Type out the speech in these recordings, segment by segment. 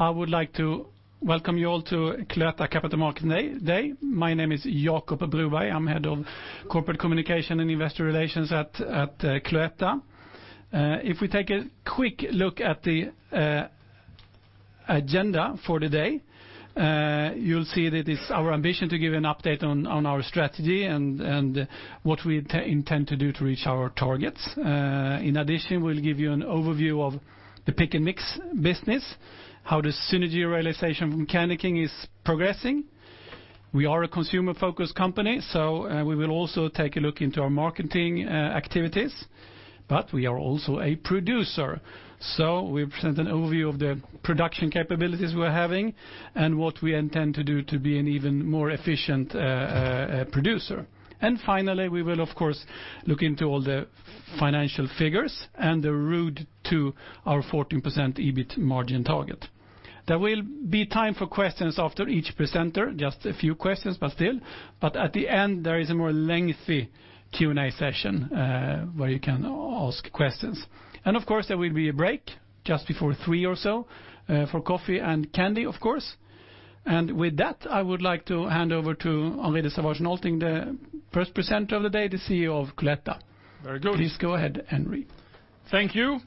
I would like to welcome you all to Cloetta Capital Markets Day. My name is Jacob Broberg. I'm head of Corporate Communications and Investor Relations at Cloetta. If we take a quick look at the agenda for the day, you'll see that it is our ambition to give you an update on our strategy and what we intend to do to reach our targets. In addition, we'll give you an overview of the Pick & Mix business, how the synergy realization from CandyKing is progressing. We are a consumer-focused company, so we will also take a look into our marketing activities. But we are also a producer, so we present an overview of the production capabilities we're having and what we intend to do to be an even more efficient producer. And finally, we will, of course, look into all the financial figures and the route to our 14% EBIT margin target. There will be time for questions after each presenter, just a few questions, but still. But at the end, there is a more lengthy Q&A session where you can ask questions. And of course, there will be a break just before 3:00 P.M. or so for coffee and candy, of course. And with that, I would like to hand over to Henri de Sauvage Nolting, the first presenter of the day, the CEO of Cloetta. Very good. Please go ahead, Henri. Thank you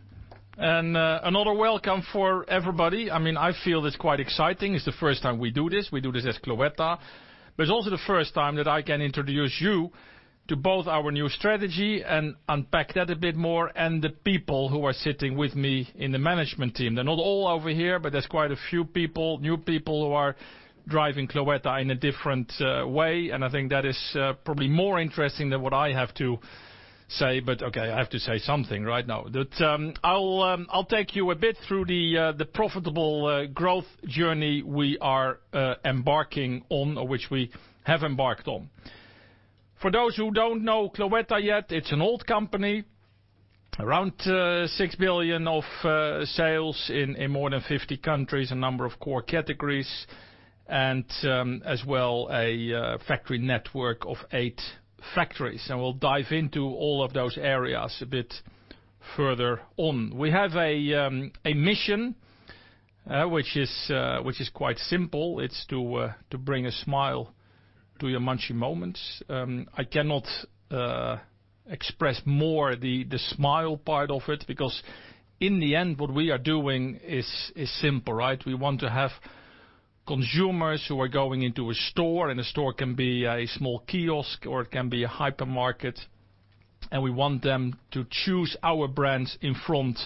and another welcome for everybody. I mean, I feel it's quite exciting. It's the first time we do this. We do this at Cloetta. But it's also the first time that I can introduce you to both our new strategy and unpack that a bit more and the people who are sitting with me in the management team. They're not all over here, but there's quite a few people, new people who are driving Cloetta in a different way, and I think that is probably more interesting than what I have to say, but okay, I have to say something right now. But I'll take you a bit through the profitable growth journey we are embarking on, or which we have embarked on. For those who don't know Cloetta yet, it's an old company, around 6 billion of sales in more than 50 countries, a number of core categories, and as well a factory network of eight factories, and we'll dive into all of those areas a bit further on. We have a mission, which is quite simple. It's to bring a smile to your Munchy Moments. I cannot express more the smile part of it because in the end, what we are doing is simple, right? We want to have consumers who are going into a store, and a store can be a small kiosk or it can be a hypermarket, and we want them to choose our brands in front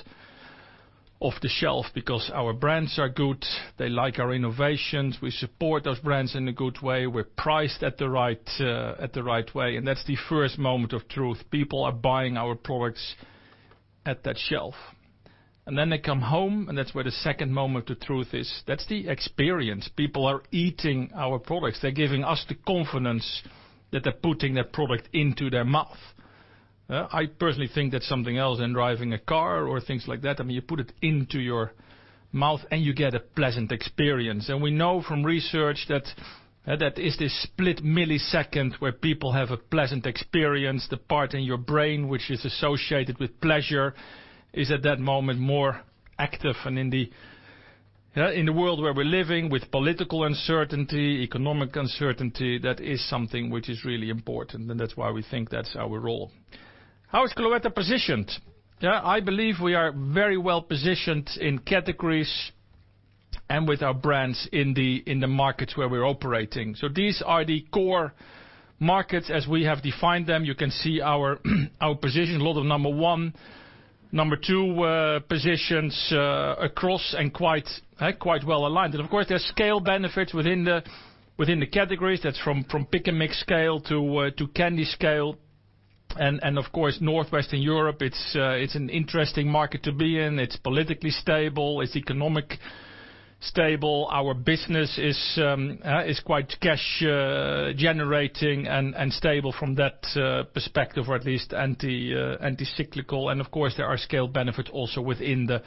of the shelf because our brands are good. They like our innovations. We support those brands in a good way. We're priced at the right way. That's the first moment of truth. People are buying our products at that shelf. Then they come home, and that's where the second moment of truth is. That's the experience. People are eating our products. They're giving us the confidence that they're putting their product into their mouth. I personally think that's something else than driving a car or things like that. I mean, you put it into your mouth and you get a pleasant experience. We know from research that that is the split millisecond where people have a pleasant experience. The part in your brain which is associated with pleasure is at that moment more active. In the world where we're living with political uncertainty, economic uncertainty, that is something which is really important. That's why we think that's our role. How is Cloetta positioned? I believe we are very well positioned in categories and with our brands in the markets where we're operating. So these are the core markets as we have defined them. You can see our position. A lot of number one, number two positions across and quite well aligned. And of course, there's scale benefits within the categories. That's from Pick & Mix scale to candy scale. And of course, Northwestern Europe, it's an interesting market to be in. It's politically stable. It's economically stable. Our business is quite cash-generating and stable from that perspective, or at least anti-cyclical. And of course, there are scale benefits also within the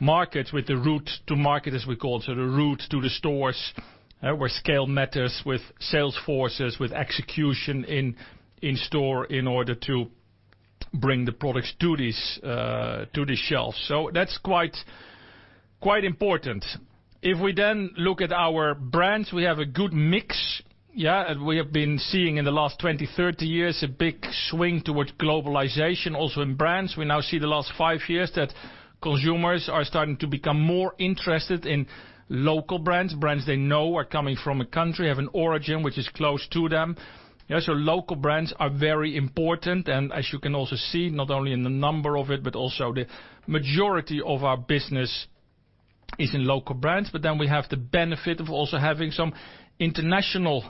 markets with the route to market, as we call it. So the route to the stores where scale matters with sales forces, with execution in store in order to bring the products to the shelf. So that's quite important. If we then look at our brands, we have a good mix. We have been seeing in the last 20-30 years a big swing towards globalization also in brands. We now see the last five years that consumers are starting to become more interested in local brands, brands they know are coming from a country, have an origin which is close to them. So local brands are very important. And as you can also see, not only in the number of it, but also the majority of our business is in local brands. But then we have the benefit of also having some international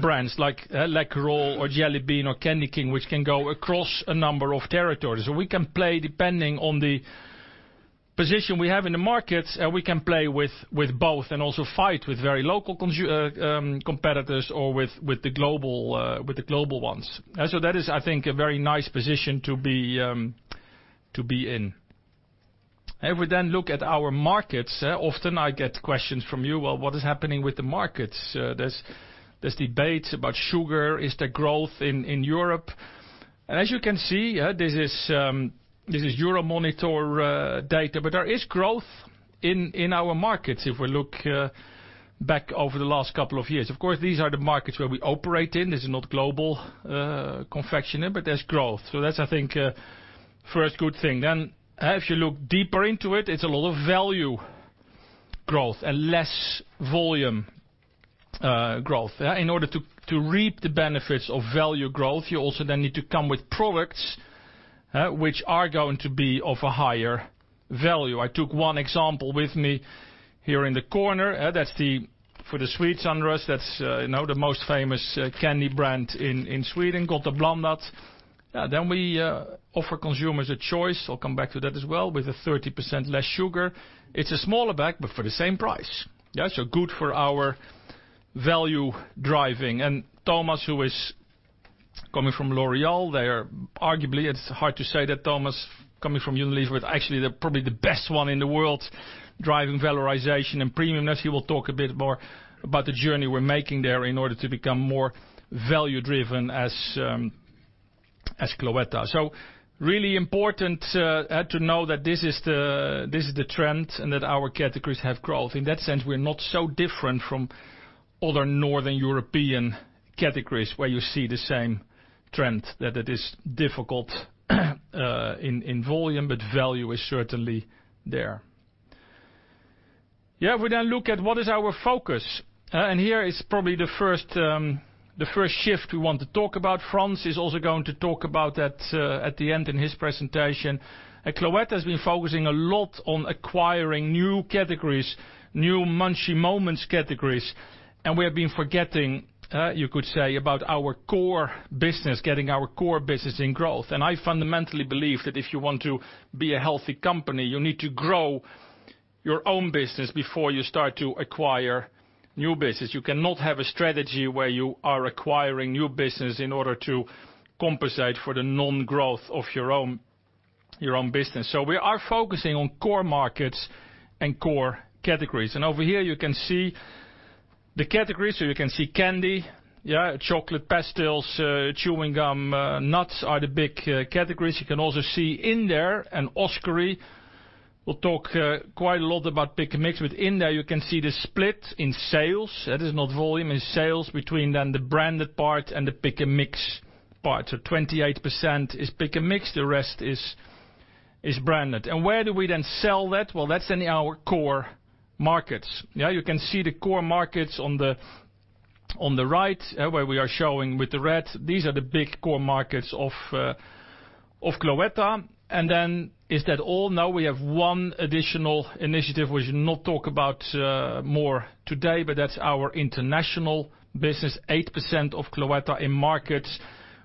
brands like Läkerol or Jelly Bean or CandyKing, which can go across a number of territories. So we can play depending on the position we have in the markets. We can play with both and also fight with very local competitors or with the global ones. So that is, I think, a very nice position to be in. If we then look at our markets, often I get questions from you, "Well, what is happening with the markets? There's debates about sugar. Is there growth in Europe?" and as you can see, this is Euromonitor data, but there is growth in our markets if we look back over the last couple of years. Of course, these are the markets where we operate in. This is not global confectionery, but there's growth. So that's, I think, the first good thing. Then if you look deeper into it, it's a lot of value growth and less volume growth. In order to reap the benefits of value growth, you also then need to come with products which are going to be of a higher value. I took one example with me here in the corner. That's for the sweets under us. That's the most famous candy brand in Sweden, Gott & Blandat. Then we offer consumers a choice. I'll come back to that as well with a 30% less sugar. It's a smaller bag, but for the same price. So good for our value driving. And Thomas, who is coming from L'Oréal, they're arguably, it's hard to say that Thomas coming from Unilever is actually probably the best one in the world driving valorization and premiumness. He will talk a bit more about the journey we're making there in order to become more value-driven as Cloetta. So really important to know that this is the trend and that our categories have growth. In that sense, we're not so different from other northern European categories where you see the same trend, that it is difficult in volume, but value is certainly there. Yeah, if we then look at what is our focus, and here is probably the first shift we want to talk about. Frans is also going to talk about that at the end in his presentation. At Cloetta, we've been focusing a lot on acquiring new categories, new Munchy Moments categories. And we have been forgetting, you could say, about our core business, getting our core business in growth. And I fundamentally believe that if you want to be a healthy company, you need to grow your own business before you start to acquire new business. You cannot have a strategy where you are acquiring new business in order to compensate for the non-growth of your own business. We are focusing on core markets and core categories. Over here, you can see the categories. You can see candy, chocolate, pastilles, chewing gum, nuts are the big categories. You can also see in there and Oskari will talk quite a lot about Pick & Mix, but in there, you can see the split in sales. That is volume in sales between the branded part and the Pick & Mix part. 28% is Pick & Mix. The rest is branded. Where do we then sell that? That is in our core markets. You can see the core markets on the right where we are showing with the red. These are the big core markets of Cloetta. Then, is that all? No, we have one additional initiative which we'll not talk about more today, but that's our international business, 8% of Cloetta in markets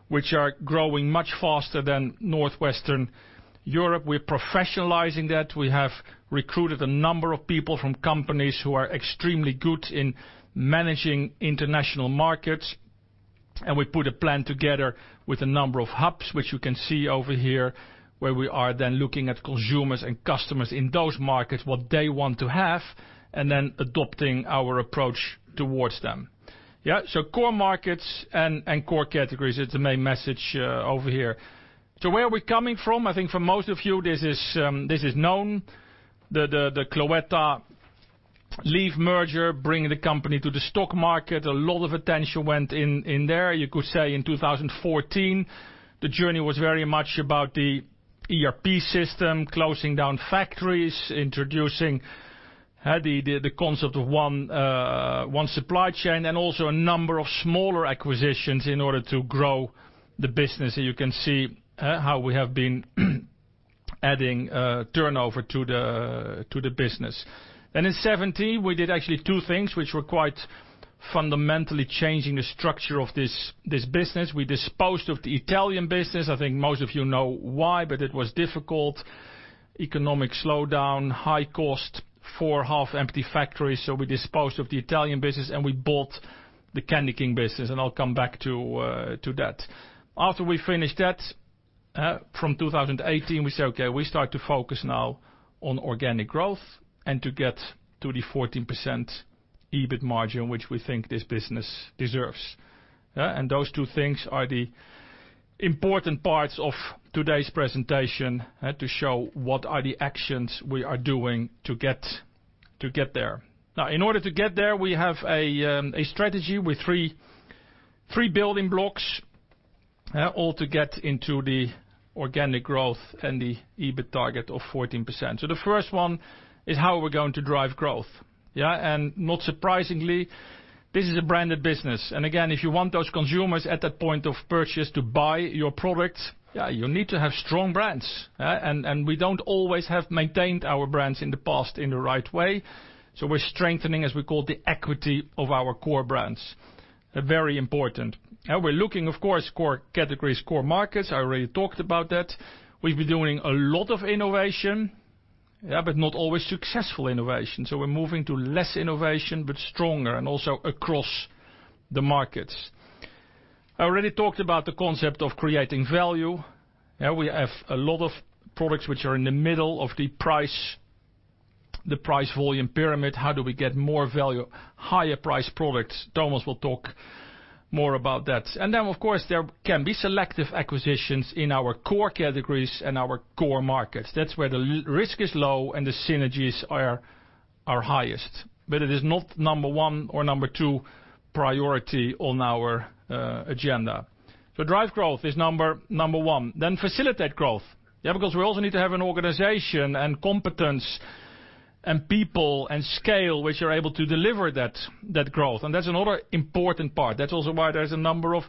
which are growing much faster than Northwestern Europe. We're professionalizing that. We have recruited a number of people from companies who are extremely good in managing international markets. And we put a plan together with a number of hubs, which you can see over here where we are then looking at consumers and customers in those markets, what they want to have, and then adopting our approach towards them. So core markets and core categories, it's the main message over here. So where are we coming from? I think for most of you, this is known. The Cloetta Leaf merger, bringing the company to the stock market, a lot of attention went in there. You could say in 2014, the journey was very much about the ERP system, closing down factories, introducing the concept of one supply chain, and also a number of smaller acquisitions in order to grow the business, and you can see how we have been adding turnover to the business. In 2017, we did actually two things which were quite fundamentally changing the structure of this business. We disposed of the Italian business. I think most of you know why, but it was difficult. Economic slowdown, high cost, half-empty factories. We disposed of the Italian business and we bought the CandyKing business, and I'll come back to that. After we finished that from 2018, we said, "Okay, we start to focus now on organic growth and to get to the 14% EBIT margin which we think this business deserves." And those two things are the important parts of today's presentation to show what are the actions we are doing to get there. Now, in order to get there, we have a strategy with three building blocks all to get into the organic growth and the EBIT target of 14%. So the first one is how we're going to drive growth. And not surprisingly, this is a branded business. And again, if you want those consumers at that point of purchase to buy your products, you need to have strong brands. And we don't always have maintained our brands in the past in the right way. So we're strengthening, as we call it, the equity of our core brands. Very important. We're looking, of course, core categories, core markets. I already talked about that. We've been doing a lot of innovation, but not always successful innovation. So we're moving to less innovation, but stronger and also across the markets. I already talked about the concept of creating value. We have a lot of products which are in the middle of the price, the price volume pyramid. How do we get more value, higher price products? Thomas will talk more about that. And then, of course, there can be selective acquisitions in our core categories and our core markets. That's where the risk is low and the synergies are highest. But it is not number one or number two priority on our agenda. So drive growth is number one. Then facilitate growth. Yeah, because we also need to have an organization and competence and people and scale which are able to deliver that growth. And that's another important part. That's also why there's a number of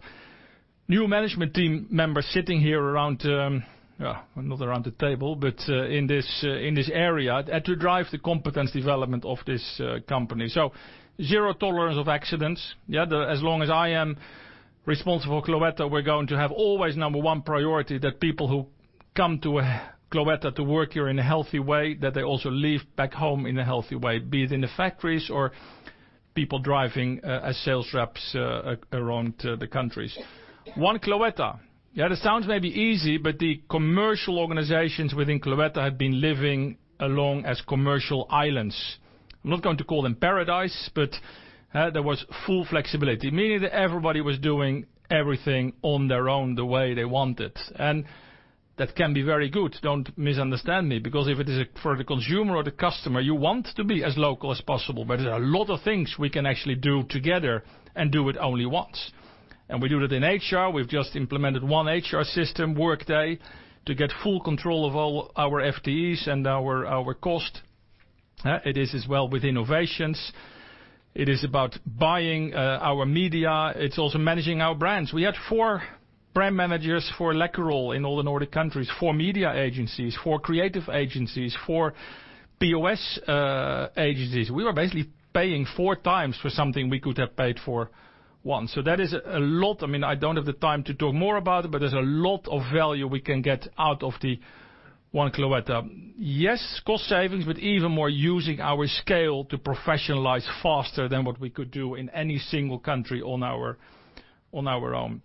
new management team members sitting here around, not around the table, but in this area to drive the competence development of this company. So zero tolerance of accidents. As long as I am responsible for Cloetta, we're going to have always number one priority that people who come to Cloetta to work here in a healthy way, that they also leave back home in a healthy way, be it in the factories or people driving as sales reps around the countries. One Cloetta. Yeah, it sounds maybe easy, but the commercial organizations within Cloetta have been living along as commercial islands. I'm not going to call them paradise, but there was full flexibility, meaning that everybody was doing everything on their own the way they wanted. And that can be very good. Don't misunderstand me, because if it is for the consumer or the customer, you want to be as local as possible. But there are a lot of things we can actually do together and do it only once. And we do that in HR. We've just implemented one HR system, Workday, to get full control of all our FTEs and our cost. It is as well with innovations. It is about buying our media. It's also managing our brands. We had four brand managers for Läkerol in all the Nordic countries, four media agencies, four creative agencies, four POS agencies. We were basically paying four times for something we could have paid for once. So that is a lot. I mean, I don't have the time to talk more about it, but there's a lot of value we can get out of the one Cloetta. Yes, cost savings, but even more using our scale to professionalize faster than what we could do in any single country on our own.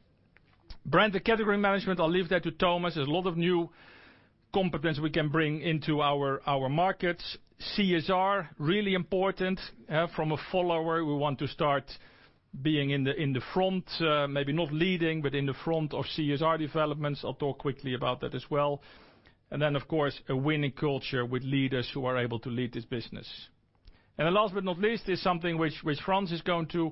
Brand and category management, I'll leave that to Thomas. There's a lot of new competence we can bring into our markets. CSR, really important. From a follower, we want to start being in the front, maybe not leading, but in the front of CSR developments. I'll talk quickly about that as well. And then, of course, a winning culture with leaders who are able to lead this business. And last but not least, there's something which Frans is going to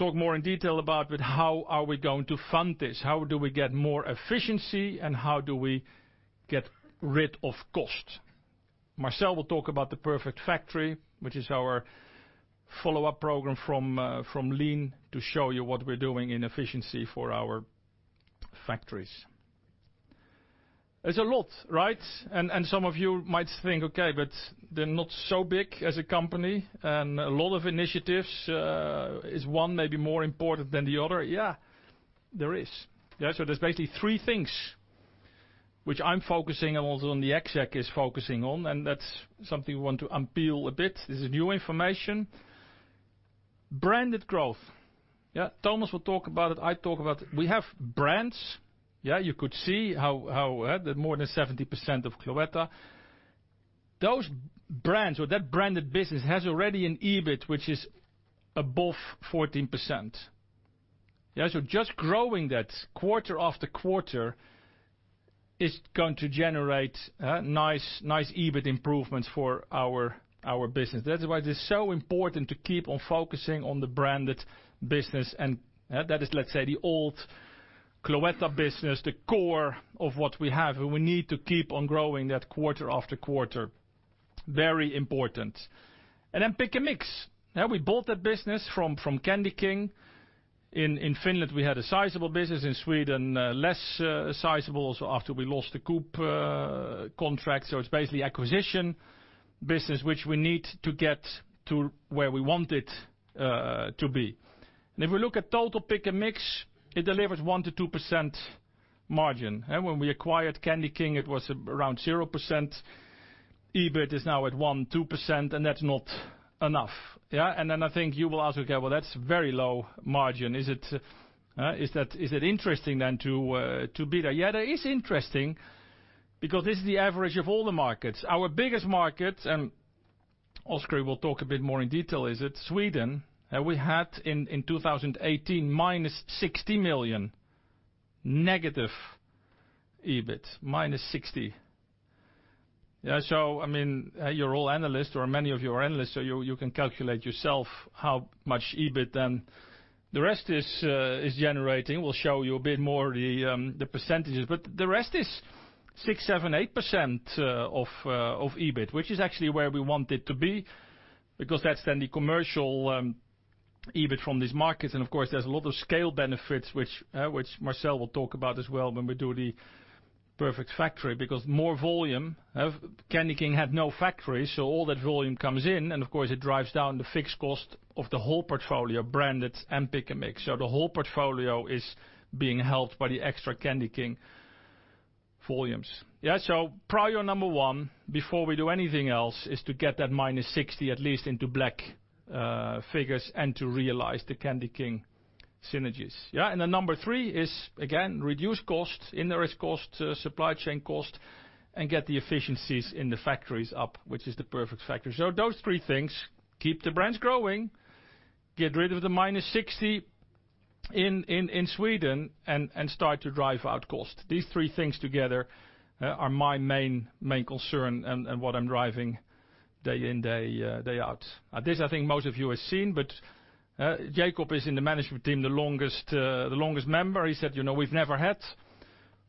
talk more in detail about, but how are we going to fund this? How do we get more efficiency and how do we get rid of cost? Marcel will talk about the Perfect Factory, which is our follow-up program from Lean to show you what we're doing in efficiency for our factories. There's a lot, right? And some of you might think, "Okay, but they're not so big as a company and a lot of initiatives is one maybe more important than the other." Yeah, there is. So there's basically three things which I'm focusing on, also on the exec is focusing on, and that's something we want to unveil a bit. This is new information. Branded growth. Thomas will talk about it. I talk about it. We have brands. You could see how more than 70% of Cloetta. Those brands or that branded business has already an EBIT which is above 14%. So just growing that quarter after quarter is going to generate nice EBIT improvements for our business. That's why it is so important to keep on focusing on the branded business. And that is, let's say, the old Cloetta business, the core of what we have. We need to keep on growing that quarter after quarter. Very important. And then Pick & Mix. We bought that business from CandyKing. In Finland, we had a sizable business. In Sweden, less sizable also after we lost the Coop contract. So it's basically acquisition business which we need to get to where we want it to be. And if we look at total Pick & Mix, it delivers 1%-2% margin. When we acquired CandyKing, it was around 0%. EBIT is now at 1%-2%, and that's not enough. And then I think you will ask, "Okay, well, that's very low margin. Is it interesting then to be there?" Yeah, that is interesting because this is the average of all the markets. Our biggest market, and Oskari will talk a bit more in detail, is Sweden. We had in 2018 minus 60 million negative EBIT, minus 60. So I mean, you're all analysts or many of you are analysts, so you can calculate yourself how much EBIT then the rest is generating. We'll show you a bit more of the percentages. But the rest is 6%, 7%, 8% of EBIT, which is actually where we want it to be because that's then the commercial EBIT from these markets. And of course, there's a lot of scale benefits which Marcel will talk about as well when we do the Perfect Factory because more volume. CandyKing had no factory, so all that volume comes in. And of course, it drives down the fixed cost of the whole portfolio, branded and Pick & Mix. So the whole portfolio is being held by the extra CandyKing volumes. So priority number one before we do anything else is to get that minus 60 at least into black figures and to realize the CandyKing synergies. And then number three is, again, reduce cost, indirect cost, supply chain cost, and get the efficiencies in the factories up, which is the Perfect Factory. So those three things, keep the brands growing, get rid of the minus 60 in Sweden, and start to drive out cost. These three things together are my main concern and what I'm driving day in, day out. This, I think most of you have seen, but Jakob is in the management team the longest member. He said, "We've never had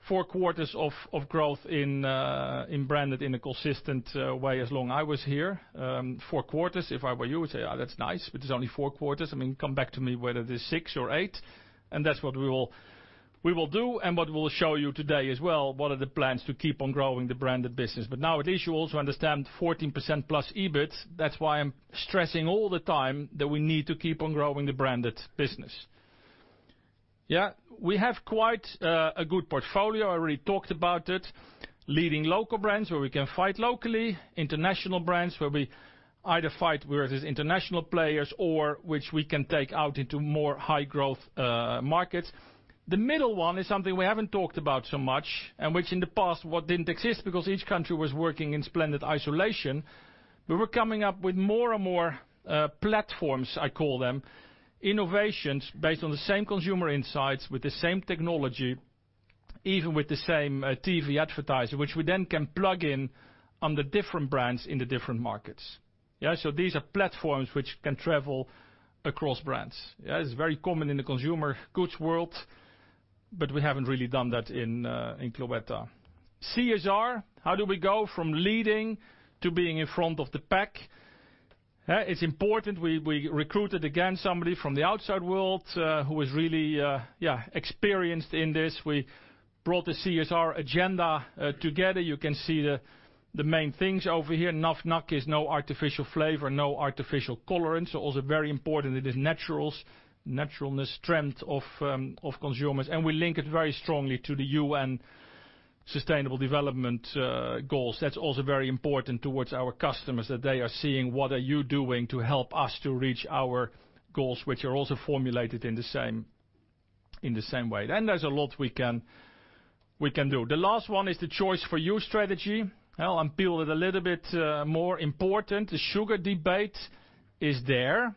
four quarters of growth in branded in a consistent way as long as I was here. Four quarters, if I were you, I would say, 'That's nice, but it's only four quarters.'" I mean, come back to me whether it is six or eight, and that's what we will do. And what we'll show you today as well, what are the plans to keep on growing the branded business. But now at least you also understand 14% plus EBIT. That's why I'm stressing all the time that we need to keep on growing the branded business. We have quite a good portfolio. I already talked about it. Leading local brands where we can fight locally. International brands where we either fight with international players or which we can take out into more high-growth markets. The middle one is something we haven't talked about so much and which in the past didn't exist because each country was working in splendid isolation. We were coming up with more and more platforms, I call them, innovations based on the same consumer insights with the same technology, even with the same TV advertiser, which we then can plug in under different brands in the different markets. So these are platforms which can travel across brands. It's very common in the consumer goods world, but we haven't really done that in Cloetta. CSR, how do we go from leading to being in front of the pack? It's important. We recruited again somebody from the outside world who is really experienced in this. We brought the CSR agenda together. You can see the main things over here. NAFNAC is no artificial flavor, no artificial colorants. Also very important, it is naturalness, strength of consumers. We link it very strongly to the UN Sustainable Development Goals. That's also very important towards our customers that they are seeing what are you doing to help us to reach our goals which are also formulated in the same way. There's a lot we can do. The last one is the Choice for You strategy. I'll unpeel it a little bit more. Important, the sugar debate is there.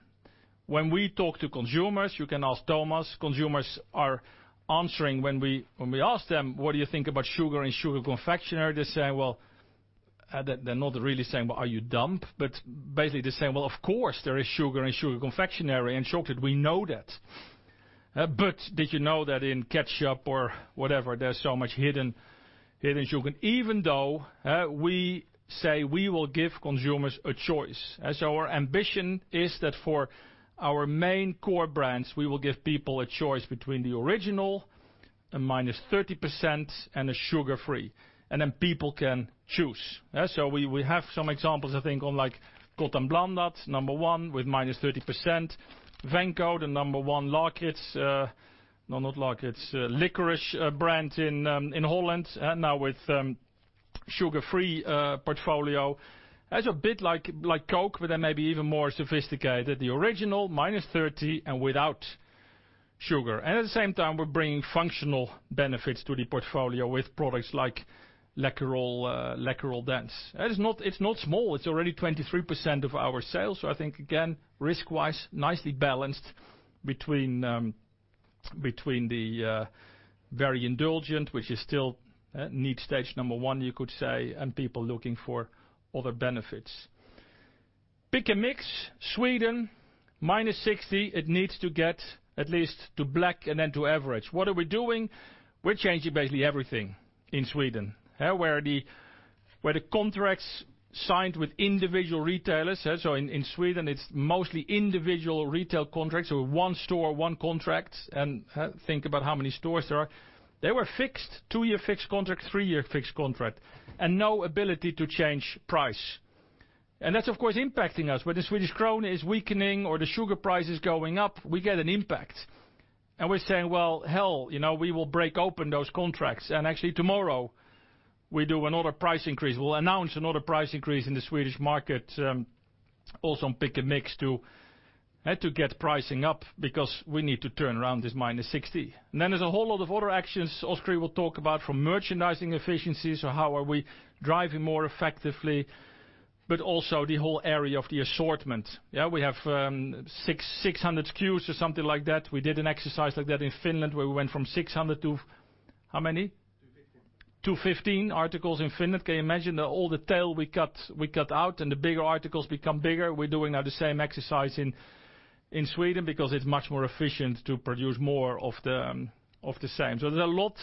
When we talk to consumers, you can ask Thomas. Consumers are answering when we ask them, "What do you think about sugar and sugar confectionery?" They're saying, "Well, they're not really saying, 'Are you dumb?'" But basically, they're saying, "Well, of course, there is sugar in sugar confectionery and chocolate. We know that. But did you know that in ketchup or whatever, there's so much hidden sugar?" Even though we say we will give consumers a choice. So our ambition is that for our main core brands, we will give people a choice between the original, a minus 30%, and a sugar-free. And then people can choose. So we have some examples, I think, on like Gott & Blandat, number one, with minus 30%. Venco, the number one licorice brand in Holland, now with sugar-free portfolio. That's a bit like Coke, but then maybe even more sophisticated. The original, minus 30%, and without sugar. And at the same time, we're bringing functional benefits to the portfolio with products like Läkerol Dents. It's not small. It's already 23% of our sales. So I think, again, risk-wise, nicely balanced between the very indulgent, which is still need stage number one, you could say, and people looking for other benefits. Pick & Mix, Sweden, minus 60. It needs to get at least to black and then to average. What are we doing? We're changing basically everything in Sweden, where the contracts signed with individual retailers. So in Sweden, it's mostly individual retail contracts. So one store, one contract. And think about how many stores there are. They were fixed, two-year fixed contract, three-year fixed contract, and no ability to change price. And that's, of course, impacting us. When the Swedish krona is weakening or the sugar price is going up, we get an impact. And we're saying, "Well, hell, we will break open those contracts." And actually, tomorrow, we do another price increase. We'll announce another price increase in the Swedish market, also on Pick & Mix to get pricing up because we need to turn around this minus 60. And then there's a whole lot of other actions Oskari will talk about from merchandising efficiencies. So how are we driving more effectively, but also the whole area of the assortment? We have 600 SKUs or something like that. We did an exercise like that in Finland where we went from 600 to how many? 215 articles in Finland. Can you imagine all the tail we cut out and the bigger articles become bigger? We're doing now the same exercise in Sweden because it's much more efficient to produce more of the same. So there's a lot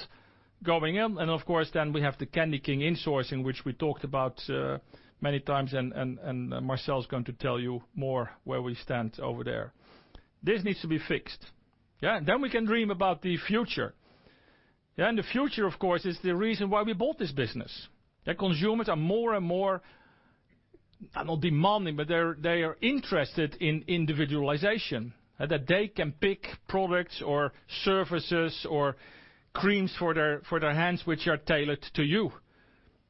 going on. And of course, then we have the CandyKing insourcing which we talked about many times, and Marcel is going to tell you more where we stand over there. This needs to be fixed. Then we can dream about the future. And the future, of course, is the reason why we bought this business. Consumers are more and more not demanding, but they are interested in individualization, that they can pick products or services or creams for their hands which are tailored to you.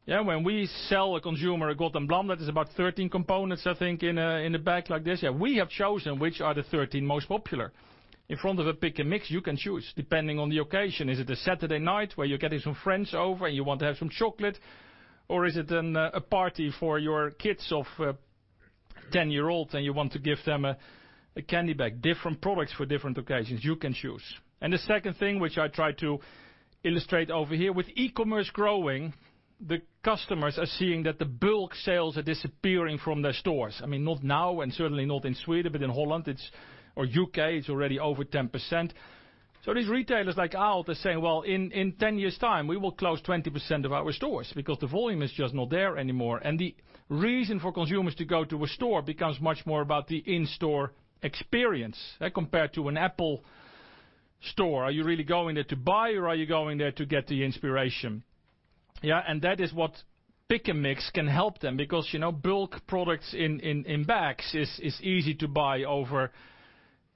When we sell a consumer a Gott & Blandat, it's about 13 components, I think, in a bag like this. We have chosen which are the 13 most popular. In front of a Pick & Mix, you can choose depending on the occasion. Is it a Saturday night where you're getting some friends over and you want to have some chocolate, or is it a party for your kids of 10-year-olds and you want to give them a candy bag? Different products for different occasions. You can choose, and the second thing which I try to illustrate over here, with e-commerce growing, the customers are seeing that the bulk sales are disappearing from their stores. I mean, not now and certainly not in Sweden, but in Holland or U.K., it's already over 10%. These retailers like Ahold are saying, "Well, in 10 years' time, we will close 20% of our stores because the volume is just not there anymore." The reason for consumers to go to a store becomes much more about the in-store experience compared to an Apple store. Are you really going there to buy, or are you going there to get the inspiration? That is what Pick & Mix can help them because bulk products in bags is easy to buy over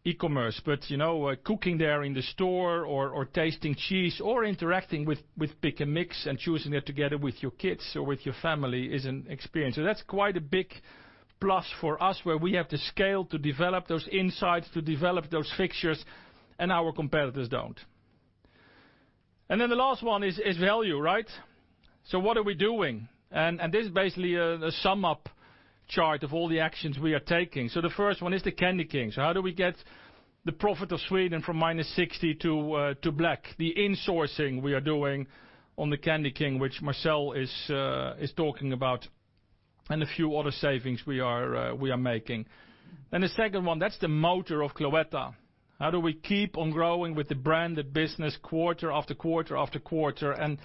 e-commerce. Cooking there in the store or tasting cheese or interacting with Pick & Mix and choosing it together with your kids or with your family is an experience. That's quite a big plus for us where we have the scale to develop those insights, to develop those fixtures, and our competitors don't. The last one is value, right? What are we doing? This is basically a sum-up chart of all the actions we are taking. The first one is the CandyKing. How do we get the profit of Sweden from minus 60 to black? The insourcing we are doing on the CandyKing, which Marcel is talking about, and a few other savings we are making. The second one, that's the motor of Cloetta. How do we keep on growing with the branded business quarter after quarter after quarter and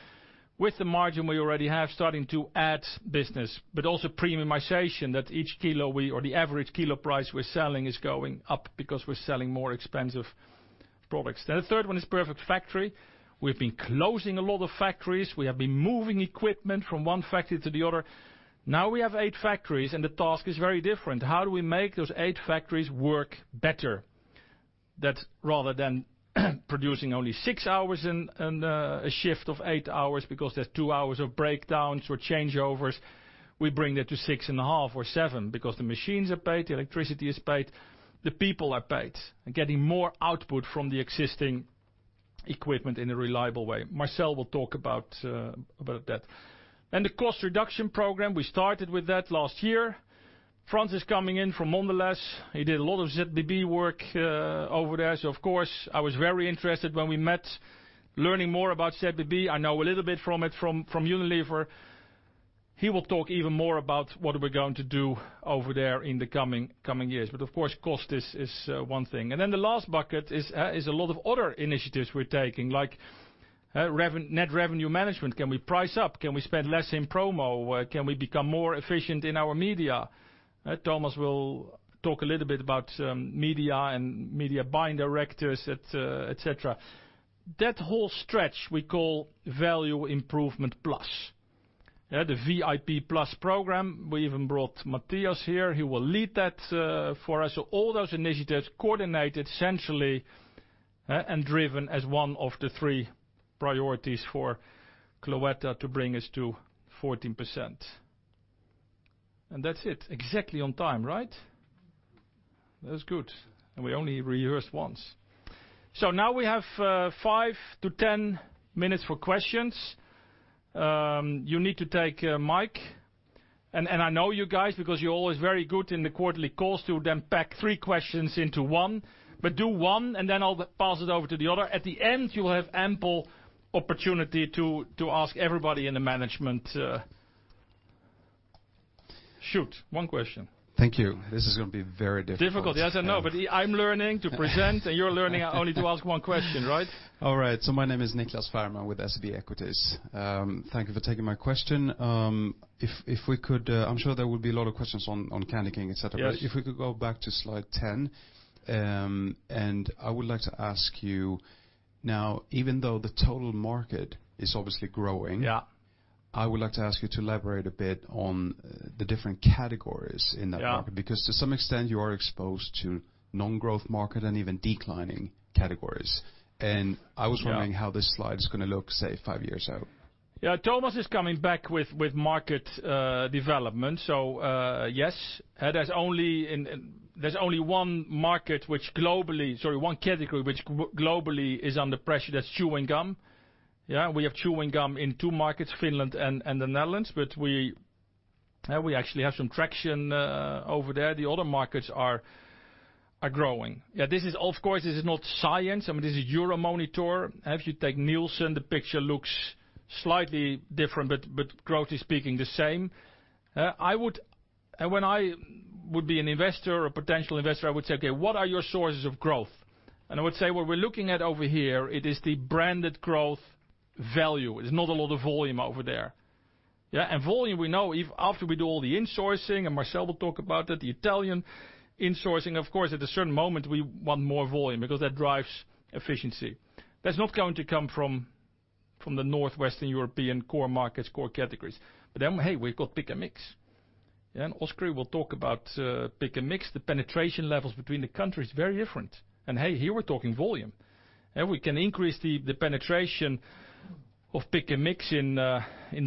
with the margin we already have starting to add business, but also premiumization that each kilo or the average kilo price we're selling is going up because we're selling more expensive products. The third one is Perfect Factory. We've been closing a lot of factories. We have been moving equipment from one factory to the other. Now we have eight factories, and the task is very different. How do we make those eight factories work better? That's rather than producing only six hours and a shift of eight hours because there's two hours of breakdowns or changeovers. We bring that to six and a half or seven because the machines are paid, the electricity is paid, the people are paid, and getting more output from the existing equipment in a reliable way. Marcel will talk about that, and the cost reduction program we started with that last year. Frans is coming in from Mondelēz. He did a lot of ZBB work over there, so of course I was very interested when we met, learning more about ZBB. I know a little bit from it from Unilever. He will talk even more about what we're going to do over there in the coming years, but of course cost is one thing. And then the last bucket is a lot of other initiatives we're taking like net revenue management. Can we price up? Can we spend less in promo? Can we become more efficient in our media? Thomas will talk a little bit about media and media buying directors, etc. That whole stretch we call value improvement plus. The VIP Plus program. We even brought Mattias here. He will lead that for us. So all those initiatives coordinated centrally and driven as one of the three priorities for Cloetta to bring us to 14%. And that's it. Exactly on time, right? That's good. And we only rehearsed once. So now we have 5-10 minutes for questions. You need to take a mic. I know you guys because you're always very good in the quarterly calls to then pack three questions into one, but do one and then I'll pass it over to the other. At the end, you will have ample opportunity to ask everybody in the management. Shoot one question. Thank you. This is going to be very difficult. Difficult, yes and no. But I'm learning to present, and you're learning only to ask one question, right? All right. So my name is Nicklas Fhärm with SEB Equities. Thank you for taking my question. If we could, I'm sure there will be a lot of questions on CandyKing, etc. If we could go back to slide 10, and I would like to ask you now, even though the total market is obviously growing, I would like to ask you to elaborate a bit on the different categories in that market because to some extent, you are exposed to non-growth market and even declining categories. And I was wondering how this slide is going to look, say, five years out. Yeah. Thomas is coming back with market development. So yes, there's only one market which globally, sorry, one category which globally is under pressure, that's chewing gum. We have chewing gum in two markets, Finland and the Netherlands, but we actually have some traction over there. The other markets are growing. Of course, this is not science. I mean, this is Euromonitor. If you take Nielsen, the picture looks slightly different, but grossly speaking, the same. And when I would be an investor or a potential investor, I would say, "Okay, what are your sources of growth?" And I would say, "What we're looking at over here, it is the branded growth value." There's not a lot of volume over there. Volume, we know, after we do all the insourcing, and Marcel will talk about that, the Italian insourcing, of course. At a certain moment, we want more volume because that drives efficiency. That's not going to come from the northwestern European core markets, core categories. But then, hey, we've got Pick & Mix. And Oskari will talk about Pick & Mix. The penetration levels between the countries are very different. And hey, here we're talking volume. We can increase the penetration of Pick & Mix in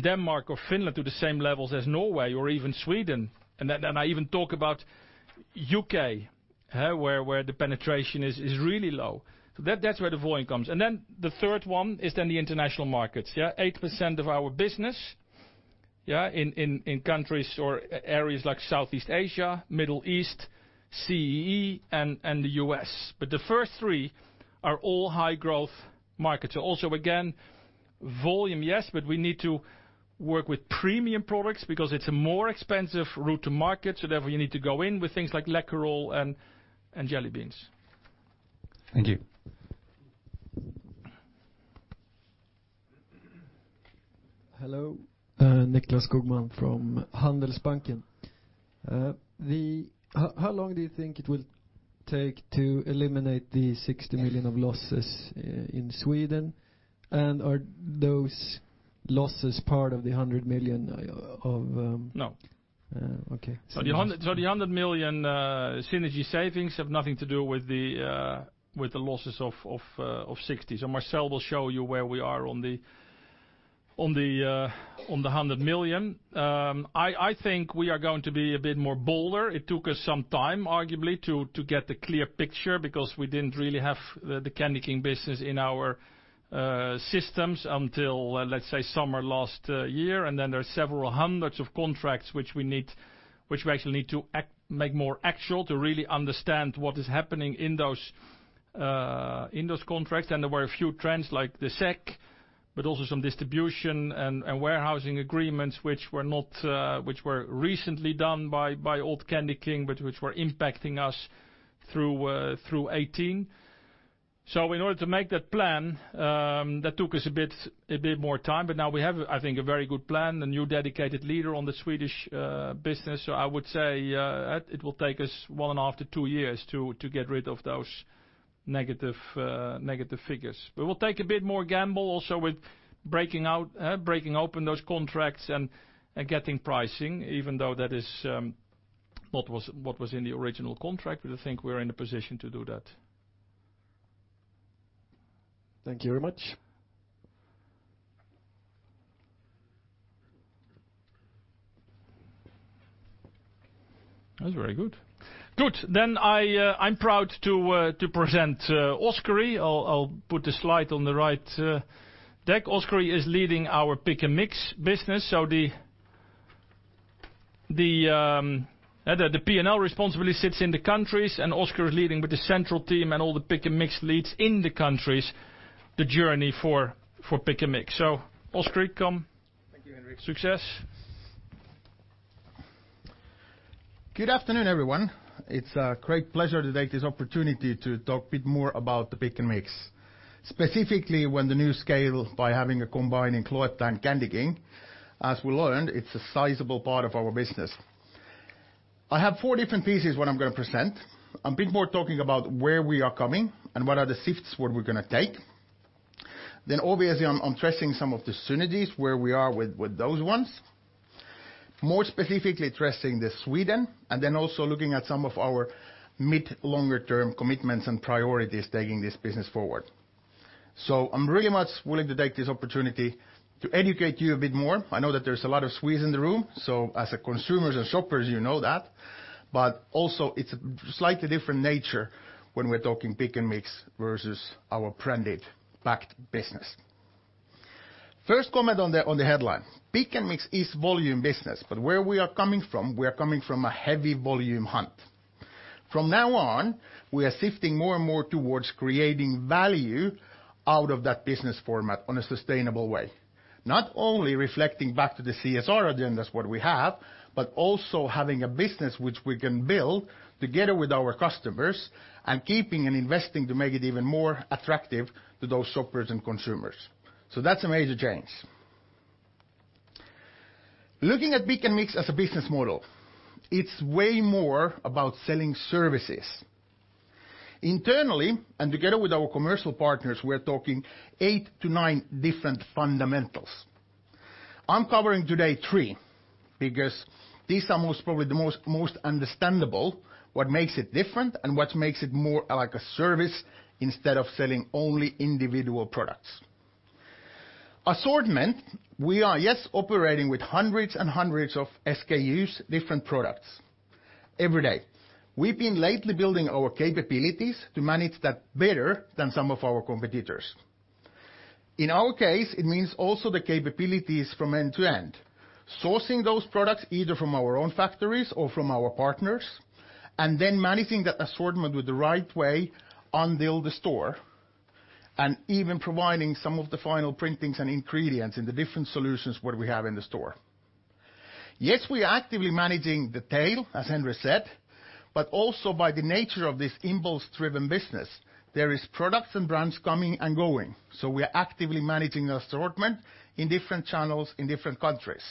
Denmark or Finland to the same levels as Norway or even Sweden. And I even talk about U.K., where the penetration is really low. So that's where the volume comes. And then the third one is then the international markets. 8% of our business in countries or areas like Southeast Asia, Middle East, CEE, and the U.S. But the first three are all high-growth markets. Also, again, volume, yes, but we need to work with premium products because it's a more expensive route to market. So therefore, you need to go in with things like Läkerol and jelly beans. Thank you. Hello. Nicklas Skogman from Handelsbanken. How long do you think it will take to eliminate the 60 million of losses in Sweden? And are those losses part of the 100 million of? No. Okay. The 100 million synergy savings have nothing to do with the losses of 60. Marcel will show you where we are on the 100 million. I think we are going to be a bit more bolder. It took us some time, arguably, to get the clear picture because we didn't really have the CandyKing business in our systems until, let's say, summer last year. Then there are several hundreds of contracts which we actually need to make more actual to really understand what is happening in those contracts. There were a few trends like the SEK, but also some distribution and warehousing agreements which were recently done by old CandyKing, but which were impacting us through 2018. In order to make that plan, that took us a bit more time. But now we have, I think, a very good plan, a new dedicated leader on the Swedish business. So I would say it will take us one and a half to two years to get rid of those negative figures. But we'll take a bit more gamble also with breaking open those contracts and getting pricing, even though that is what was in the original contract. But I think we're in a position to do that. Thank you very much. That's very good. Good. Then I'm proud to present Oskari. I'll put the slide on the right deck. Oskari is leading our Pick & Mix business. So the P&L responsibility sits in the countries, and Oskari is leading with the central team and all the Pick & Mix leads in the countries the journey for Pick & Mix. So Oskari, come. Thank you, Henri. Success. Good afternoon, everyone. It's a great pleasure to take this opportunity to talk a bit more about the Pick & Mix, specifically with the new scale by having combined Cloetta and CandyKing, as we learned, it's a sizable part of our business. I have four different pieces what I'm going to present. I'm a bit more talking about where we are coming and what are the shifts what we're going to take. Then obviously, I'm addressing some of the synergies, where we are with those ones, more specifically addressing Sweden, and then also looking at some of our mid-longer-term commitments and priorities taking this business forward. So I'm really much willing to take this opportunity to educate you a bit more. I know that there's a lot of Swedes in the room. So as consumers and shoppers, you know that. But also, it's a slightly different nature when we're talking Pick & Mix versus our branded packed business. First comment on the headline. Pick-and-mix is volume business, but where we are coming from, we are coming from a heavy volume hunt. From now on, we are shifting more and more towards creating value out of that business format on a sustainable way, not only reflecting back to the CSR agendas what we have, but also having a business which we can build together with our customers and keeping and investing to make it even more attractive to those shoppers and consumers. So that's a major change. Looking at Pick & Mix as a business model, it's way more about selling services. Internally, and together with our commercial partners, we're talking eight to nine different fundamentals. I'm covering today three because these are most probably the most understandable, what makes it different and what makes it more like a service instead of selling only individual products. Assortment, we are, yes, operating with hundreds and hundreds of SKUs, different products every day. We've been lately building our capabilities to manage that better than some of our competitors. In our case, it means also the capabilities from end to end, sourcing those products either from our own factories or from our partners, and then managing that assortment with the right way until the store, and even providing some of the final printings and ingredients in the different solutions what we have in the store. Yes, we are actively managing the tail, as Henri said, but also by the nature of this impulse-driven business, there are products and brands coming and going. We are actively managing the assortment in different channels in different countries.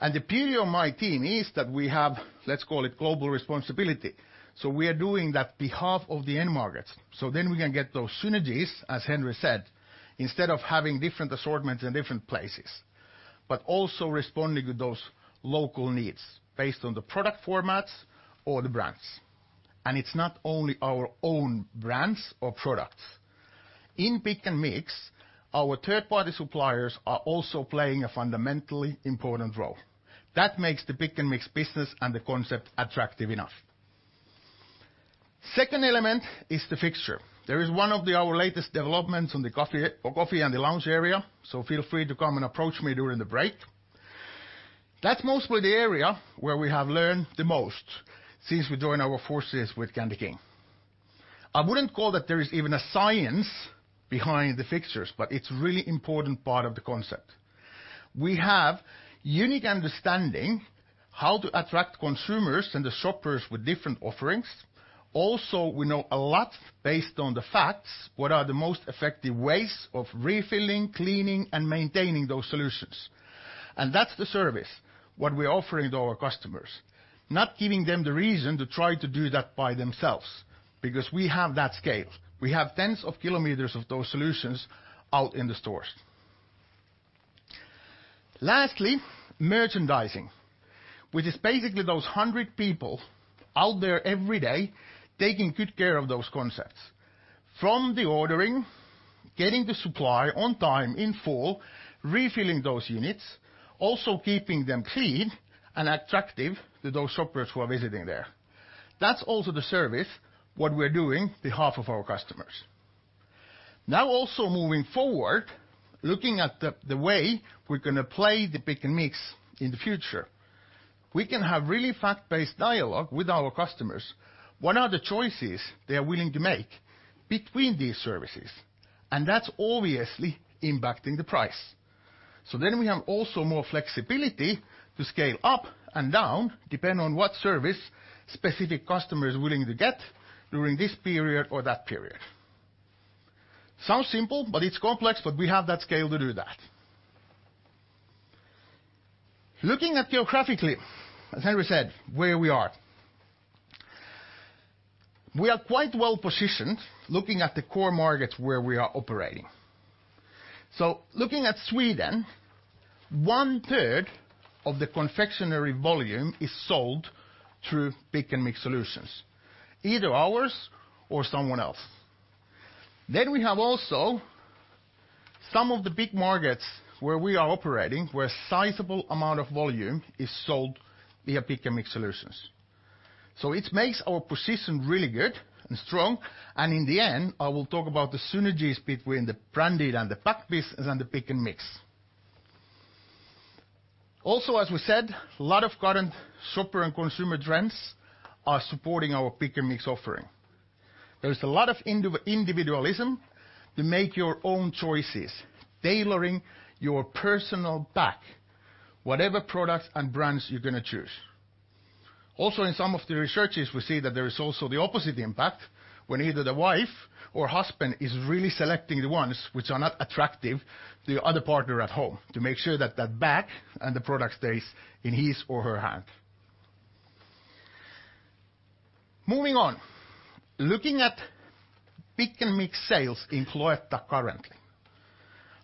The beauty of my team is that we have, let's call it, global responsibility. We are doing that on behalf of the end markets. Then we can get those synergies, as Henri said, instead of having different assortments in different places, but also responding to those local needs based on the product formats or the brands. It's not only our own brands or products. In Pick & Mix, our third-party suppliers are also playing a fundamentally important role. That makes the Pick & Mix business and the concept attractive enough. The second element is the fixture. There is one of our latest developments on the coffee and the lounge area. Feel free to come and approach me during the break. That's mostly the area where we have learned the most since we joined our forces with CandyKing. I wouldn't call that there is even a science behind the fixtures, but it's a really important part of the concept. We have a unique understanding of how to attract consumers and the shoppers with different offerings. Also, we know a lot based on the facts what are the most effective ways of refilling, cleaning, and maintaining those solutions. And that's the service, what we're offering to our customers, not giving them the reason to try to do that by themselves because we have that scale. We have tens of kilometers of those solutions out in the stores. Lastly, merchandising, which is basically those 100 people out there every day taking good care of those concepts from the ordering, getting the supply on time in full, refilling those units, also keeping them clean and attractive to those shoppers who are visiting there. That's also the service, what we're doing on behalf of our customers. Now, also moving forward, looking at the way we're going to play the Pick & Mix in the future, we can have really fact-based dialogue with our customers. What are the choices they are willing to make between these services? And that's obviously impacting the price. So then we have also more flexibility to scale up and down depending on what service specific customers are willing to get during this period or that period. Sounds simple, but it's complex, but we have that scale to do that. Looking geographically, as Henri said, where we are, we are quite well positioned looking at the core markets where we are operating. So looking at Sweden, one-third of the confectionery volume is sold through Pick & Mix solutions, either ours or someone else. Then we have also some of the big markets where we are operating where a sizable amount of volume is sold via Pick & Mix solutions. So it makes our position really good and strong. And in the end, I will talk about the synergies between the branded and the packed business and the Pick & Mix. Also, as we said, a lot of current shopper and consumer trends are supporting our Pick & Mix offering. There is a lot of individualism to make your own choices, tailoring your personal pack, whatever products and brands you're going to choose. Also, in some of the researches, we see that there is also the opposite impact when either the wife or husband is really selecting the ones which are not attractive to the other partner at home to make sure that that bag and the product stays in his or her hand. Moving on, looking at Pick & Mix sales in Cloetta currently,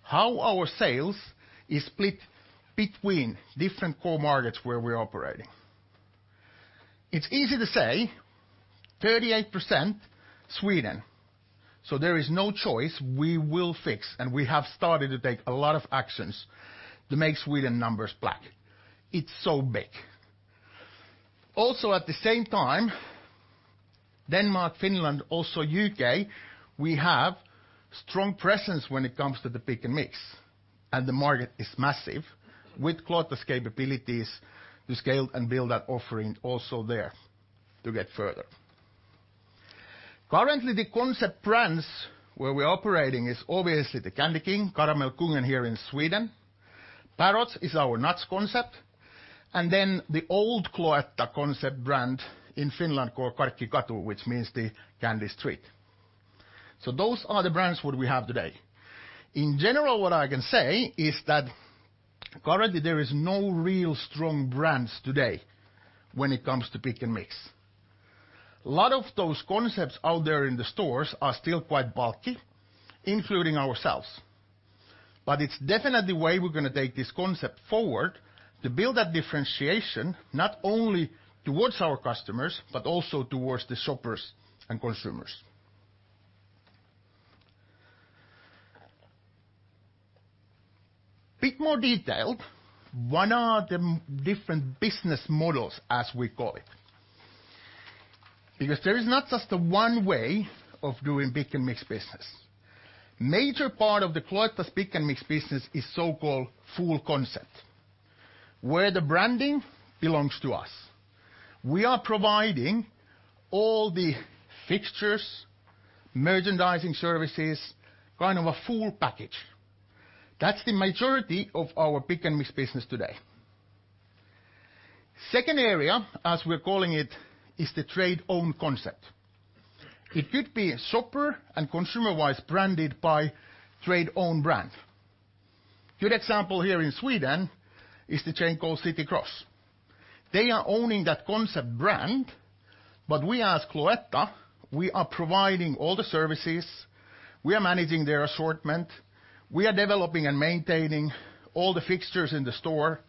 how our sales are split between different core markets where we're operating. It's easy to say 38% Sweden, so there is no choice. We will fix, and we have started to take a lot of actions to make Sweden numbers black. It's so big, also at the same time Denmark, Finland, also U.K., we have a strong presence when it comes to the Pick & Mix, and the market is massive with Cloetta's capabilities to scale and build that offering also there to get further. Currently, the concept brands where we're operating are obviously the CandyKing, Karamellkungen here in Sweden, Parrots is our nuts concept, and then the old Cloetta concept brand in Finland called Karkkikatu, which means the candy street, so those are the brands what we have today. In general, what I can say is that currently there are no real strong brands today when it comes to Pick & Mix. A lot of those concepts out there in the stores are still quite bulky, including ourselves. But it's definitely the way we're going to take this concept forward to build that differentiation not only towards our customers, but also towards the shoppers and consumers. A bit more detailed, what are the different business models, as we call it? Because there is not just one way of doing Pick & Mix business. A major part of Cloetta's Pick & Mix business is so-called full concept, where the branding belongs to us. We are providing all the fixtures, merchandising services, kind of a full package. That's the majority of our Pick & Mix business today. The second area, as we're calling it, is the trade-owned concept. It could be shopper and consumer-wise branded by trade-owned brand. A good example here in Sweden is the chain called City Gross. They are owning that concept brand, but we as Cloetta, we are providing all the services. We are managing their assortment. We are developing and maintaining all the fixtures in the store,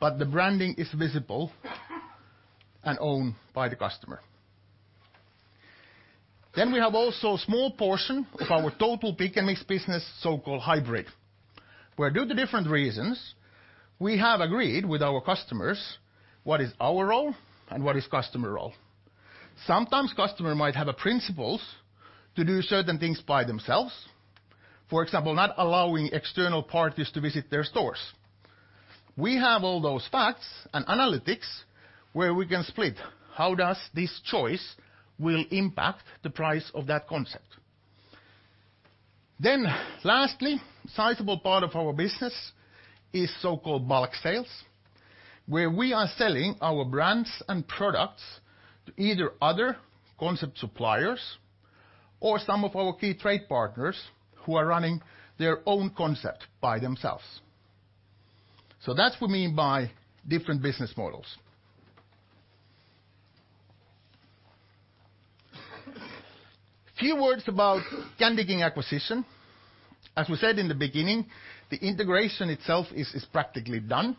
but the branding is visible and owned by the customer. Then we have also a small portion of our total Pick & Mix business, so-called hybrid, where due to different reasons, we have agreed with our customers what is our role and what is customer's role. Sometimes customers might have principles to do certain things by themselves, for example, not allowing external parties to visit their stores. We have all those facts and analytics where we can split how this choice will impact the price of that concept. Then lastly, a sizable part of our business is so-called bulk sales, where we are selling our brands and products to either other concept suppliers or some of our key trade partners who are running their own concept by themselves. So that's what we mean by different business models. A few words about CandyKing acquisition. As we said in the beginning, the integration itself is practically done.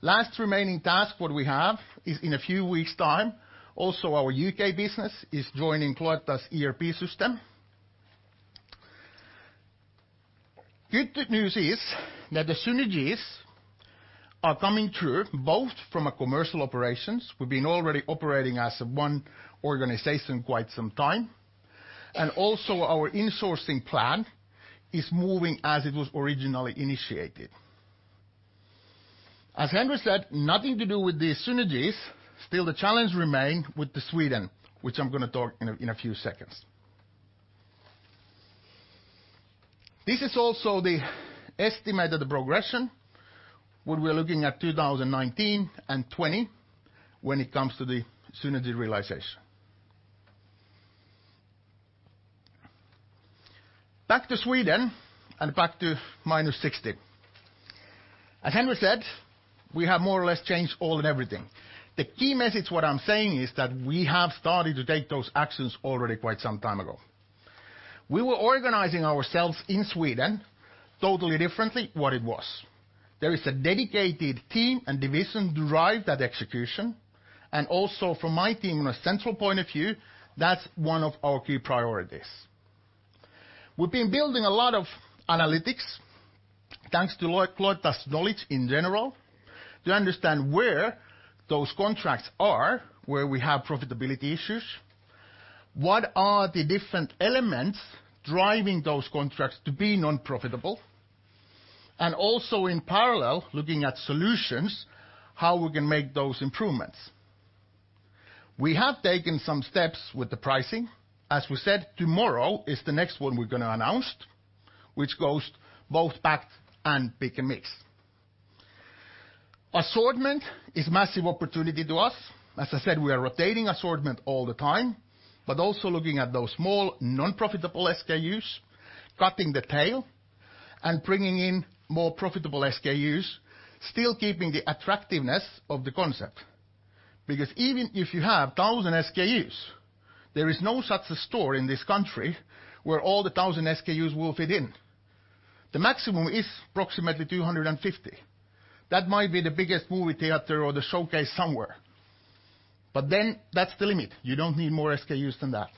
The last remaining task what we have is in a few weeks' time. Also, our UK business is joining Cloetta's ERP system. The good news is that the synergies are coming through both from our commercial operations. We've been already operating as one organization quite some time. And also, our insourcing plan is moving as it was originally initiated. As Henri said, nothing to do with the synergies. Still, the challenge remains with Sweden, which I'm going to talk about in a few seconds. This is also the estimate of the progression what we're looking at 2019 and 2020 when it comes to the synergy realization. Back to Sweden and back to minus 60. As Henri said, we have more or less changed all and everything. The key message what I'm saying is that we have started to take those actions already quite some time ago. We were organizing ourselves in Sweden totally differently than what it was. There is a dedicated team and division derived at execution. And also, from my team and a central point of view, that's one of our key priorities. We've been building a lot of analytics thanks to Cloetta's knowledge in general to understand where those contracts are, where we have profitability issues, what are the different elements driving those contracts to be non-profitable, and also in parallel looking at solutions, how we can make those improvements. We have taken some steps with the pricing. As we said, tomorrow is the next one we're going to announce, which goes both packed and Pick & Mix. Assortment is a massive opportunity to us. As I said, we are rotating assortment all the time, but also looking at those small non-profitable SKUs, cutting the tail, and bringing in more profitable SKUs, still keeping the attractiveness of the concept. Because even if you have 1,000 SKUs, there is no such store in this country where all the 1,000 SKUs will fit in. The maximum is approximately 250. That might be the biggest movie theater or the showcase somewhere, but then that's the limit. You don't need more SKUs than that.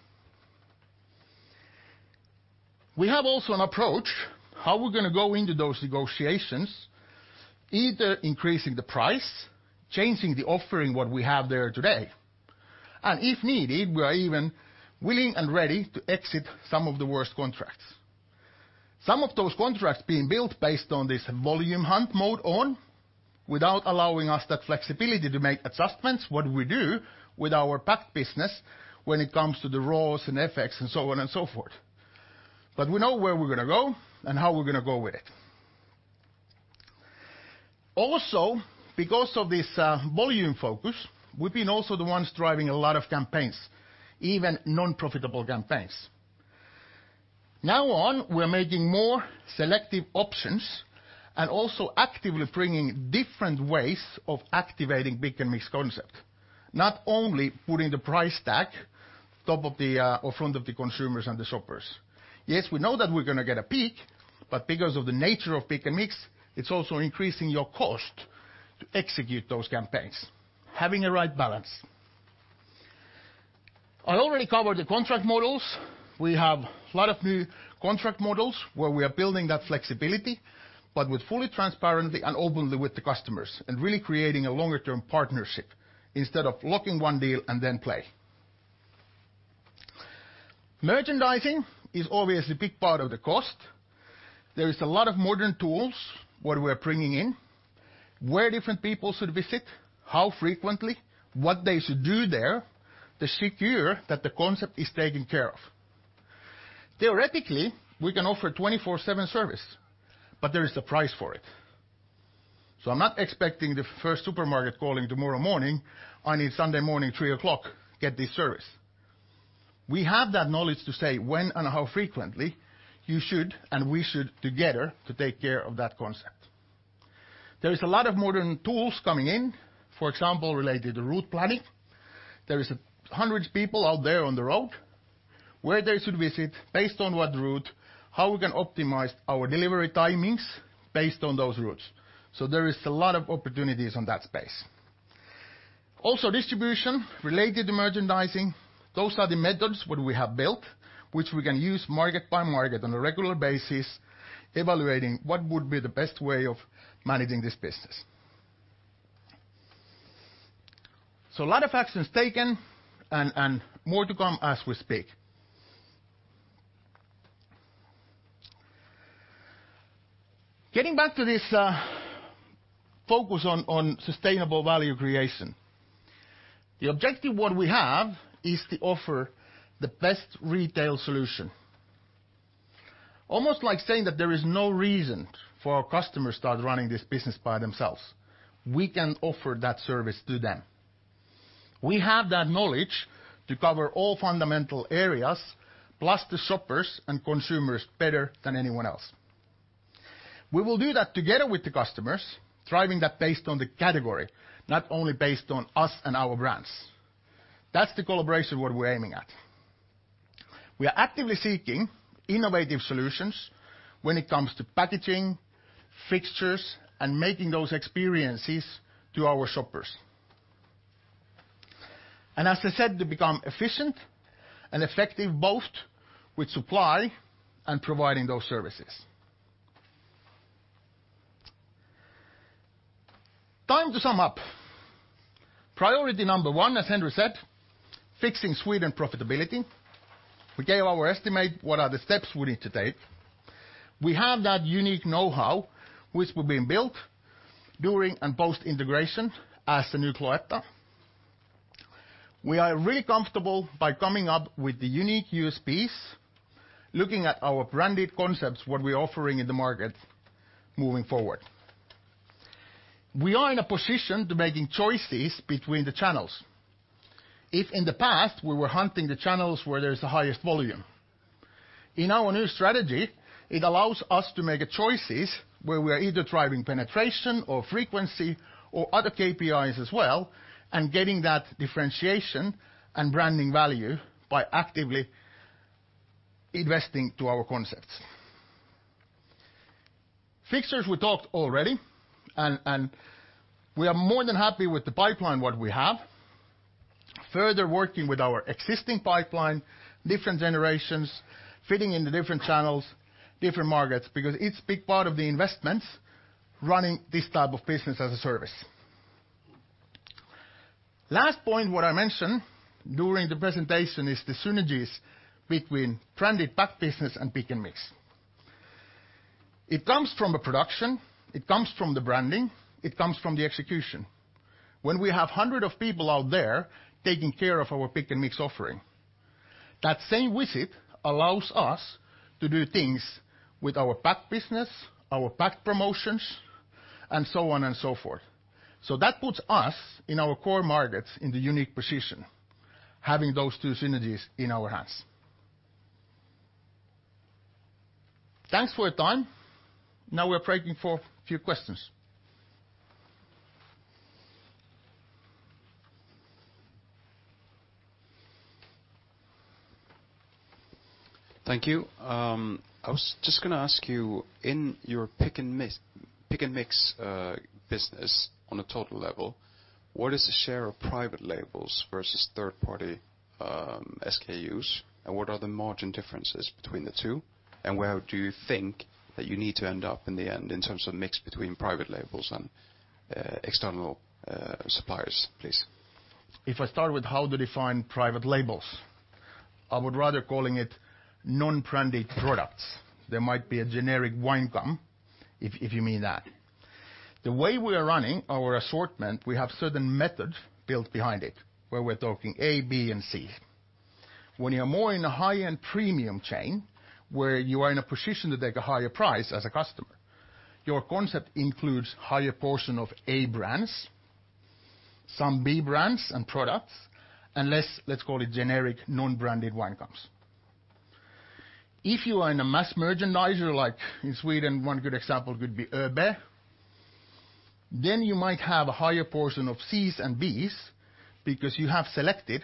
We have also an approach how we're going to go into those negotiations, either increasing the price, changing the offering what we have there today, and if needed, we are even willing and ready to exit some of the worst contracts. Some of those contracts being built based on this volume hunt mode on without allowing us that flexibility to make adjustments what we do with our packed business when it comes to the ROAS and FX and so on and so forth, but we know where we're going to go and how we're going to go with it. Also, because of this volume focus, we've been also the ones driving a lot of campaigns, even non-profitable campaigns. Now on, we're making more selective options and also actively bringing different ways of activating Pick & Mix concept, not only putting the price tag right in front of the consumers and the shoppers. Yes, we know that we're going to get a peak, but because of the nature of Pick & Mix, it's also increasing your cost to execute those campaigns, having a right balance. I already covered the contract models. We have a lot of new contract models where we are building that flexibility, but with full transparency and openly with the customers and really creating a longer-term partnership instead of locking one deal and then play. Merchandising is obviously a big part of the cost. There is a lot of modern tools that we are bringing in, where different people should visit, how frequently, what they should do there to secure that the concept is taken care of. Theoretically, we can offer 24/7 service, but there is a price for it. So I'm not expecting the first supermarket calling tomorrow morning, "I need Sunday morning 3:00 A.M., get this service." We have that knowledge to say when and how frequently you should and we should together to take care of that concept. There is a lot of modern tools coming in, for example, related to route planning. There are hundreds of people out there on the road where they should visit based on what route, how we can optimize our delivery timings based on those routes. So there are a lot of opportunities on that space. Also, distribution related to merchandising, those are the methods what we have built, which we can use market by market on a regular basis, evaluating what would be the best way of managing this business. So a lot of actions taken and more to come as we speak. Getting back to this focus on sustainable value creation, the objective what we have is to offer the best retail solution. Almost like saying that there is no reason for our customers to start running this business by themselves. We can offer that service to them. We have that knowledge to cover all fundamental areas, plus the shoppers and consumers better than anyone else. We will do that together with the customers, driving that based on the category, not only based on us and our brands. That's the collaboration what we're aiming at. We are actively seeking innovative solutions when it comes to packaging, fixtures, and making those experiences to our shoppers. And as I said, to become efficient and effective both with supply and providing those services. Time to sum up. Priority number one, as Henri said, fixing Sweden profitability. We gave our estimate what are the steps we need to take. We have that unique know-how which we've been building during and post-integration as a new Cloetta. We are really comfortable by coming up with the unique USPs, looking at our branded concepts, what we're offering in the market moving forward. We are in a position to make choices between the channels. If in the past we were hunting the channels where there is the highest volume, in our new strategy, it allows us to make choices where we are either driving penetration or frequency or other KPIs as well and getting that differentiation and branding value by actively investing to our concepts. Fixtures, we talked already, and we are more than happy with the pipeline what we have, further working with our existing pipeline, different generations, fitting in the different channels, different markets, because it's a big part of the investments running this type of business as a service. Last point what I mentioned during the presentation is the synergies between branded packed business and Pick & Mix. It comes from the production. It comes from the branding. It comes from the execution. When we have hundreds of people out there taking care of our Pick & Mix offering, that same visit allows us to do things with our packed business, our packed promotions, and so on and so forth. So that puts us in our core markets in the unique position, having those two synergies in our hands. Thanks for your time. Now we're breaking for a few questions. Thank you. I was just going to ask you, in your Pick & Mix business on a total level, what is the share of private labels versus third-party SKUs, and what are the margin differences between the two, and where do you think that you need to end up in the end in terms of mix between private labels and external suppliers, please? If I start with how to define private labels, I would rather call it non-branded products. There might be a generic wine gum if you mean that. The way we are running our assortment, we have certain methods built behind it where we're talking A, B, and C. When you're more in a high-end premium chain where you are in a position to take a higher price as a customer, your concept includes a higher portion of A brands, some B brands, and products, and less, let's call it, generic non-branded wine gums. If you are in a mass merchandiser, like in Sweden, one good example could be ÖoB, then you might have a higher portion of Cs and Bs because you have selected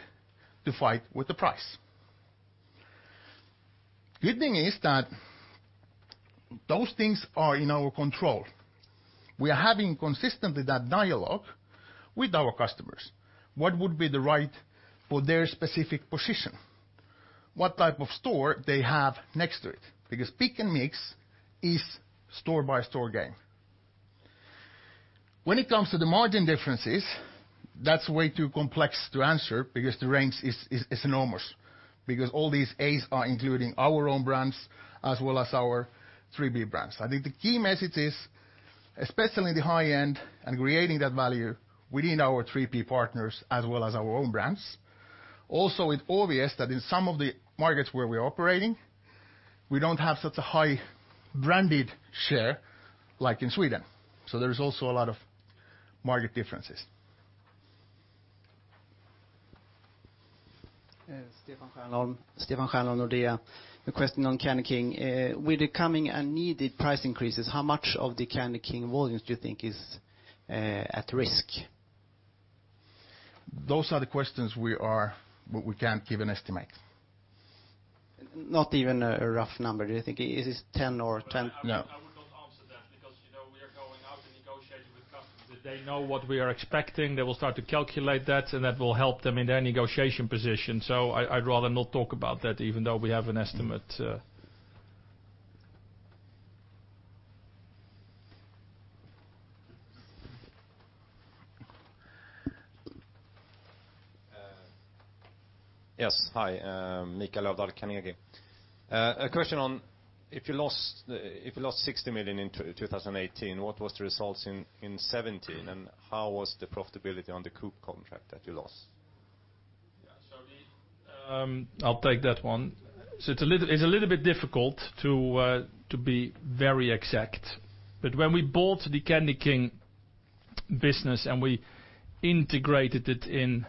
to fight with the price. The good thing is that those things are in our control. We are having consistently that dialogue with our customers, what would be the right for their specific position, what type of store they have next to it, because Pick & Mix is store-by-store game. When it comes to the margin differences, that's way too complex to answer because the range is enormous, because all these A's are including our own brands as well as our 3P brands. I think the key message is, especially in the high-end and creating that value within our 3P partners as well as our own brands. Also, it's obvious that in some of the markets where we're operating, we don't have such a high branded share like in Sweden. So there's also a lot of market differences. Stellan Hellström, Nordea, a question on CandyKing. With the coming and needed price increases, how much of the CandyKing volumes do you think is at risk? Those are the questions we can't give an estimate. Not even a rough number. Do you think it is 10 or 20? No. I would not answer that because we are going out and negotiating with customers. They know what we are expecting. They will start to calculate that, and that will help them in their negotiation position. So I'd rather not talk about that, even though we have an estimate. Yes. Hi. Mikael Löfdahl. A question on if you lost 60 million in 2018, what was the results in 2017, and how was the profitability on the Coop contract that you lost? Yeah. So I'll take that one. So it's a little bit difficult to be very exact. But when we bought the CandyKing business and we integrated it in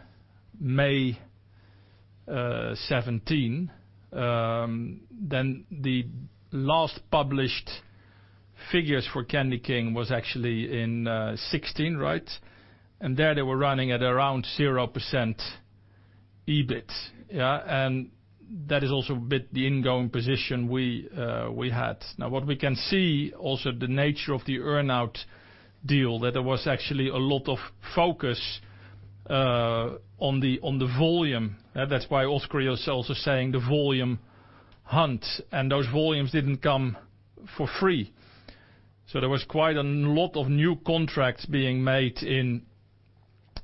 May 2017, then the last published figures for CandyKing was actually in 2016, right? And there they were running at around 0% EBIT, yeah? And that is also a bit the incoming position we had. Now, what we can see also the nature of the earnout deal, that there was actually a lot of focus on the volume. That's why Oskari is also saying the volume hunt. And those volumes didn't come for free. So there was quite a lot of new contracts being made in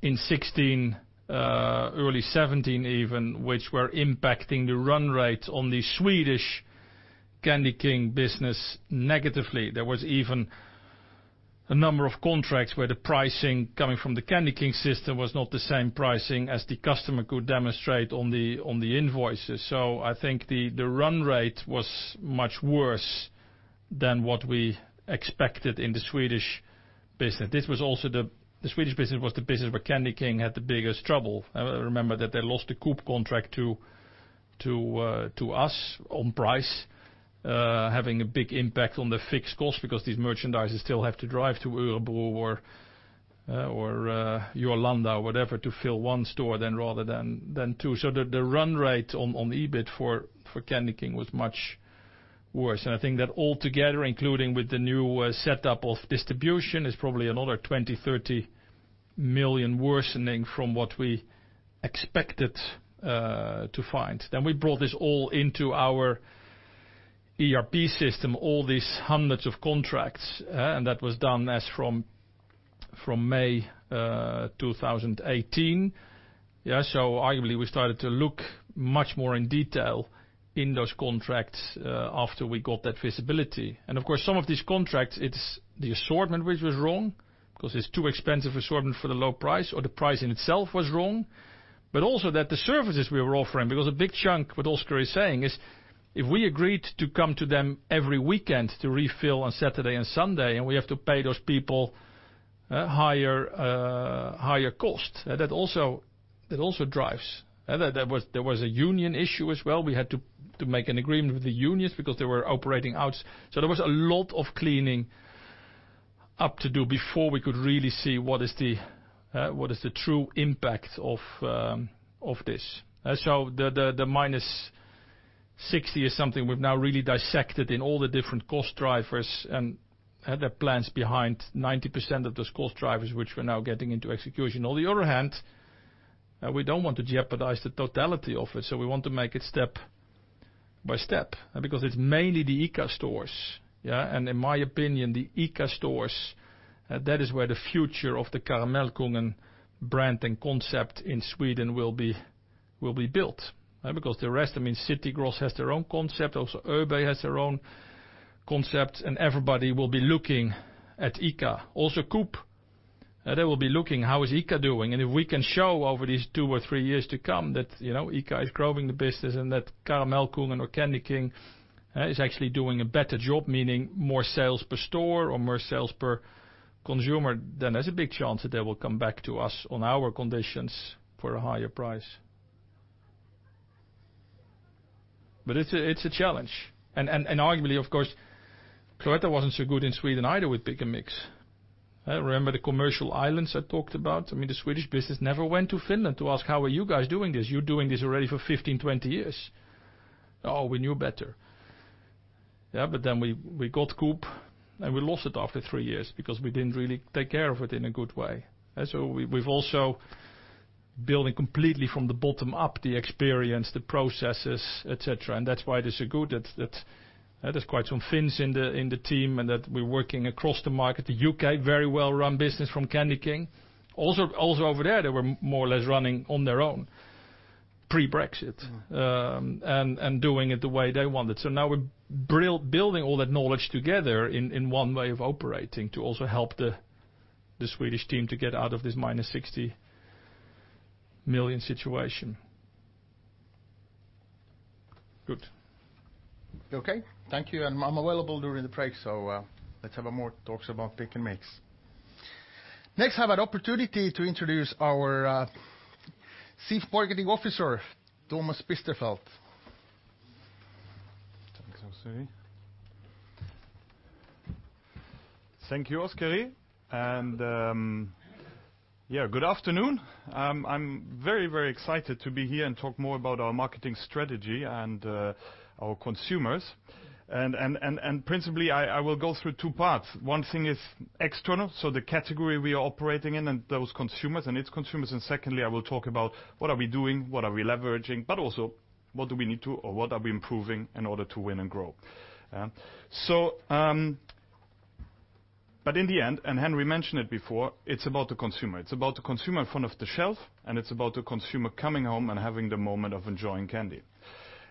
2016, early 2017 even, which were impacting the run rate on the Swedish CandyKing business negatively. There was even a number of contracts where the pricing coming from the CandyKing system was not the same pricing as the customer could demonstrate on the invoices. I think the run rate was much worse than what we expected in the Swedish business. This was also the Swedish business where CandyKing had the biggest trouble. I remember that they lost the Coop contract to us on price, having a big impact on the fixed cost because these merchandisers still have to drive to Örebro or Jörlanda or whatever to fill one store then rather than two. The run rate on EBIT for CandyKing was much worse. I think that altogether, including with the new setup of distribution, is probably another 20-30 million SEK worsening from what we expected to find. We brought this all into our ERP system, all these hundreds of contracts, and that was done as from May 2018, yeah. So arguably we started to look much more in detail in those contracts after we got that visibility. Of course, some of these contracts, it's the assortment which was wrong because it's too expensive assortment for the low price or the price in itself was wrong, but also that the services we were offering, because a big chunk, what Oskari is saying, is if we agreed to come to them every weekend to refill on Saturday and Sunday, and we have to pay those people higher cost, that also drives. There was a union issue as well. We had to make an agreement with the unions because they were operating out. There was a lot of cleaning up to do before we could really see what is the true impact of this. So the minus 60 is something we've now really dissected in all the different cost drivers and had the plans behind 90% of those cost drivers which we're now getting into execution. On the other hand, we don't want to jeopardize the totality of it. So we want to make it step by step because it's mainly the ICA stores, yeah? And in my opinion, the ICA stores, that is where the future of the Karamellkungen brand and concept in Sweden will be built because the rest, I mean, City Gross has their own concept. Also, ÖoB has their own concept, and everybody will be looking at ICA. Also, Coop, they will be looking how is ICA doing. If we can show over these two or three years to come that ICA is growing the business and that Karamellkungen or CandyKing is actually doing a better job, meaning more sales per store or more sales per consumer, then there's a big chance that they will come back to us on our conditions for a higher price. It's a challenge. Arguably, of course, Cloetta wasn't so good in Sweden either with Pick & Mix. Remember the commercial islands I talked about? I mean, the Swedish business never went to Finland to ask, "How are you guys doing this? You're doing this already for 15, 20 years." "Oh, we knew better." Yeah, but then we got Coop and we lost it after three years because we didn't really take care of it in a good way. We've also built completely from the bottom up the experience, the processes, etc. And that's why they're so good. There's quite some Finns in the team and that we're working across the market. The UK very well-run business from CandyKing. Also, over there, they were more or less running on their own pre-Brexit and doing it the way they wanted. Now we're building all that knowledge together in one way of operating to also help the Swedish team to get out of this -60 million situation. Good. Okay. Thank you, and I'm available during the break, so let's have more talks about Pick & Mix. Next, I have an opportunity to introduce our Chief Marketing Officer, Thomas Biesterfeldt. Thank you, Oskari. Yeah, good afternoon. I'm very, very excited to be here and talk more about our marketing strategy and our consumers, and principally, I will go through two parts. One thing is external, so the category we are operating in and those consumers and its consumers, and secondly, I will talk about what are we doing, what are we leveraging, but also what do we need to or what are we improving in order to win and grow, but in the end, and Henri mentioned it before, it's about the consumer. It's about the consumer in front of the shelf, and it's about the consumer coming home and having the moment of enjoying candy,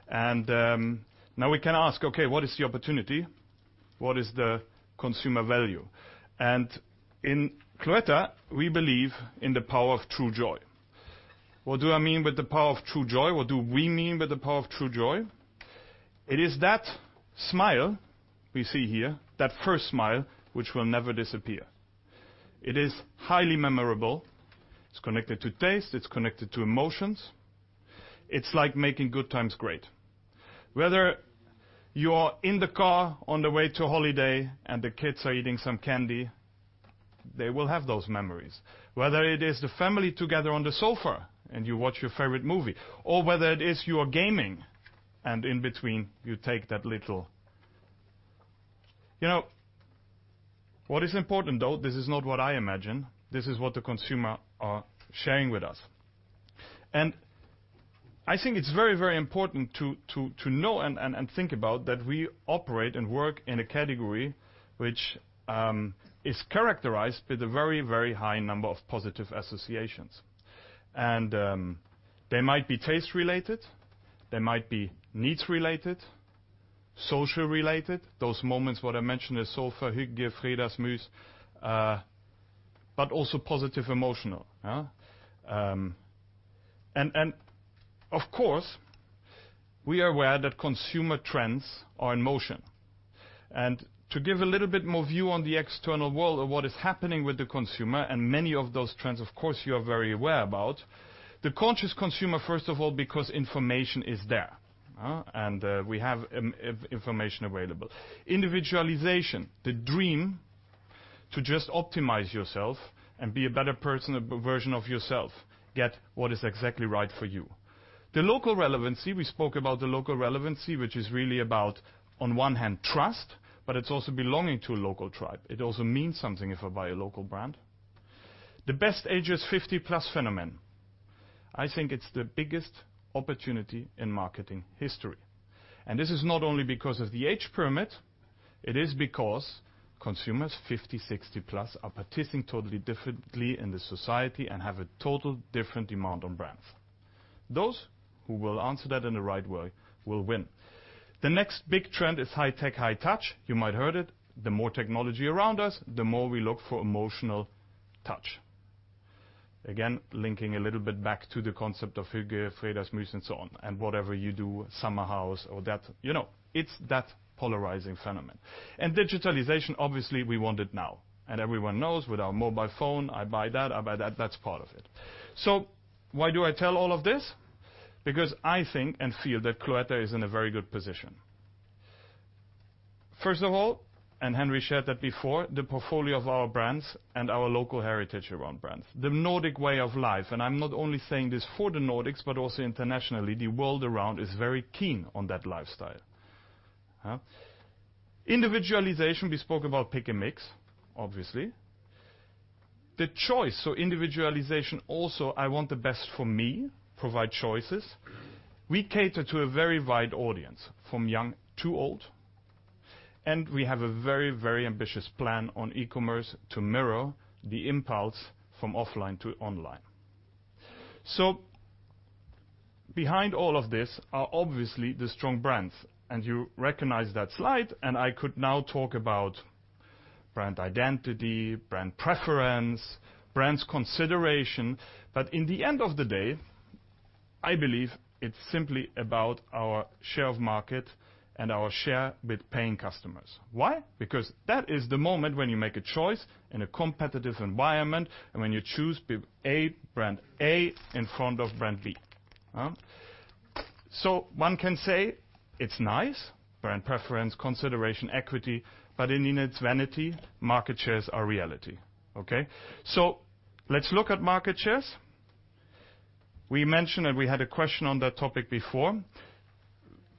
and now we can ask, "Okay, what is the opportunity? What is the consumer value?", and in Cloetta, we believe in the power of true joy. What do I mean with the power of true joy? What do we mean with the power of true joy? It is that smile we see here, that first smile which will never disappear. It is highly memorable. It's connected to taste. It's connected to emotions. It's like making good times great. Whether you're in the car on the way to holiday and the kids are eating some candy, they will have those memories. Whether it is the family together on the sofa and you watch your favorite movie, or whether it is you are gaming and in between you take that little—what is important, though, this is not what I imagine. This is what the consumer is sharing with us. I think it's very, very important to know and think about that we operate and work in a category which is characterized by the very, very high number of positive associations. They might be taste-related. They might be needs-related, social-related, those moments what I mentioned, the sofa, hygge, fredagsmys, but also positive emotional. Of course, we are aware that consumer trends are in motion. To give a little bit more view on the external world of what is happening with the consumer, and many of those trends, of course, you are very aware about, the conscious consumer, first of all, because information is there, and we have information available. Individualization, the dream to just optimize yourself and be a better version of yourself, get what is exactly right for you. The local relevancy, we spoke about the local relevancy, which is really about, on one hand, trust, but it's also belonging to a local tribe. It also means something if I buy a local brand. The Best Agers 50-plus phenomenon. I think it's the biggest opportunity in marketing history. And this is not only because of the age pyramid. It is because consumers 50, 60-plus are participating totally differently in the society and have a total different demand on brands. Those who will answer that in the right way will win. The next big trend is high tech, high touch. You might have heard it. The more technology around us, the more we look for emotional touch. Again, linking a little bit back to the concept of Hygge, Fredagsmys, and so on, and whatever you do, summer house or that. It's that polarizing phenomenon. And digitalization, obviously, we want it now. And everyone knows with our mobile phone, I buy that, I buy that, that's part of it. So why do I tell all of this? Because I think and feel that Cloetta is in a very good position. First of all, and Henri shared that before, the portfolio of our brands and our local heritage around brands, the Nordic way of life. And I'm not only saying this for the Nordics, but also internationally, the world around is very keen on that lifestyle. Individualization, we spoke about Pick & Mix, obviously. The choice, so individualization also, I want the best for me, provide choices. We cater to a very wide audience, from young to old. And we have a very, very ambitious plan on e-commerce to mirror the impulse from offline to online. So behind all of this are obviously the strong brands. You recognize that slide. I could now talk about brand identity, brand preference, brands consideration. But in the end of the day, I believe it's simply about our share of market and our share with paying customers. Why? Because that is the moment when you make a choice in a competitive environment and when you choose brand A in front of brand B. So one can say it's nice, brand preference, consideration, equity, but in its vanity, market shares are reality. Okay? Let's look at market shares. We mentioned that we had a question on that topic before.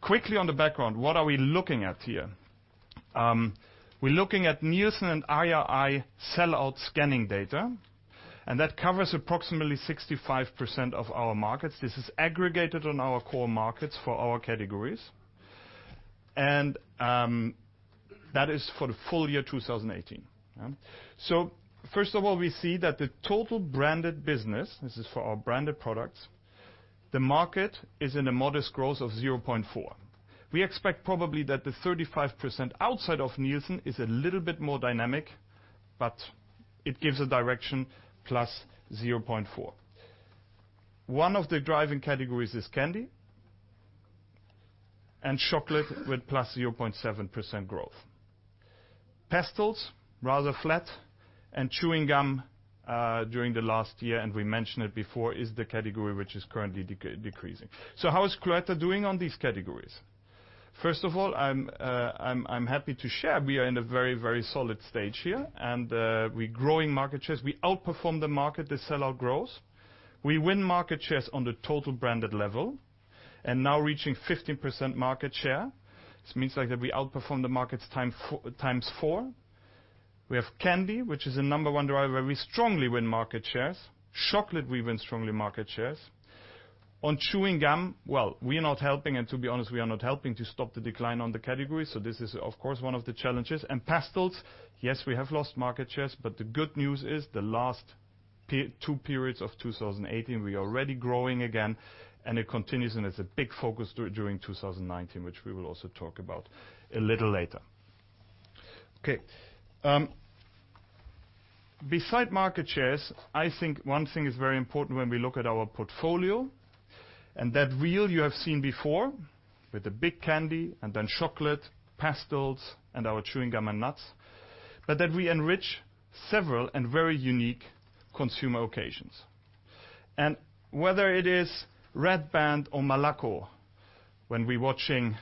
Quickly on the background, what are we looking at here? We're looking at Nielsen and IRI sell-out scanning data. That covers approximately 65% of our markets. This is aggregated on our core markets for our categories. That is for the full year 2018. So, first of all, we see that the total branded business, this is for our branded products, the market is in a modest growth of 0.4%. We expect probably that the 35% outside of Nielsen is a little bit more dynamic, but it gives a direction plus 0.4%. One of the driving categories is candy and chocolate with plus 0.7% growth. Pastilles, rather flat, and chewing gum during the last year, and we mentioned it before, is the category which is currently decreasing. So how is Cloetta doing on these categories? First of all, I'm happy to share we are in a very, very solid stage here, and we're growing market shares. We outperform the market, the sellout grows. We win market shares on the total branded level, and now reaching 15% market share. This means that we outperform the markets times four. We have candy, which is the number one driver, where we strongly win market shares. Chocolate, we win strongly market shares. On chewing gum, well, we are not helping, and to be honest, we are not helping to stop the decline on the category. So this is, of course, one of the challenges, and pastilles, yes, we have lost market shares, but the good news is the last two periods of 2018, we are already growing again, and it continues, and it's a big focus during 2019, which we will also talk about a little later. Okay. Besides market shares, I think one thing is very important when we look at our portfolio, and that wheel you have seen before with the big candy and then chocolate, pastilles, and our chewing gum and nuts, but that we enrich several and very unique consumer occasions. Whether it is Red Band or Malaco, when we're watching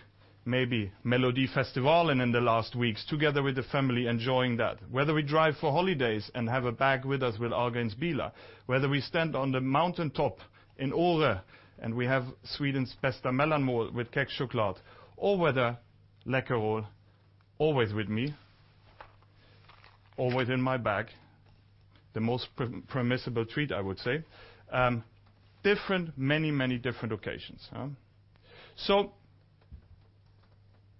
maybe Melodifestivalen and in the last weeks together with the family enjoying that, whether we drive for holidays and have a bag with us with Ahlgrens bilar, whether we stand on the mountaintop in Åre and we have Sweden's bästa mellanmål with Kexchoklad, or whether Läkerol, always with me, always in my bag, the most permissible treat, I would say, different, many, many different occasions.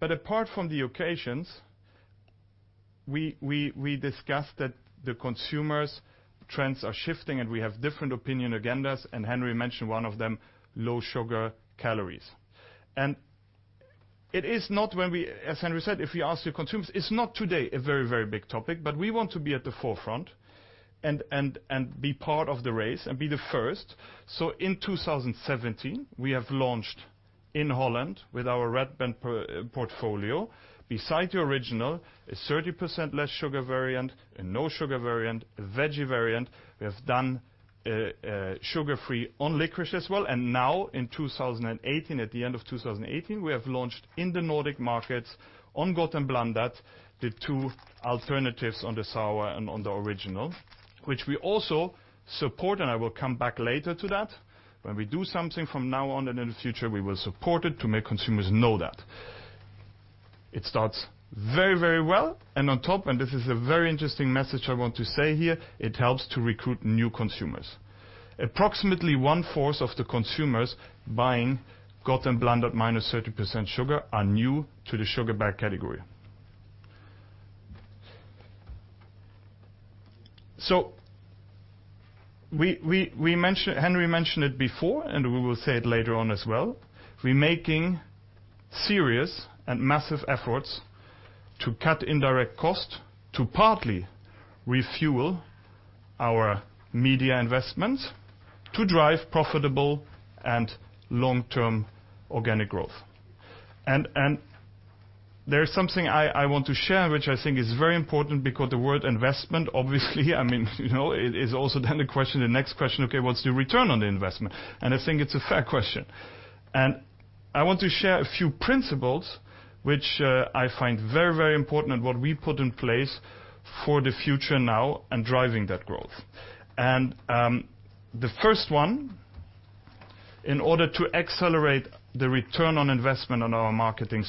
But apart from the occasions, we discussed that the consumers' trends are shifting, and we have different opinion agendas, and Henri mentioned one of them, low sugar, calories. And it is not, as Henri said, if we ask the consumers, it's not today a very, very big topic, but we want to be at the forefront and be part of the race and be the first. In 2017, we launched in Holland with our Red Band portfolio. Beside the original, a 30% less sugar variant, a no-sugar variant, a veggie variant. We have done sugar-free on licorice as well. And now, in 2018, at the end of 2018, we have launched in the Nordic markets on Gott & Blandat, the two alternatives on the sour and on the original, which we also support, and I will come back later to that. When we do something from now on and in the future, we will support it to make consumers know that. It starts very, very well. And on top, and this is a very interesting message I want to say here, it helps to recruit new consumers. Approximately one fourth of the consumers buying Gott & Blandat minus 30% sugar are new to the sugar bag category. So Henri mentioned it before, and we will say it later on as well. We're making serious and massive efforts to cut indirect cost to partly refuel our media investments to drive profitable and long-term organic growth. And there is something I want to share which I think is very important because the word investment, obviously, I mean, it is also then the question, the next question, okay, what's the return on the investment? And I think it's a fair question. And I want to share a few principles which I find very, very important and what we put in place for the future now and driving that growth. And the first one, in order to accelerate the return on investment on our marketing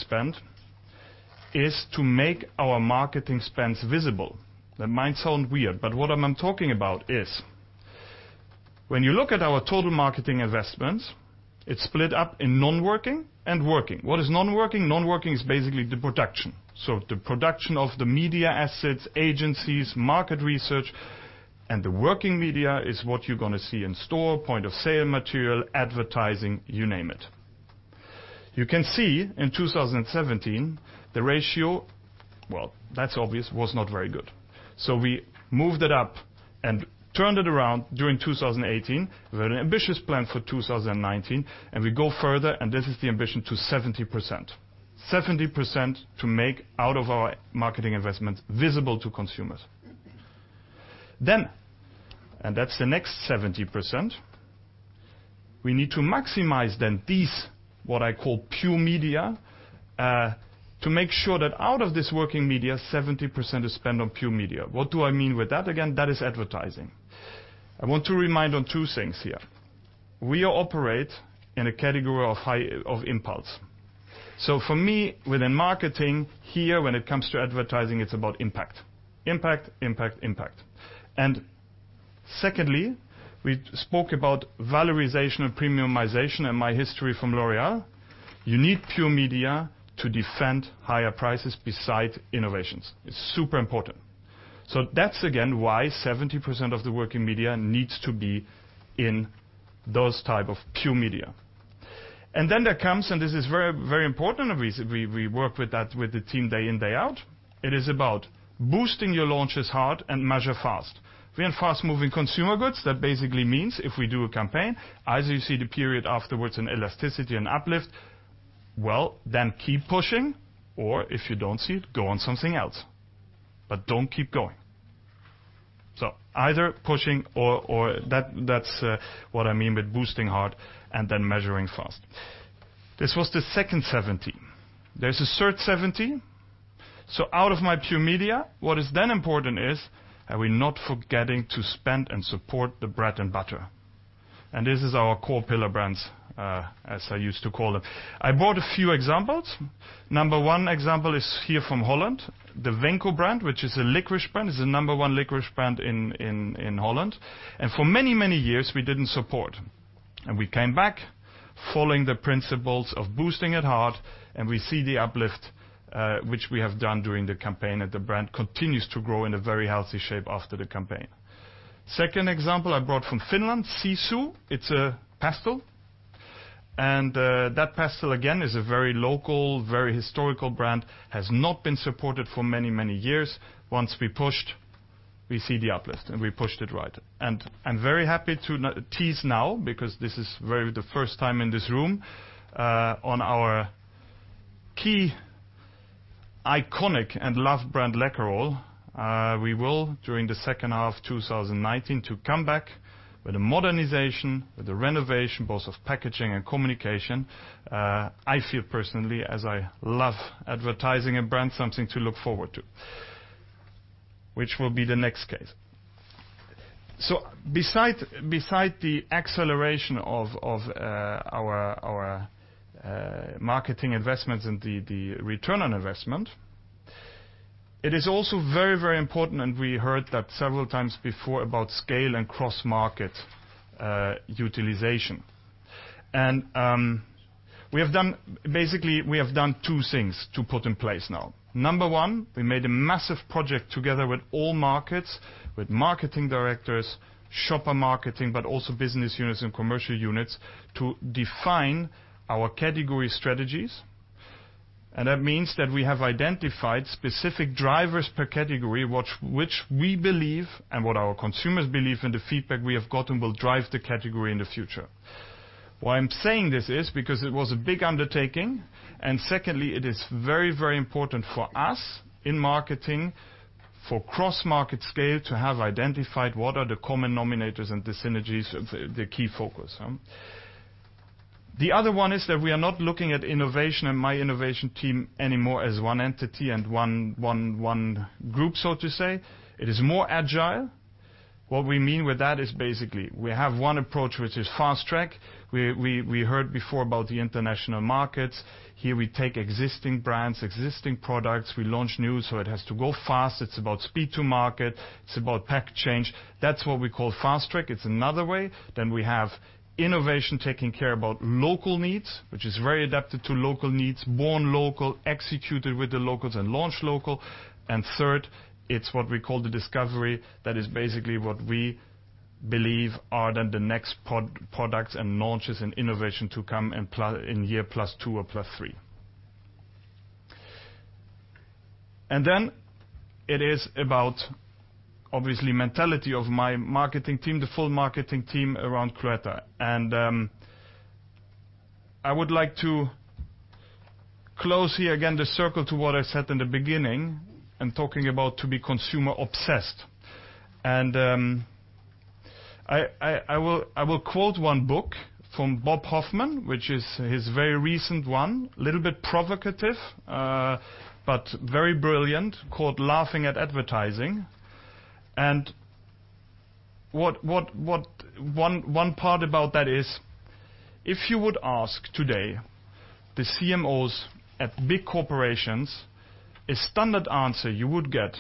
spend, is to make our marketing spends visible. That might sound weird, but what I'm talking about is when you look at our total marketing investments, it's split up in non-working and working. What is non-working? Non-working is basically the production. So the production of the media assets, agencies, market research, and the working media is what you're going to see in store, point of sale material, advertising, you name it. You can see in 2017, the ratio, well, that's obvious, was not very good. So we moved it up and turned it around during 2018. We had an ambitious plan for 2019, and we go further, and this is the ambition to 70%. 70% to make out of our marketing investments visible to consumers. Then, and that's the next 70%, we need to maximize then these, what I call pure media, to make sure that out of this working media, 70% is spent on pure media. What do I mean with that? Again, that is advertising. I want to remind on two things here. We operate in a category of impulse. So for me, within marketing here, when it comes to advertising, it's about impact. Impact, impact, impact. And secondly, we spoke about valorization and premiumization and my history from L'Oréal. You need pure media to defend higher prices beside innovations. It's super important. So that's, again, why 70% of the working media needs to be in those types of pure media. And then there comes, and this is very, very important, and we work with that with the team day in, day out. It is about boosting your launches hard and measure fast. We have fast-moving consumer goods. That basically means if we do a campaign, as you see the period afterwards and elasticity and uplift, well, then keep pushing, or if you don't see it, go on something else. But don't keep going. So either pushing or that's what I mean with boosting hard and then measuring fast. This was the second 70. There's a third 70. So out of my pure media, what is then important is, are we not forgetting to spend and support the bread and butter? And this is our core pillar brands, as I used to call them. I brought a few examples. Number one example is here from Holland, the Venco brand, which is a licorice brand. It's the number one licorice brand in Holland. And for many, many years, we didn't support. And we came back following the principles of boosting it hard, and we see the uplift, which we have done during the campaign, and the brand continues to grow in a very healthy shape after the campaign. Second example I brought from Finland, Sisu. It's a pastille. And that pastille, again, is a very local, very historical brand, has not been supported for many, many years. Once we pushed, we see the uplift, and we pushed it right. And I'm very happy to tease now because this is the first time in this room on our key iconic and loved brand, Läkerol. We will, during the second half of 2019, come back with a modernization, with a renovation, both of packaging and communication. I feel personally, as I love advertising and brands, something to look forward to, which will be the next case. So beside the acceleration of our marketing investments and the return on investment, it is also very, very important, and we heard that several times before about scale and cross-market utilization, and basically, we have done two things to put in place now. Number one, we made a massive project together with all markets, with marketing directors, shopper marketing, but also business units and commercial units to define our category strategies, and that means that we have identified specific drivers per category, which we believe, and what our consumers believe, and the feedback we have gotten will drive the category in the future. Why I'm saying this is because it was a big undertaking, and secondly, it is very, very important for us in marketing, for cross-market scale, to have identified what are the common nominators and the synergies, the key focus. The other one is that we are not looking at innovation and my innovation team anymore as one entity and one group, so to say. It is more agile. What we mean with that is basically we have one approach, which is fast track. We heard before about the international markets. Here, we take existing brands, existing products. We launch news, so it has to go fast. It's about speed to market. It's about pack change. That's what we call fast track. It's another way. Then we have innovation taking care about local needs, which is very adapted to local needs, born local, executed with the locals, and launched local. And third, it's what we call the discovery. That is basically what we believe are then the next products and launches and innovation to come in year plus two or plus three. And then it is about, obviously, mentality of my marketing team, the full marketing team around Cloetta. And I would like to close here, again, the circle to what I said in the beginning and talking about to be consumer-obsessed. And I will quote one book from Bob Hoffman, which is his very recent one, a little bit provocative, but very brilliant, called Laughing at Advertising. And one part about that is, if you would ask today the CMOs at big corporations, a standard answer you would get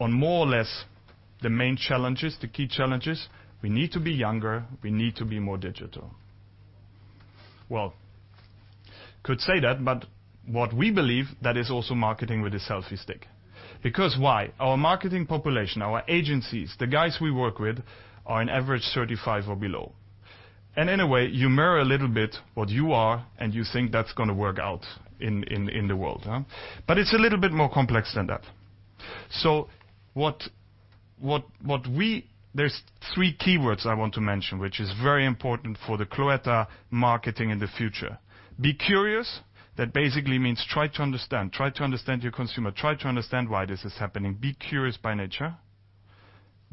on more or less the main challenges, the key challenges, we need to be younger, we need to be more digital. Well, could say that, but what we believe, that is also marketing with a selfie stick. Because why? Our marketing population, our agencies, the guys we work with are on average 35 or below. In a way, you mirror a little bit what you are, and you think that's going to work out in the world. It's a little bit more complex than that. There's three keywords I want to mention, which is very important for the Cloetta marketing in the future. Be curious, that basically means try to understand, try to understand your consumer, try to understand why this is happening. Be curious by nature.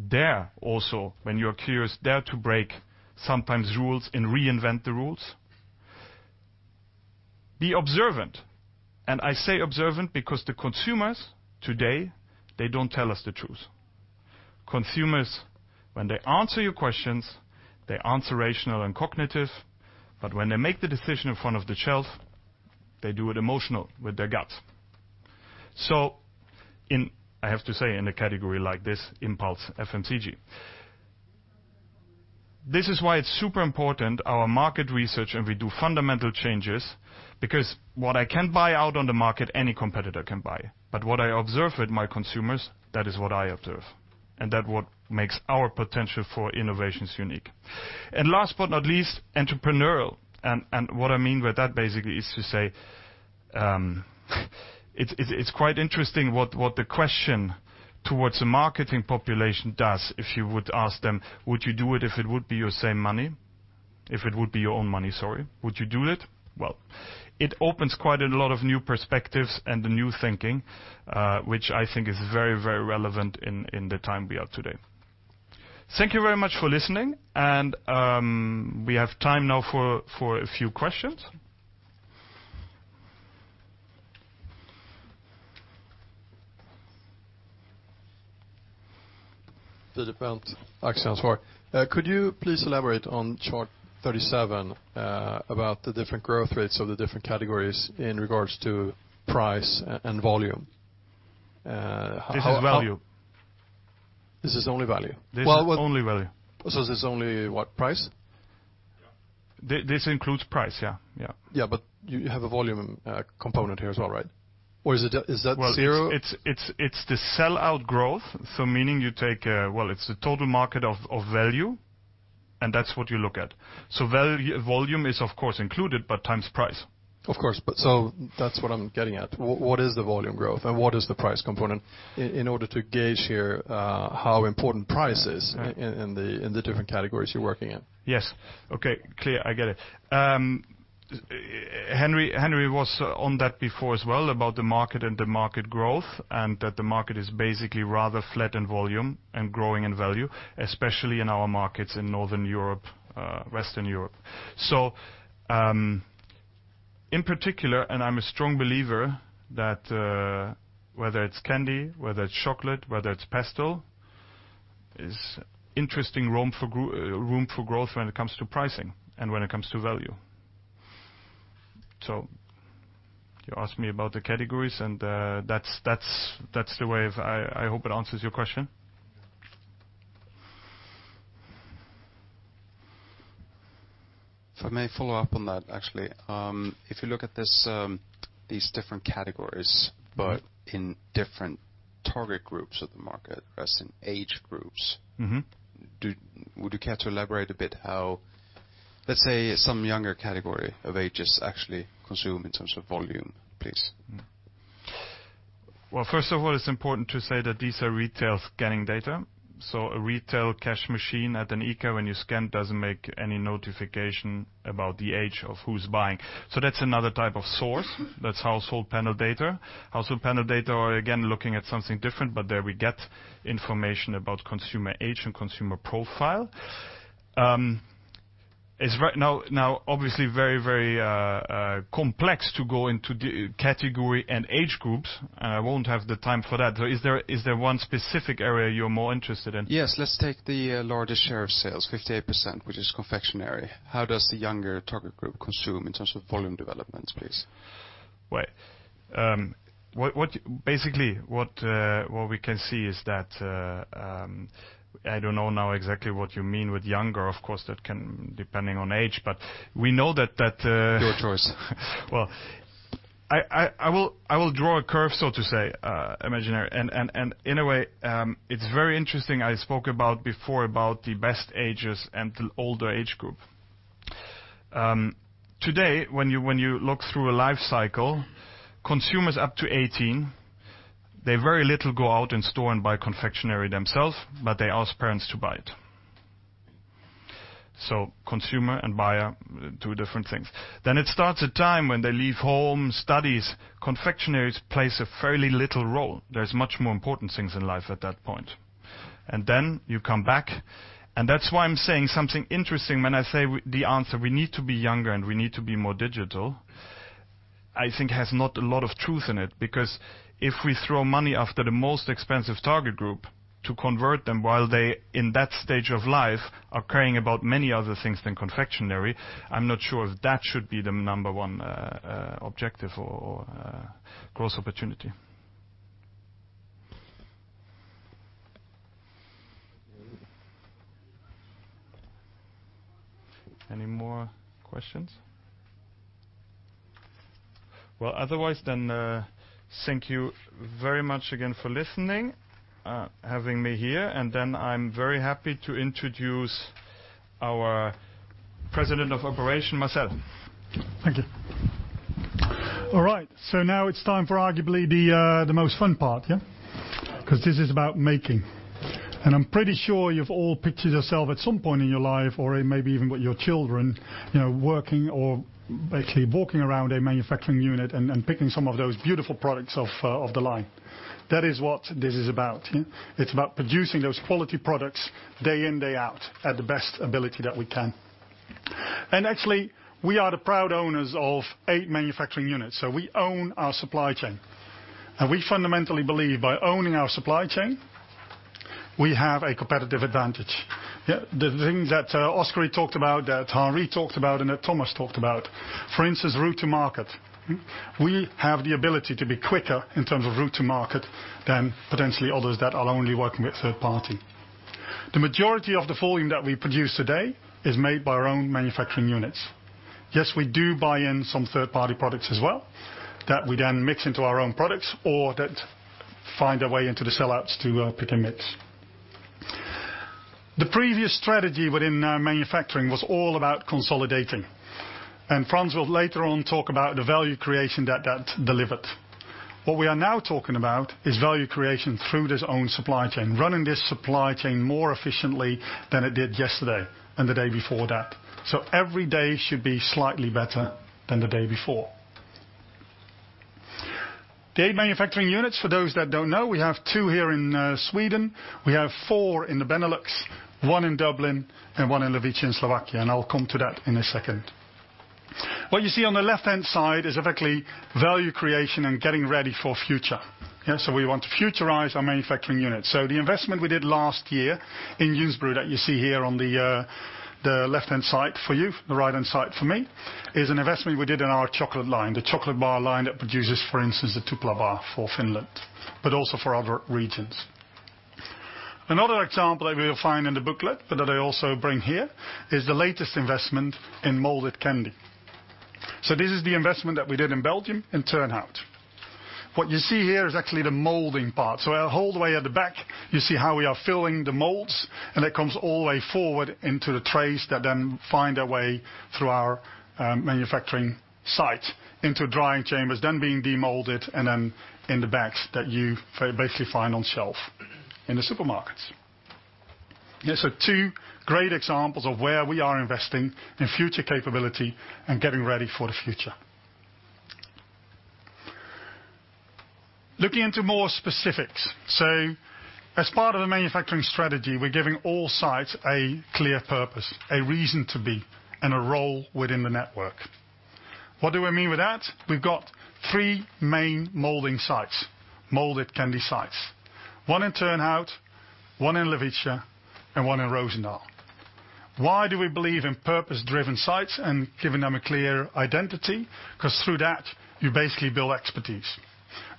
Dare also, when you're curious, dare to break sometimes rules and reinvent the rules. Be observant. I say observant because the consumers today, they don't tell us the truth. Consumers, when they answer your questions, they answer rational and cognitive, but when they make the decision in front of the shelf, they do it emotional with their guts. I have to say in a category like this, impulse, FMCG. This is why it's super important, our market research, and we do fundamental changes because what I can't buy out on the market, any competitor can buy. But what I observe with my consumers, that is what I observe, and that's what makes our potential for innovations unique. And last but not least, entrepreneurial. And what I mean with that basically is to say it's quite interesting what the question towards the marketing population does if you would ask them, would you do it if it would be your same money? If it would be your own money, sorry, would you do it? Well, it opens quite a lot of new perspectives and the new thinking, which I think is very, very relevant in the time we are today. Thank you very much for listening, and we have time now for a few questions. Could you please elaborate on chart 37 about the different growth rates of the different categories in regards to price and volume? This is value. This is only value. This is only value. So this is only what, price? This includes price, yeah. Yeah, but you have a volume component here as well, right? Or is that zero? It's the sell-out growth, so meaning you take, it's the total market of value, and that's what you look at. Volume is, of course, included, but times price. Of course, but so that's what I'm getting at. What is the volume growth, and what is the price component? In order to gauge here how important price is in the different categories you're working in. Yes. Okay, clear. I get it. Henry was on that before as well about the market and the market growth, and that the market is basically rather flat in volume and growing in value, especially in our markets in Northern Europe, Western Europe. So in particular, and I'm a strong believer that whether it's candy, whether it's chocolate, whether it's pastille, is interesting room for growth when it comes to pricing and when it comes to value. So you asked me about the categories, and that's the way I hope it answers your question. If I may follow up on that, actually. If you look at these different categories, but in different target groups of the market, as in age groups, would you care to elaborate a bit how, let's say, some younger category of ages actually consume in terms of volume, please? First of all, it's important to say that these are retail scanning data. So a retail cash machine at an ICA when you scan doesn't make any notification about the age of who's buying. So that's another type of source. That's household panel data. Household panel data are, again, looking at something different, but there we get information about consumer age and consumer profile. It's now obviously very, very complex to go into category and age groups, and I won't have the time for that. So is there one specific area you're more interested in? Yes. Let's take the largest share of sales, 58%, which is confectionery. How does the younger target group consume in terms of volume development, please? Right. Basically, what we can see is that I don't know now exactly what you mean with younger. Of course, that can depend on age, but we know that. Your choice. I will draw a curve, so to say, imaginary. In a way, it's very interesting. I spoke about before the best ages and the older age group. Today, when you look through a life cycle, consumers up to 18, they very little go out in store and buy confectionery themselves, but they ask parents to buy it. So consumer and buyer, two different things. Then it starts a time when they leave home, studies. Confectioneries play a fairly little role. There's much more important things in life at that point. You come back. And that's why I'm saying something interesting when I say the answer, we need to be younger and we need to be more digital, I think has not a lot of truth in it because if we throw money after the most expensive target group to convert them while they in that stage of life are caring about many other things than confectionery, I'm not sure if that should be the number one objective or greatest opportunity. Any more questions? Well, otherwise, then thank you very much again for listening, having me here. And then I'm very happy to introduce our President of Operations, Marcel. Thank you. All right. So now it's time for arguably the most fun part, yeah? Because this is about making. And I'm pretty sure you've all pictured yourself at some point in your life or maybe even with your children working or actually walking around a manufacturing unit and picking some of those beautiful products of the line. That is what this is about, yeah? It's about producing those quality products day in, day out at the best ability that we can. And actually, we are the proud owners of eight manufacturing units. So we own our supply chain. And we fundamentally believe by owning our supply chain, we have a competitive advantage. The things that Oskari talked about, that Henri talked about, and that Thomas talked about, for instance, route to market, we have the ability to be quicker in terms of route to market than potentially others that are only working with third-party. The majority of the volume that we produce today is made by our own manufacturing units. Yes, we do buy in some third-party products as well that we then mix into our own products or that find their way into the sellouts to Pick & Mix. The previous strategy within manufacturing was all about consolidating. And Frans will later on talk about the value creation that that delivered. What we are now talking about is value creation through this own supply chain, running this supply chain more efficiently than it did yesterday and the day before that. Every day should be slightly better than the day before. The eight manufacturing units, for those that don't know, we have two here in Sweden. We have four in the Benelux, one in Dublin, and one in Levice and Slovakia. And I'll come to that in a second. What you see on the left-hand side is effectively value creation and getting ready for future. So we want to futurize our manufacturing units. So the investment we did last year in Ljungsbro that you see here on the left-hand side for you, the right-hand side for me, is an investment we did in our chocolate line, the chocolate bar line that produces, for instance, the Tupla bar for Finland, but also for other regions. Another example that we will find in the booklet, but that I also bring here, is the latest investment in molded candy. So this is the investment that we did in Belgium in Turnhout. What you see here is actually the molding part. So all the way at the back, you see how we are filling the molds, and it comes all the way forward into the trays that then find their way through our manufacturing site into drying chambers, then being demolded, and then in the bags that you basically find on shelf in the supermarkets. So two great examples of where we are investing in future capability and getting ready for the future. Looking into more specifics, so as part of the manufacturing strategy, we're giving all sites a clear purpose, a reason to be, and a role within the network. What do I mean with that? We've got three main molding sites, molded candy sites. One in Turnhout, one in Levice, and one in Roosendaal. Why do we believe in purpose-driven sites and giving them a clear identity? Because through that, you basically build expertise.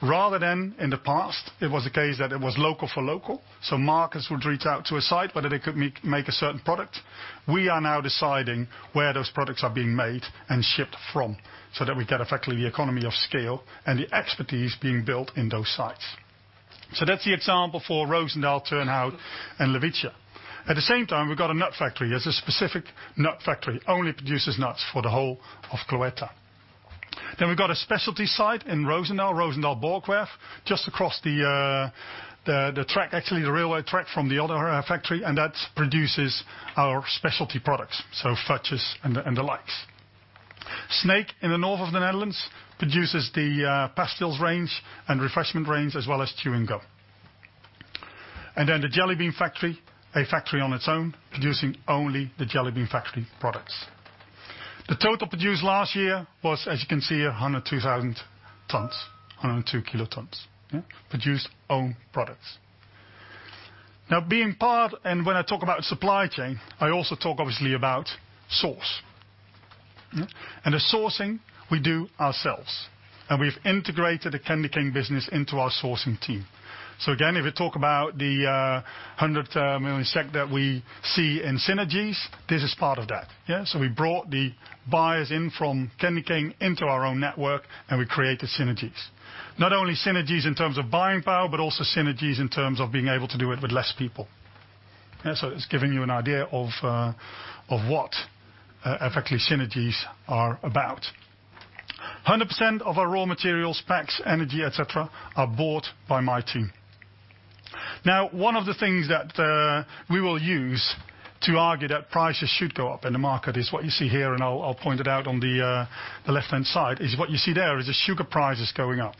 Rather than in the past, it was the case that it was local for local, so markets would reach out to a site whether they could make a certain product. We are now deciding where those products are being made and shipped from so that we get effectively the economy of scale and the expertise being built in those sites. So that's the example for Roosendaal, Turnhout, and Levice. At the same time, we've got a nut factory. There's a specific nut factory that only produces nuts for the whole of Cloetta. Then we've got a specialty site in Roosendaal, Roosendaal-Borchwerf, just across the track, actually the railway track from the other factory, and that produces our specialty products, so fudges and the like. Sneek, in the north of the Netherlands, produces the pastilles range and refreshment range as well as chew and gum, and then the Jelly Bean Factory, a factory on its own, producing only the Jelly Bean Factory products. The total produced last year was, as you can see, 102,000 tons, 102 kilotons, produced own products. Now, being part, and when I talk about supply chain, I also talk obviously about source. The sourcing, we do ourselves. We've integrated the CandyKing business into our sourcing team. Again, if you talk about the 100 million SEK there we see in synergies, this is part of that. We brought the buyers in from CandyKing into our own network, and we created synergies. Not only synergies in terms of buying power, but also synergies in terms of being able to do it with less people. So it's giving you an idea of what effectively synergies are about. 100% of our raw materials, specs, energy, etc., are bought by my team. Now, one of the things that we will use to argue that prices should go up in the market is what you see here, and I'll point it out on the left-hand side: what you see there is the sugar prices going up.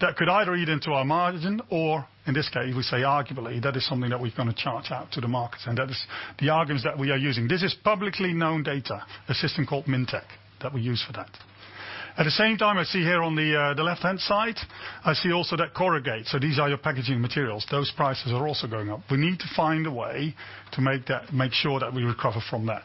That could either eat into our margin or, in this case, we say arguably that is something that we're going to charge out to the market. And that is the arguments that we are using. This is publicly known data, a system called Mintec that we use for that. At the same time, I see here on the left-hand side; I see also that corrugated. So these are your packaging materials. Those prices are also going up. We need to find a way to make sure that we recover from that.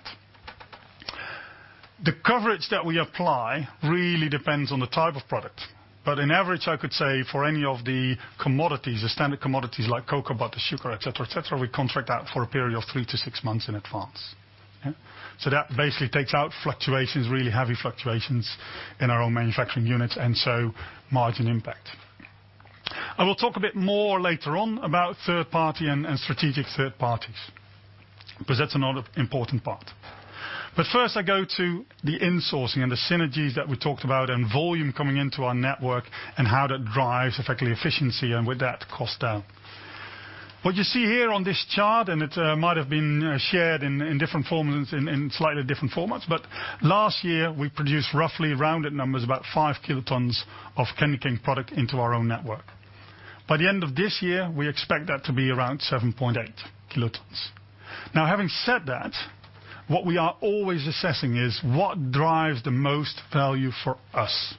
The coverage that we apply really depends on the type of product. But on average, I could say for any of the commodities, the standard commodities like cocoa, butter, sugar, etc., etc., we contract out for a period of three to six months in advance. So that basically takes out fluctuations, really heavy fluctuations in our own manufacturing units and so margin impact. I will talk a bit more later on about third party and strategic third parties because that's another important part. But first, I go to the insourcing and the synergies that we talked about and volume coming into our network and how that drives effectively efficiency and with that cost down. What you see here on this chart, and it might have been shared in different forms in slightly different formats, but last year, we produced roughly rounded numbers, about five kilotons of CandyKing product into our own network. By the end of this year, we expect that to be around 7.8 kilotons. Now, having said that, what we are always assessing is what drives the most value for us.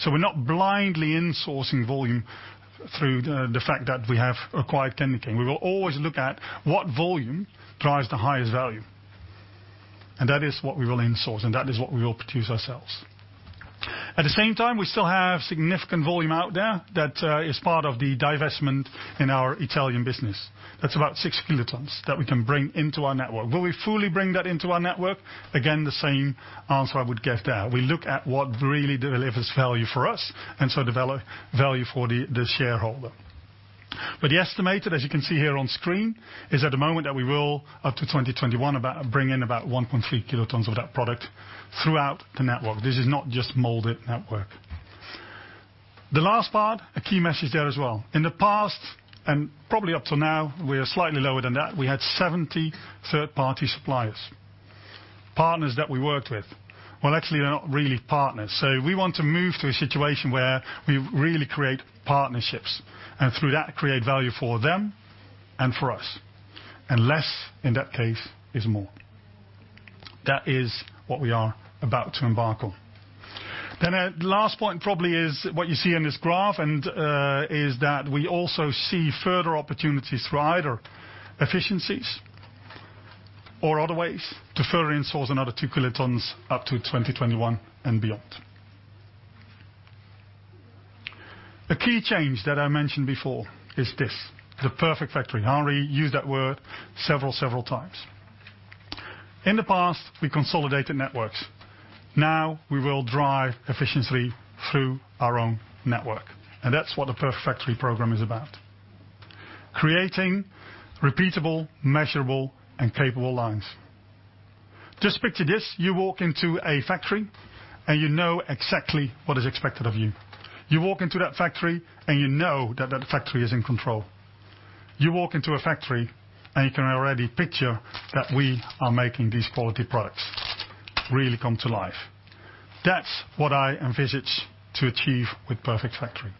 So we're not blindly insourcing volume through the fact that we have acquired CandyKing. We will always look at what volume drives the highest value. And that is what we will insource, and that is what we will produce ourselves. At the same time, we still have significant volume out there that is part of the divestment in our Italian business. That's about six kilotons that we can bring into our network. Will we fully bring that into our network? Again, the same answer I would give there. We look at what really delivers value for us and so develops value for the shareholder, but the estimated, as you can see here on screen, is at the moment that we will, up to 2021, bring in about 1.3 kilotons of that product throughout the network. This is not just molded network. The last part, a key message there as well. In the past, and probably up till now, we are slightly lower than that. We had 70 third-party suppliers, partners that we worked with. Actually, they're not really partners, so we want to move to a situation where we really create partnerships and through that create value for them and for us, and less, in that case, is more. That is what we are about to embark on. Then the last point probably is what you see in this graph is that we also see further opportunities through either efficiencies or other ways to further insource another two kilotons up to 2021 and beyond. A key change that I mentioned before is this, the Perfect Factory. Henri used that word several, several times. In the past, we consolidated networks. Now we will drive efficiency through our own network. And that's what the Perfect Factory program is about, creating repeatable, measurable, and capable lines. Just picture this. You walk into a factory, and you know exactly what is expected of you. You walk into that factory, and you know that that factory is in control. You walk into a factory, and you can already picture that we are making these quality products really come to life. That's what I envisage to achieve with Perfect Factory.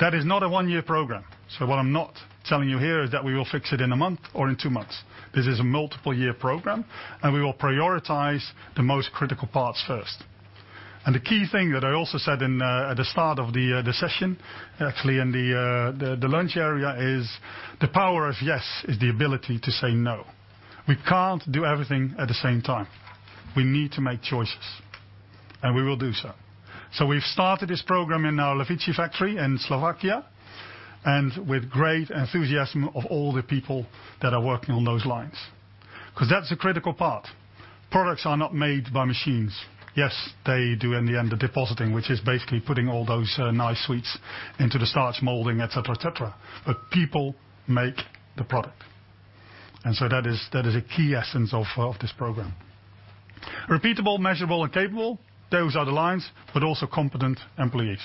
That is not a one-year program. So what I'm not telling you here is that we will fix it in a month or in two months. This is a multiple-year program, and we will prioritize the most critical parts first. And the key thing that I also said at the start of the session, actually in the lunch area, is the power of yes is the ability to say no. We can't do everything at the same time. We need to make choices, and we will do so. So we've started this program in our Levice factory in Slovakia and with great enthusiasm of all the people that are working on those lines because that's a critical part. Products are not made by machines. Yes, they do, in the end, the depositing, which is basically putting all those nice sweets into the starch molding, etc., etc. But people make the product. And so that is a key essence of this program. Repeatable, measurable, and capable, those are the lines, but also competent employees.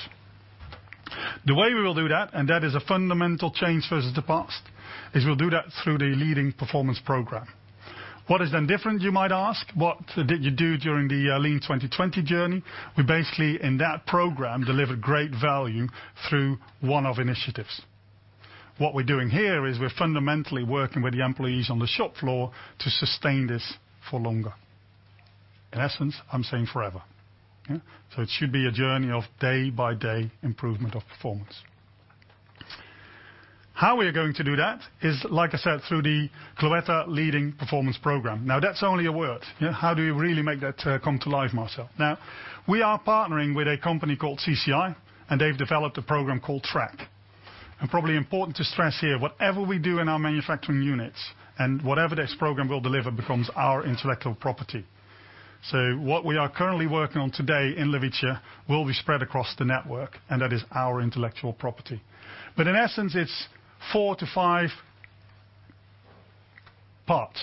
The way we will do that, and that is a fundamental change versus the past, is we'll do that through the Leading Performance Program. What is then different, you might ask? What did you do during the Lean 2020 journey? We basically, in that program, delivered great value through one-off initiatives. What we're doing here is we're fundamentally working with the employees on the shop floor to sustain this for longer. In essence, I'm saying forever. So it should be a journey of day-by-day improvement of performance. How we are going to do that is, like I said, through the Cloetta Leading Performance Program. Now, that's only a word. How do we really make that come to life, Marcel? Now, we are partnering with a company called CCI, and they've developed a program called TRACC, and probably important to stress here, whatever we do in our manufacturing units and whatever this program will deliver becomes our intellectual property. So what we are currently working on today in Levice will be spread across the network, and that is our intellectual property. But in essence, it's four to five parts.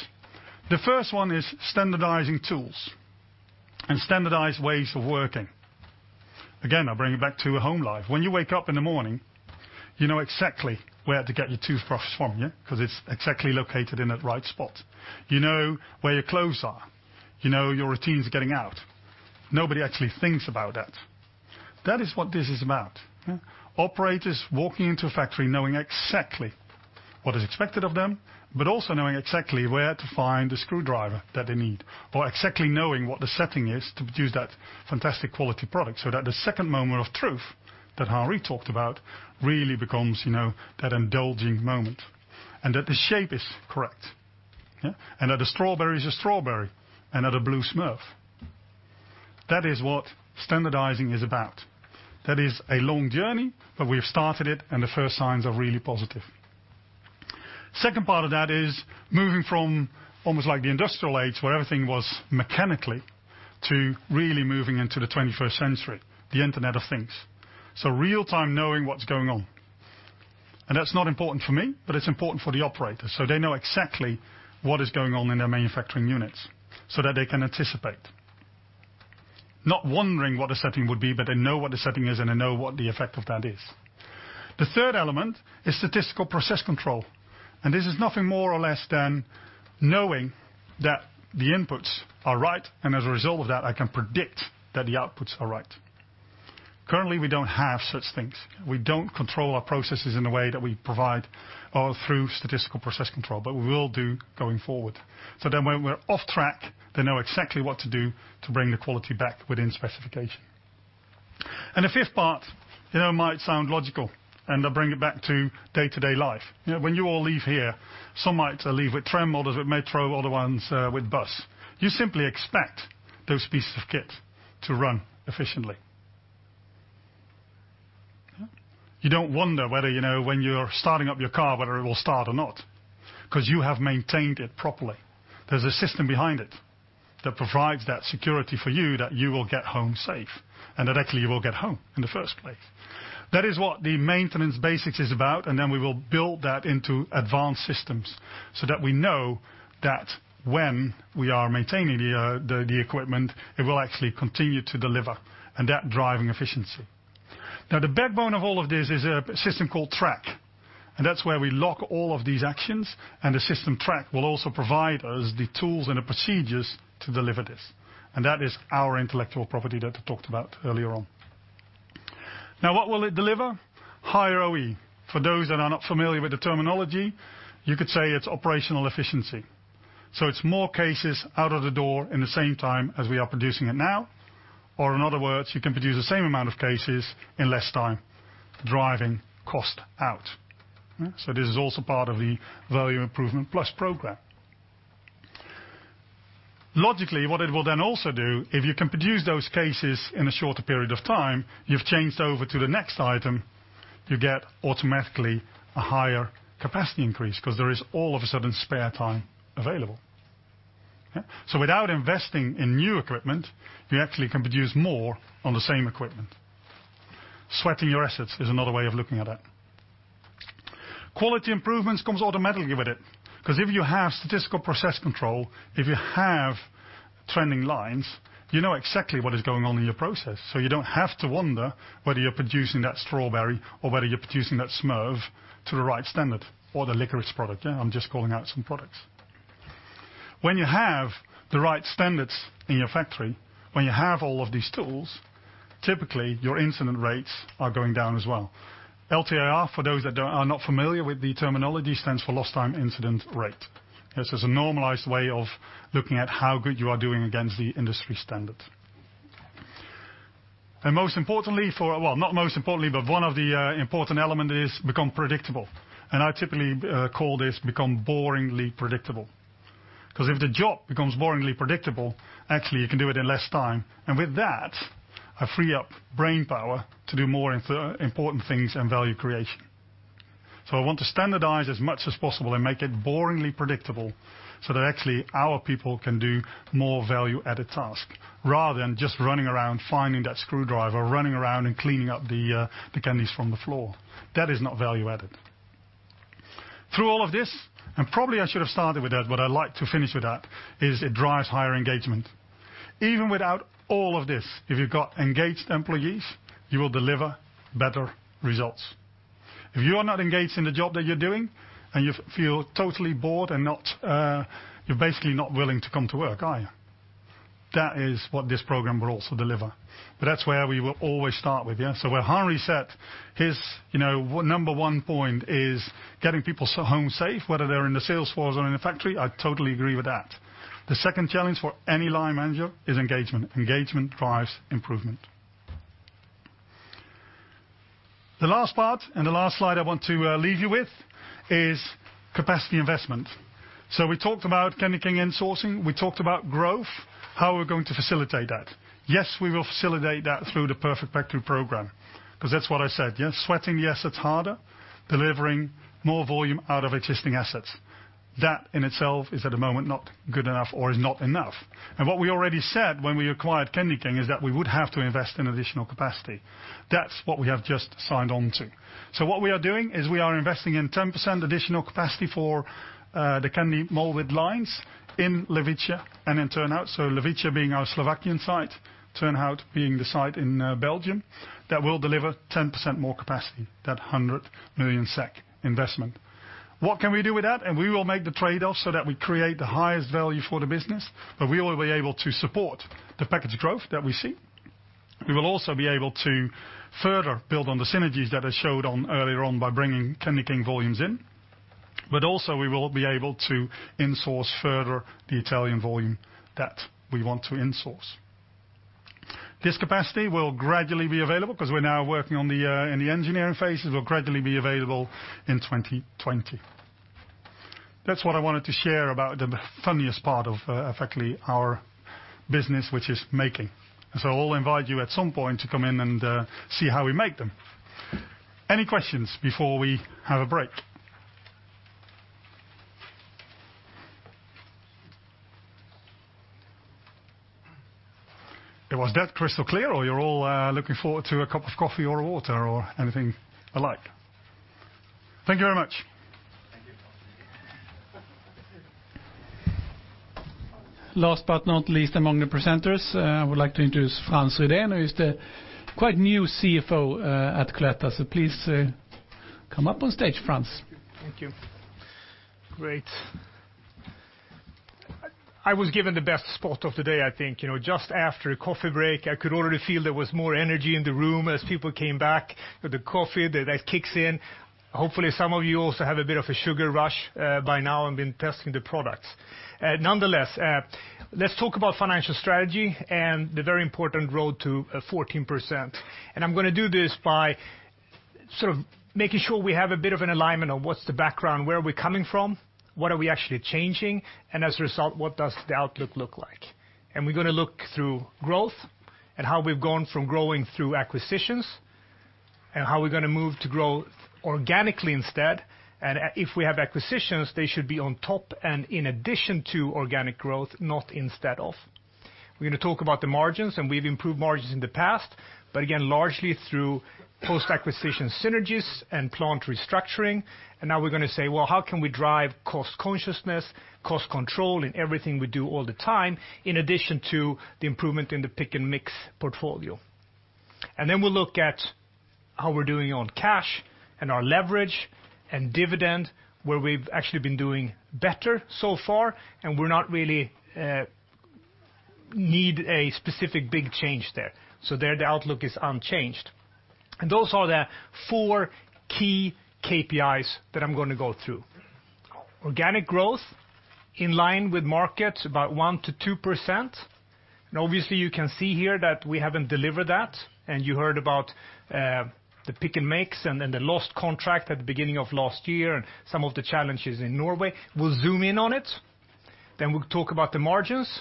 The first one is standardizing tools and standardized ways of working. Again, I bring it back to home life. When you wake up in the morning, you know exactly where to get your toothbrush from because it's exactly located in the right spot. You know where your clothes are. You know your routines are getting out. Nobody actually thinks about that. That is what this is about. Operators walking into a factory knowing exactly what is expected of them, but also knowing exactly where to find the screwdriver that they need, or exactly knowing what the setting is to produce that fantastic quality product so that the second moment of truth that Henri talked about really becomes that indulging moment and that the shape is correct and that the strawberry is a strawberry and not a blue smurf. That is what standardizing is about. That is a long journey, but we have started it, and the first signs are really positive. Second part of that is moving from almost like the industrial age where everything was mechanically to really moving into the 21st century, the internet of things. So real-time knowing what's going on, and that's not important for me, but it's important for the operators. So they know exactly what is going on in their manufacturing units so that they can anticipate. Not wondering what the setting would be, but they know what the setting is, and they know what the effect of that is. The third element is statistical process control. And this is nothing more or less than knowing that the inputs are right, and as a result of that, I can predict that the outputs are right. Currently, we don't have such things. We don't control our processes in the way that we provide or through statistical process control, but we will do going forward. So then when we're off track, they know exactly what to do to bring the quality back within specification. And the fifth part, it might sound logical, and I'll bring it back to day-to-day life. When you all leave here, some might leave with tram models, with metro, other ones with bus. You simply expect those pieces of kit to run efficiently. You don't wonder whether when you're starting up your car, whether it will start or not because you have maintained it properly. There's a system behind it that provides that security for you that you will get home safe and that actually you will get home in the first place. That is what the maintenance basics is about, and then we will build that into advanced systems so that we know that when we are maintaining the equipment, it will actually continue to deliver and that driving efficiency. Now, the backbone of all of this is a system called TRACC. That's where we lock all of these actions, and the system TRACC will also provide us the tools and the procedures to deliver this. That is our intellectual property that I talked about earlier on. Now, what will it deliver? Higher OE. For those that are not familiar with the terminology, you could say it's operational efficiency. It's more cases out of the door in the same time as we are producing it now. In other words, you can produce the same amount of cases in less time, driving cost out. This is also part of the value improvement plus program. Logically, what it will then also do, if you can produce those cases in a shorter period of time, you've changed over to the next item, you get automatically a higher capacity increase because there is all of a sudden spare time available. So without investing in new equipment, you actually can produce more on the same equipment. Sweating your assets is another way of looking at that. Quality improvements come automatically with it because if you have statistical process control, if you have trending lines, you know exactly what is going on in your process. So you don't have to wonder whether you're producing that strawberry or whether you're producing that smurf to the right standard or the licorice product. I'm just calling out some products. When you have the right standards in your factory, when you have all of these tools, typically, your incident rates are going down as well. LTIR, for those that are not familiar with the terminology, stands for Lost Time Incident Rate. This is a normalized way of looking at how good you are doing against the industry standards. Most importantly, well, not most importantly, but one of the important elements is become predictable. I typically call this become boringly predictable because if the job becomes boringly predictable, actually, you can do it in less time. With that, I free up brain power to do more important things and value creation. I want to standardize as much as possible and make it boringly predictable so that actually our people can do more value-added task rather than just running around finding that screwdriver, running around and cleaning up the candies from the floor. That is not value-added. Through all of this, and probably I should have started with that, but I'd like to finish with that, is it drives higher engagement. Even without all of this, if you've got engaged employees, you will deliver better results. If you are not engaged in the job that you're doing and you feel totally bored and you're basically not willing to come to work, are you? That is what this program will also deliver. But that's where we will always start with. So where Henri said his number one point is getting people home safe, whether they're in the sales floors or in the factory, I totally agree with that. The second challenge for any line manager is engagement. Engagement drives improvement. The last part and the last slide I want to leave you with is capacity investment. So we talked about CandyKing insourcing. We talked about growth, how we're going to facilitate that. Yes, we will facilitate that through the Perfect Factory program because that's what I said. Sweating, yes, it's harder. Delivering more volume out of existing assets. That in itself is at the moment not good enough or is not enough. And what we already said when we acquired CandyKing is that we would have to invest in additional capacity. That's what we have just signed on to. So what we are doing is we are investing in 10% additional capacity for the candy molded lines in Levice and in Turnhout. So Levice being our Slovakian site, Turnhout being the site in Belgium, that will deliver 10% more capacity, that 100 million SEK investment. What can we do with that? And we will make the trade-off so that we create the highest value for the business, but we will be able to support the package growth that we see. We will also be able to further build on the synergies that I showed on earlier on by bringing CandyKing volumes in. But also, we will be able to insource further the Italian volume that we want to insource. This capacity will gradually be available because we're now working on the engineering phases. It will gradually be available in 2020. That's what I wanted to share about the funniest part of actually our business, which is making. So I'll invite you at some point to come in and see how we make them. Any questions before we have a break? It was that crystal clear, or you're all looking forward to a cup of coffee or water or anything alike. Thank you very much. Thank you. Last but not least, among the presenters, I would like to introduce Frans Rydén, who is the quite new CFO at Cloetta. So please come up on stage, Frans. Thank you. Great. I was given the best spot of the day, I think. Just after coffee break, I could already feel there was more energy in the room as people came back with the coffee. That kicks in. Hopefully, some of you also have a bit of a sugar rush by now. I've been testing the products. Nonetheless, let's talk about financial strategy and the very important road to 14%. And I'm going to do this by sort of making sure we have a bit of an alignment on what's the background, where are we coming from, what are we actually changing, and as a result, what does the outlook look like? And we're going to look through growth and how we've gone from growing through acquisitions and how we're going to move to grow organically instead. And if we have acquisitions, they should be on top and in addition to organic growth, not instead of. We're going to talk about the margins, and we've improved margins in the past, but again, largely through post-acquisition synergies and plant restructuring, and now we're going to say, well, how can we drive cost consciousness, cost control in everything we do all the time in addition to the improvement in the Pick & Mix portfolio, and then we'll look at how we're doing on cash and our leverage and dividend, where we've actually been doing better so far, and we don't really need a specific big change there, so the outlook is unchanged, and those are the four key KPIs that I'm going to go through. Organic growth in line with markets, about 1%-2%. Obviously, you can see here that we haven't delivered that. You heard about the Pick & Mix and the lost contract at the beginning of last year and some of the challenges in Norway. We'll zoom in on it. Then we'll talk about the margins.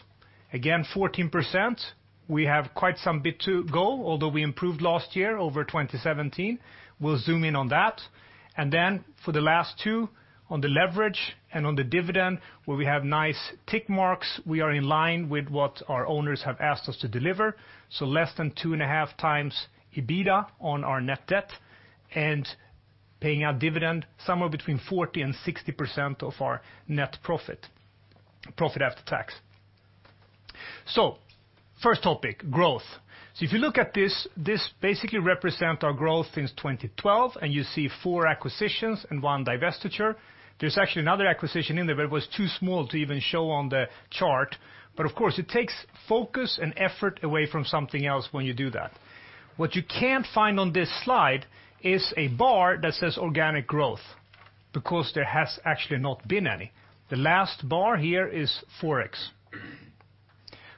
Again, 14%. We have quite some bit to go, although we improved last year over 2017. We'll zoom in on that. For the last two, on the leverage and on the dividend, where we have nice tick marks, we are in line with what our owners have asked us to deliver. Less than two and a half times EBITDA on our net debt and paying out dividend, somewhere between 40% and 60% of our net profit after tax. First topic, growth. If you look at this, this basically represents our growth since 2012, and you see four acquisitions and one divestiture. There's actually another acquisition in there, but it was too small to even show on the chart. But of course, it takes focus and effort away from something else when you do that. What you can't find on this slide is a bar that says organic growth because there has actually not been any. The last bar here is forex.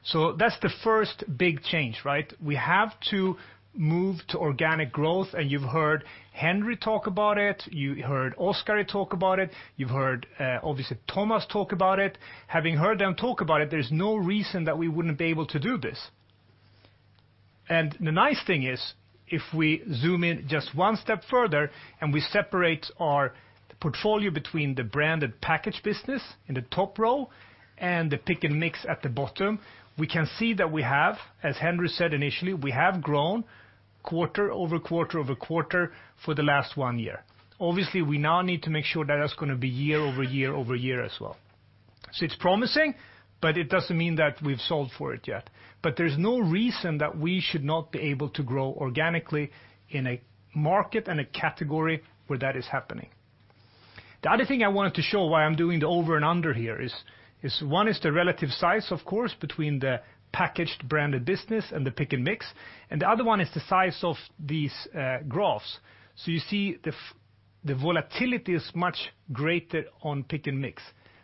So that's the first big change, right? We have to move to organic growth, and you've heard Henry talk about it. You heard Oskari talk about it. You've heard obviously Thomas talk about it. Having heard them talk about it, there's no reason that we wouldn't be able to do this. The nice thing is if we zoom in just one step further and we separate our portfolio between the branded package business in the top row and the Pick & Mix at the bottom, we can see that we have, as Henri said initially, we have grown quarter-over-quarter-over-quarter for the last one year. Obviously, we now need to make sure that that's going to be year-over-year-over-year as well. So it's promising, but it doesn't mean that we've sold for it yet. But there's no reason that we should not be able to grow organically in a market and a category where that is happening. The other thing I wanted to show why I'm doing the over and under here is one is the relative size, of course, between the packaged branded business and the Pick & Mix. And the other one is the size of these graphs. So you see the volatility is much greater on Pick & Mix.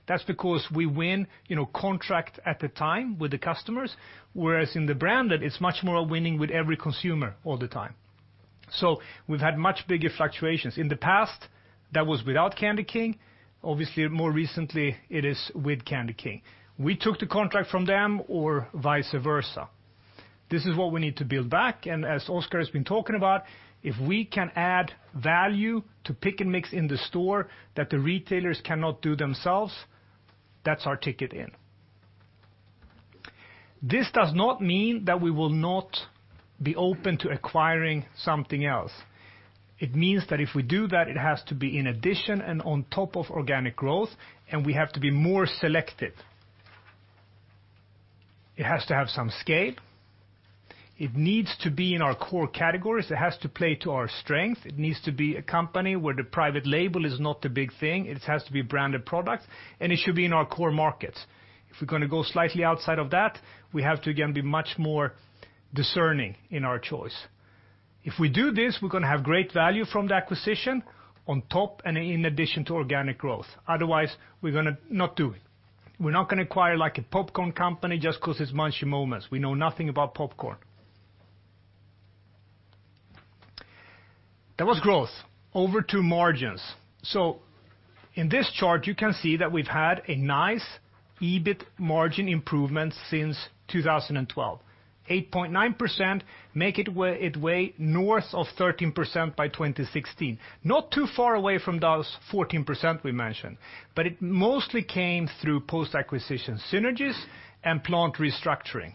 That's because we win contract at the time with the customers, whereas in the branded, it's much more winning with every consumer all the time. So we've had much bigger fluctuations. In the past, that was without CandyKing. Obviously, more recently, it is with CandyKing. We took the contract from them or vice versa. This is what we need to build back. And as Oskari has been talking about, if we can add value to Pick & Mix in the store that the retailers cannot do themselves, that's our ticket in. This does not mean that we will not be open to acquiring something else. It means that if we do that, it has to be in addition and on top of organic growth, and we have to be more selective. It has to have some scale. It needs to be in our core categories. It has to play to our strength. It needs to be a company where the private label is not the big thing. It has to be branded products, and it should be in our core markets. If we're going to go slightly outside of that, we have to, again, be much more discerning in our choice. If we do this, we're going to have great value from the acquisition on top and in addition to organic growth. Otherwise, we're going to not do it. We're not going to acquire like a popcorn company just because it's Munchy Moments. We know nothing about popcorn. That was growth. Over to margins. In this chart, you can see that we've had a nice EBIT margin improvement since 2012, 8.9%, making it way north of 13% by 2016. Not too far away from those 14% we mentioned, but it mostly came through post-acquisition synergies and plant restructuring.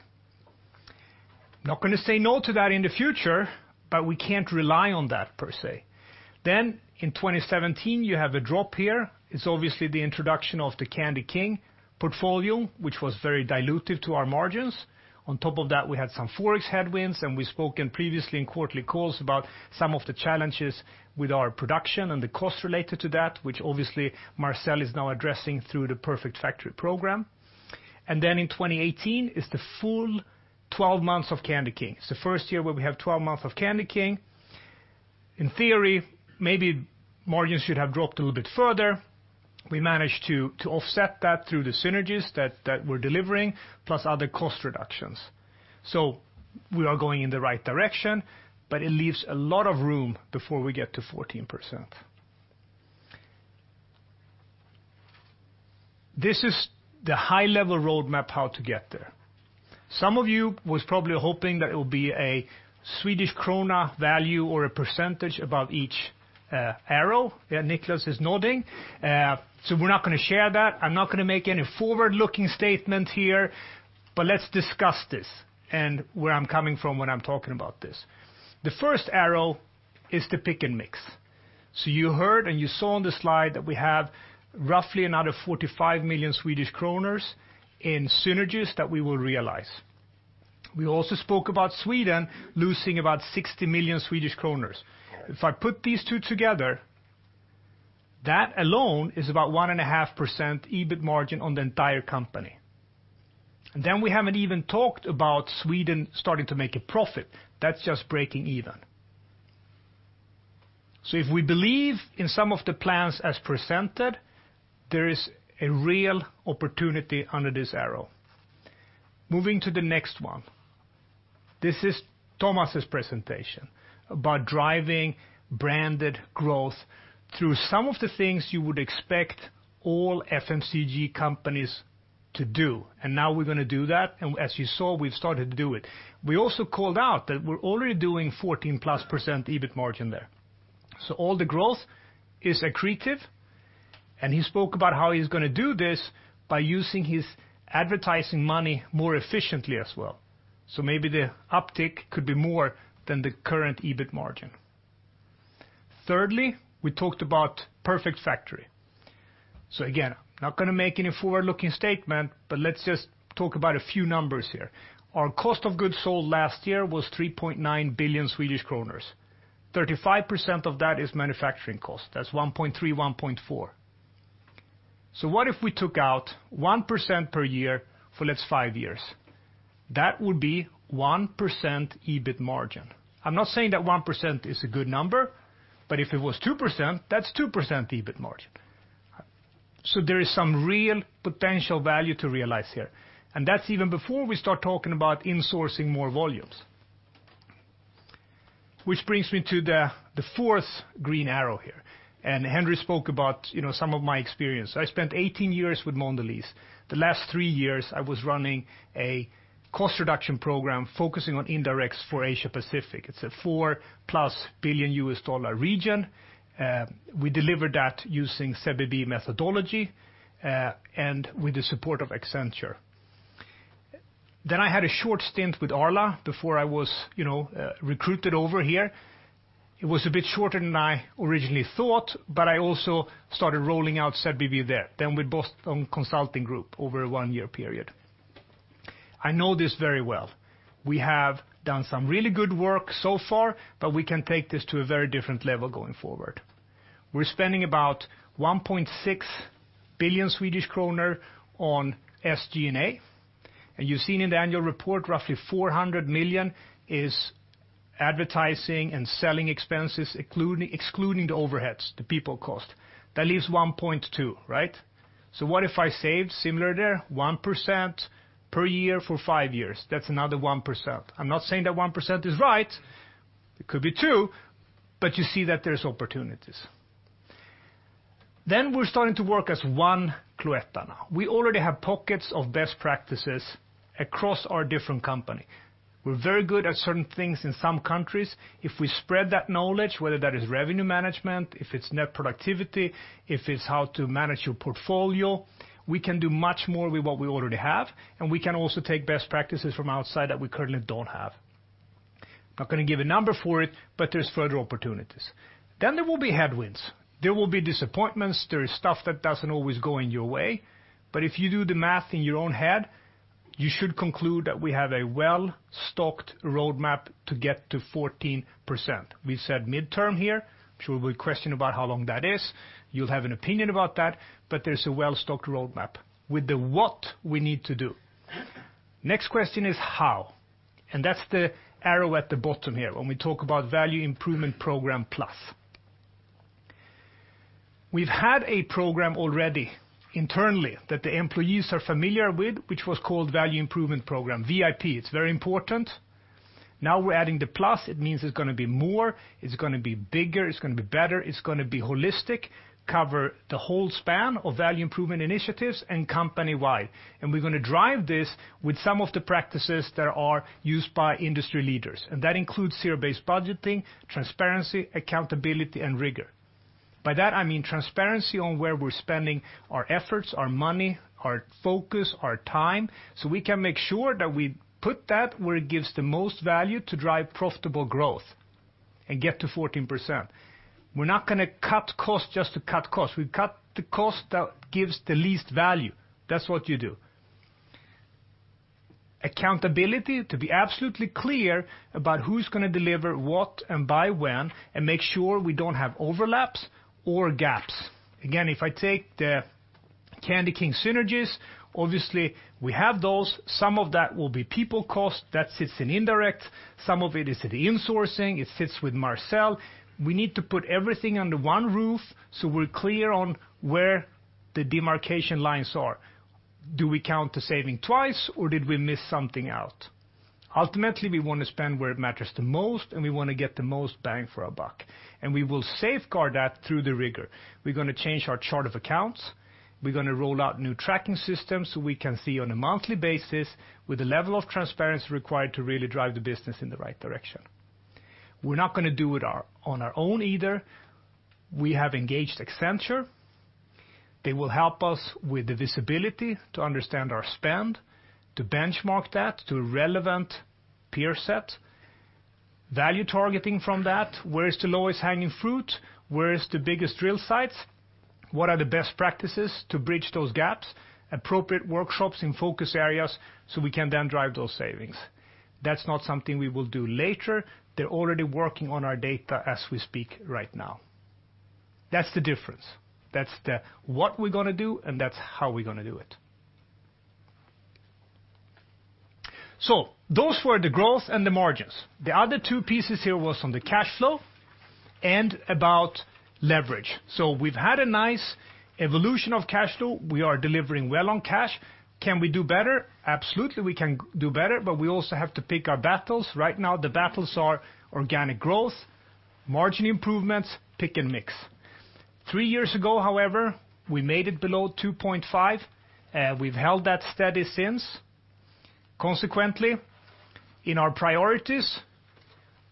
Not going to say no to that in the future, but we can't rely on that per se. In 2017, you have a drop here. It's obviously the introduction of the CandyKing portfolio, which was very dilutive to our margins. On top of that, we had some forex headwinds, and we spoke previously in quarterly calls about some of the challenges with our production and the cost related to that, which obviously Marcel is now addressing through the Perfect Factory program. In 2018 is the full 12 months of CandyKing. It's the first year where we have 12 months of CandyKing. In theory, maybe margins should have dropped a little bit further. We managed to offset that through the synergies that we're delivering, plus other cost reductions. So we are going in the right direction, but it leaves a lot of room before we get to 14%. This is the high-level roadmap how to get there. Some of you were probably hoping that it will be a Swedish krona value or a percentage above each arrow. Yeah, Niklas is nodding. So we're not going to share that. I'm not going to make any forward-looking statements here, but let's discuss this and where I'm coming from when I'm talking about this. The first arrow is the Pick & Mix. You heard and you saw on the slide that we have roughly another 45 million Swedish kronor in synergies that we will realize. We also spoke about Sweden losing about 60 million Swedish kronor. If I put these two together, that alone is about 1.5% EBIT margin on the entire company. And then we haven't even talked about Sweden starting to make a profit. That's just breaking even. So if we believe in some of the plans as presented, there is a real opportunity under this arrow. Moving to the next one. This is Thomas's presentation about driving branded growth through some of the things you would expect all FMCG companies to do. And now we're going to do that. And as you saw, we've started to do it. We also called out that we're already doing 14+% EBIT margin there. So all the growth is accretive. He spoke about how he's going to do this by using his advertising money more efficiently as well. So maybe the uptick could be more than the current EBIT margin. Thirdly, we talked about Perfect Factory. So again, I'm not going to make any forward-looking statement, but let's just talk about a few numbers here. Our cost of goods sold last year was 3.9 billion Swedish kronor. 35% of that is manufacturing cost. That's 1.3-1.4. So what if we took out 1% per year for, let's say, five years? That would be 1% EBIT margin. I'm not saying that 1% is a good number, but if it was 2%, that's 2% EBIT margin. So there is some real potential value to realize here. And that's even before we start talking about insourcing more volumes, which brings me to the fourth green arrow here. Henri spoke about some of my experience. I spent 18 years with Mondelēz. The last three years, I was running a cost reduction program focusing on indirects for Asia-Pacific. It's a four plus billion US dollar region. We delivered that using ZBB methodology and with the support of Accenture. Then I had a short stint with Arla before I was recruited over here. It was a bit shorter than I originally thought, but I also started rolling out ZBB there, then with Boston Consulting Group over a one-year period. I know this very well. We have done some really good work so far, but we can take this to a very different level going forward. We're spending about 1.6 billion Swedish kronor on SG&A. And you've seen in the annual report, roughly 400 million is advertising and selling expenses, excluding the overheads, the people cost. That leaves 1.2, right? What if I saved similar there, 1% per year for five years? That's another 1%. I'm not saying that 1% is right. It could be two, but you see that there's opportunities. Then we're starting to work as one Cloetta now. We already have pockets of best practices across our different company. We're very good at certain things in some countries. If we spread that knowledge, whether that is revenue management, if it's net productivity, if it's how to manage your portfolio, we can do much more with what we already have, and we can also take best practices from outside that we currently don't have. I'm not going to give a number for it, but there's further opportunities. Then there will be headwinds. There will be disappointments. There is stuff that doesn't always go in your way. But if you do the math in your own head, you should conclude that we have a well-stocked roadmap to get to 14%. We've said midterm here. I'm sure we'll question about how long that is. You'll have an opinion about that, but there's a well-stocked roadmap with the what we need to do. Next question is how. And that's the arrow at the bottom here when we talk about Value Improvement Program Plus. We've had a program already internally that the employees are familiar with, which was called Value Improvement Program, VIP. It's very important. Now we're adding the plus. It means it's going to be more. It's going to be bigger. It's going to be better. It's going to be holistic, cover the whole span of value improvement initiatives and company-wide. And we're going to drive this with some of the practices that are used by industry leaders. And that includes zero-based budgeting, transparency, accountability, and rigor. By that, I mean transparency on where we're spending our efforts, our money, our focus, our time. So we can make sure that we put that where it gives the most value to drive profitable growth and get to 14%. We're not going to cut costs just to cut costs. We cut the cost that gives the least value. That's what you do. Accountability to be absolutely clear about who's going to deliver what and by when, and make sure we don't have overlaps or gaps. Again, if I take the CandyKing synergies, obviously we have those. Some of that will be people cost. That sits in indirect. Some of it is in insourcing. It sits with Marcel. We need to put everything under one roof so we're clear on where the demarcation lines are. Do we count the saving twice, or did we miss something out? Ultimately, we want to spend where it matters the most, and we want to get the most bang for our buck, and we will safeguard that through the rigor. We're going to change our chart of accounts. We're going to roll out new tracking systems so we can see on a monthly basis with the level of transparency required to really drive the business in the right direction. We're not going to do it on our own either. We have engaged Accenture. They will help us with the visibility to understand our spend, to benchmark that to a relevant peer set, value targeting from that. Where is the low-hanging fruit? Where is the biggest deal size? What are the best practices to bridge those gaps? Appropriate workshops in focus areas so we can then drive those savings. That's not something we will do later. They're already working on our data as we speak right now. That's the difference. That's what we're going to do, and that's how we're going to do it. So those were the growth and the margins. The other two pieces here were on the cash flow and about leverage. So we've had a nice evolution of cash flow. We are delivering well on cash. Can we do better? Absolutely, we can do better, but we also have to pick our battles. Right now, the battles are organic growth, margin improvements, pick and mix. Three years ago, however, we made it below 2.5. We've held that steady since. Consequently, in our priorities,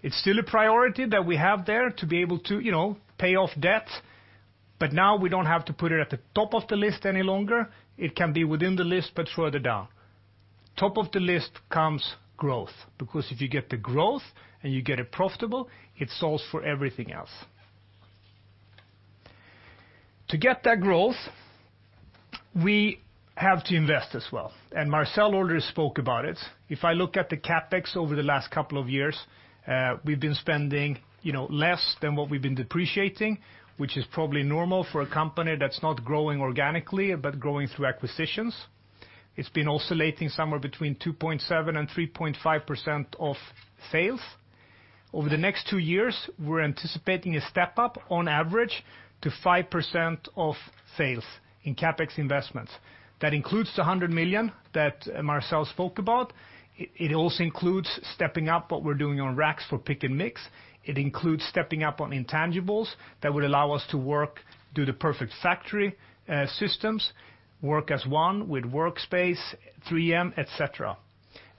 it's still a priority that we have there to be able to pay off debt. But now we don't have to put it at the top of the list any longer. It can be within the list, but further down. Top of the list comes growth because if you get the growth and you get it profitable, it solves for everything else. To get that growth, we have to invest as well. And Marcel already spoke about it. If I look at the CapEx over the last couple of years, we've been spending less than what we've been depreciating, which is probably normal for a company that's not growing organically but growing through acquisitions. It's been oscillating somewhere between 2.7% and 3.5% of sales. Over the next two years, we're anticipating a step up on average to 5% of sales in CapEx investments. That includes the 100 million that Marcel spoke about. It also includes stepping up what we're doing on racks for Pick & Mix. It includes stepping up on intangibles that would allow us to work through the Perfect Factory systems, work as one with Workspace, 3M, etc.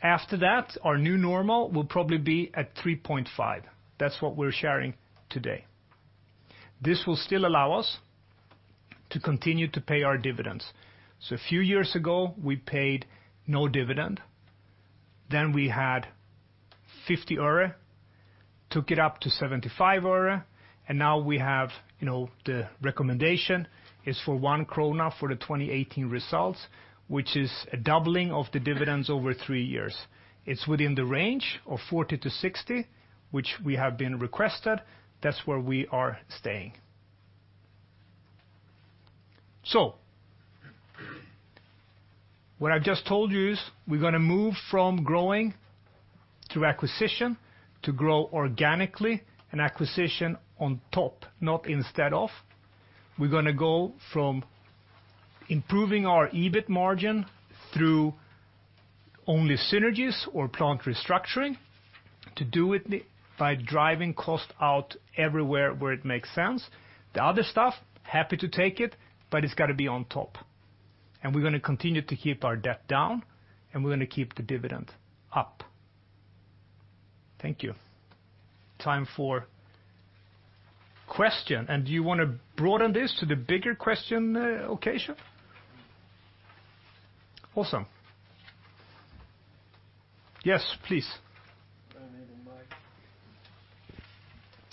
After that, our new normal will probably be at 3.5. That's what we're sharing today. This will still allow us to continue to pay our dividends. A few years ago, we paid no dividend. Then we had 50 öre, took it up to 75 öre, and now we have the recommendation is for 1 krona for the 2018 results, which is a doubling of the dividends over three years. It's within the range of 40-60, which we have been requested. That's where we are staying. What I've just told you is we're going to move from growing through acquisition to grow organically and acquisition on top, not instead of. We're going to go from improving our EBIT margin through only synergies or plant restructuring to do it by driving cost out everywhere where it makes sense. The other stuff, happy to take it, but it's got to be on top. And we're going to continue to keep our debt down, and we're going to keep the dividend up. Thank you. Time for question. And do you want to broaden this to the bigger question occasion? Awesome. Yes, please.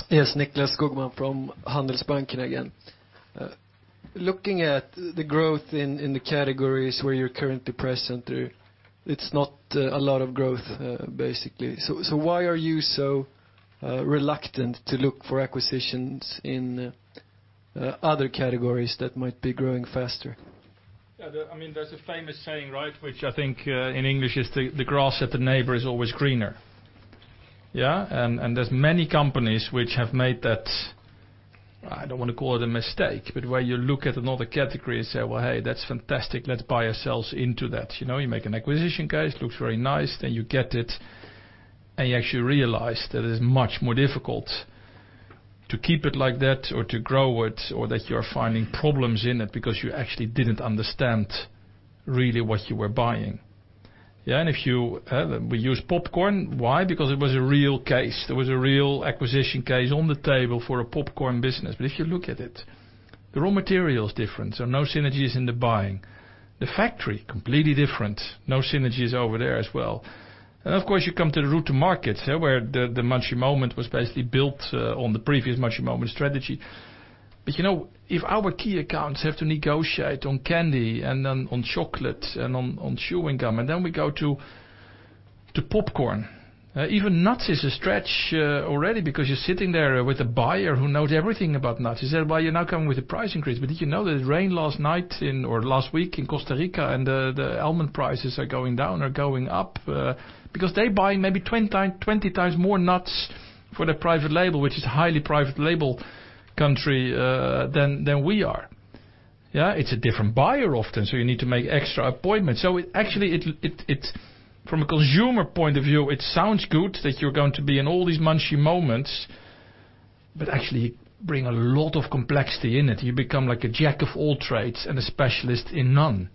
Yes, Nicklas Skogman from Handelsbanken again. Looking at the growth in the categories where you're currently present, it's not a lot of growth, basically. So why are you so reluctant to look for acquisitions in other categories that might be growing faster? Yeah, I mean, there's a famous saying, right, which I think in English is the grass at the neighbor is always greener. Yeah? And there's many companies which have made that. I don't want to call it a mistake, but where you look at another category and say, "Well, hey, that's fantastic. Let's buy ourselves into that." You make an acquisition case, looks very nice, then you get it, and you actually realize that it is much more difficult to keep it like that or to grow it or that you're finding problems in it because you actually didn't understand really what you were buying. Yeah? And if you use popcorn, why? Because it was a real case. There was a real acquisition case on the table for a popcorn business. But if you look at it, the raw material is different. There are no synergies in the buying. The factory, completely different. No synergies over there as well. Of course, you come to the route to market, where the Munchy Moments was basically built on the previous Munchy Moments strategy. If our key accounts have to negotiate on candy and then on chocolate and on chewing gum, and then we go to popcorn, even nuts is a stretch already because you're sitting there with a buyer who knows everything about nuts. He said, "Well, you're not coming with a price increase, but did you know that it rained last night or last week in Costa Rica and the almond prices are going down or going up?" Because they buy maybe 20 times more nuts for the private label, which is a highly private label country than we are. Yeah? It's a different buyer often, so you need to make extra appointments. So actually, from a consumer point of view, it sounds good that you're going to be in all these Munchy Moments, but actually bring a lot of complexity in it. You become like a jack of all trades and a specialist in none.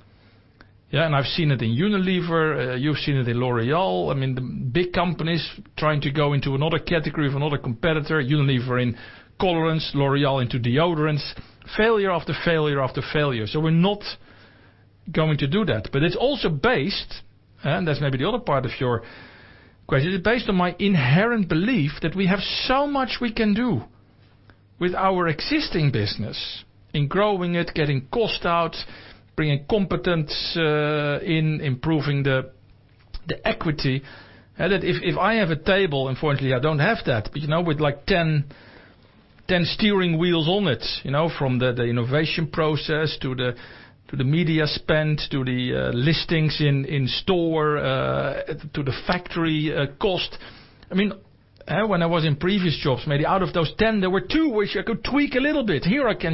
Yeah? And I've seen it in Unilever. You've seen it in L'Oréal. I mean, the big companies trying to go into another category of another competitor, Unilever in colorants, L'Oréal into deodorants, failure after failure after failure. So we're not going to do that. But it's also based, and that's maybe the other part of your question, it's based on my inherent belief that we have so much we can do with our existing business in growing it, getting cost out, bringing competence in, improving the equity. If I have a table, unfortunately, I don't have that with like 10 steering wheels on it, from the innovation process to the media spend, to the listings in store, to the factory cost. I mean, when I was in previous jobs, maybe out of those 10, there were two which I could tweak a little bit. Here I can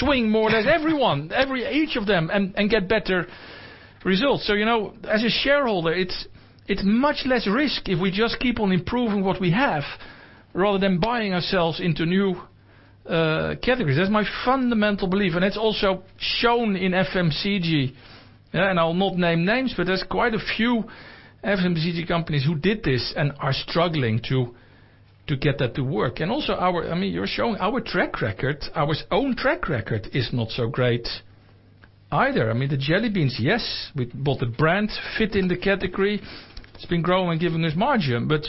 swing more than everyone, each of them, and get better results. So as a shareholder, it's much less risk if we just keep on improving what we have rather than buying ourselves into new categories. That's my fundamental belief. It's also shown in FMCG. I'll not name names, but there's quite a few FMCG companies who did this and are struggling to get that to work. Also, I mean, you're showing our track record. Our own track record is not so great either. I mean, the jelly beans, yes, we bought the brand fit in the category. It's been growing and giving us margin. But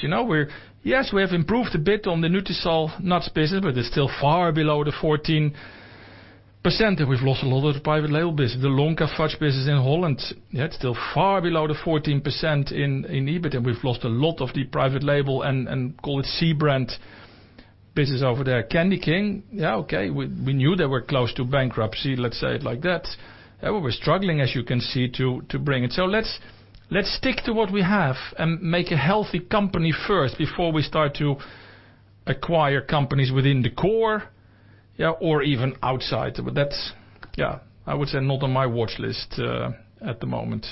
yes, we have improved a bit on the Nutisal nuts business, but it's still far below the 14% that we've lost a lot of the private label business, the Lonka fudge business in Holland. Yeah, it's still far below the 14% in EBIT, and we've lost a lot of the private label and call it C-brand business over there. CandyKing, yeah, okay. We knew they were close to bankruptcy, let's say it like that. We're struggling, as you can see, to bring it. Let's stick to what we have and make a healthy company first before we start to acquire companies within the core or even outside. But that's, yeah, I would say not on my watch list at the moment.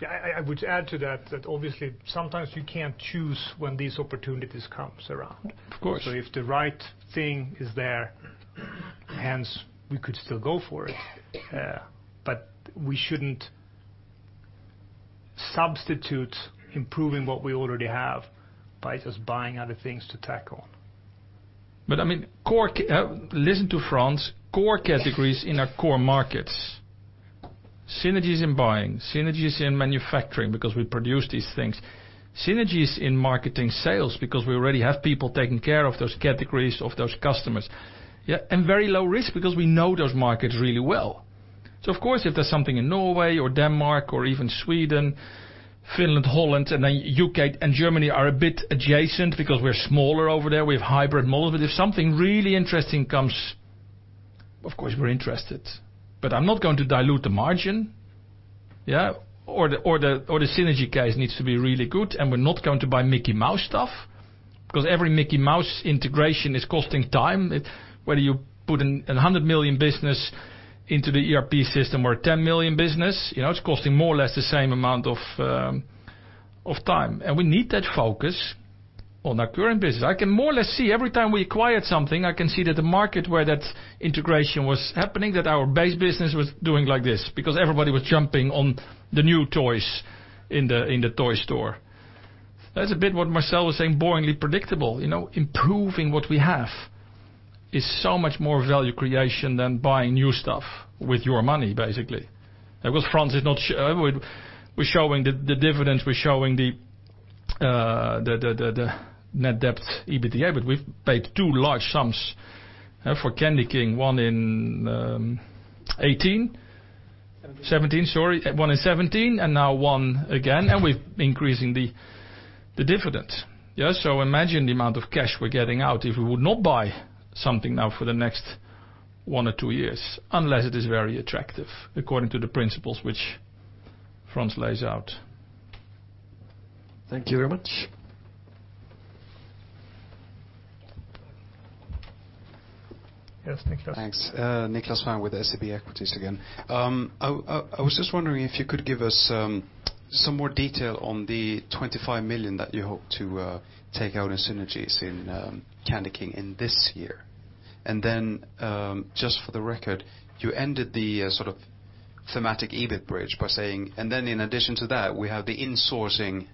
Yeah, I would add to that that obviously sometimes you can't choose when these opportunities come around. Of course. So if the right thing is there, hence we could still go for it. We shouldn't substitute improving what we already have by just buying other things to tackle. I mean, listen to Frans, core categories in our core markets, synergies in buying, synergies in manufacturing because we produce these things, synergies in marketing sales because we already have people taking care of those categories of those customers. Yeah, and very low risk because we know those markets really well. Of course, if there's something in Norway or Denmark or even Sweden, Finland, Holland, and then U.K. and Germany are a bit adjacent because we're smaller over there. We have hybrid models. If something really interesting comes, of course, we're interested. But I'm not going to dilute the margin, yeah, or the synergy case needs to be really good, and we're not going to buy Mickey Mouse stuff because every Mickey Mouse integration is costing time. Whether you put a 100 million business into the ERP system or a 10 million business, it's costing more or less the same amount of time. And we need that focus on our current business. I can more or less see every time we acquired something, I can see that the market where that integration was happening, that our base business was doing like this because everybody was jumping on the new toys in the toy store. That's a bit what Marcel was saying, boringly predictable. Improving what we have is so much more value creation than buying new stuff with your money, basically. Because Frans is not showing the dividends, we're showing the net debt EBITDA, but we've paid two large sums for CandyKing, one in 2017, sorry. One in 2017 and now one again. And we're increasing the dividends. Yeah? So imagine the amount of cash we're getting out if we would not buy something now for the next one or two years, unless it is very attractive according to the principles which Frans lays out. Thank you very much. Yes, Nicklas. Thanks. Nicklas Fhärm with SEB Equities again. I was just wondering if you could give us some more detail on the 25 million that you hope to take out in synergies in CandyKing this year. And then, just for the record, you ended the sort of thematic EBIT bridge by saying, "And then in addition to that, we have the insourcing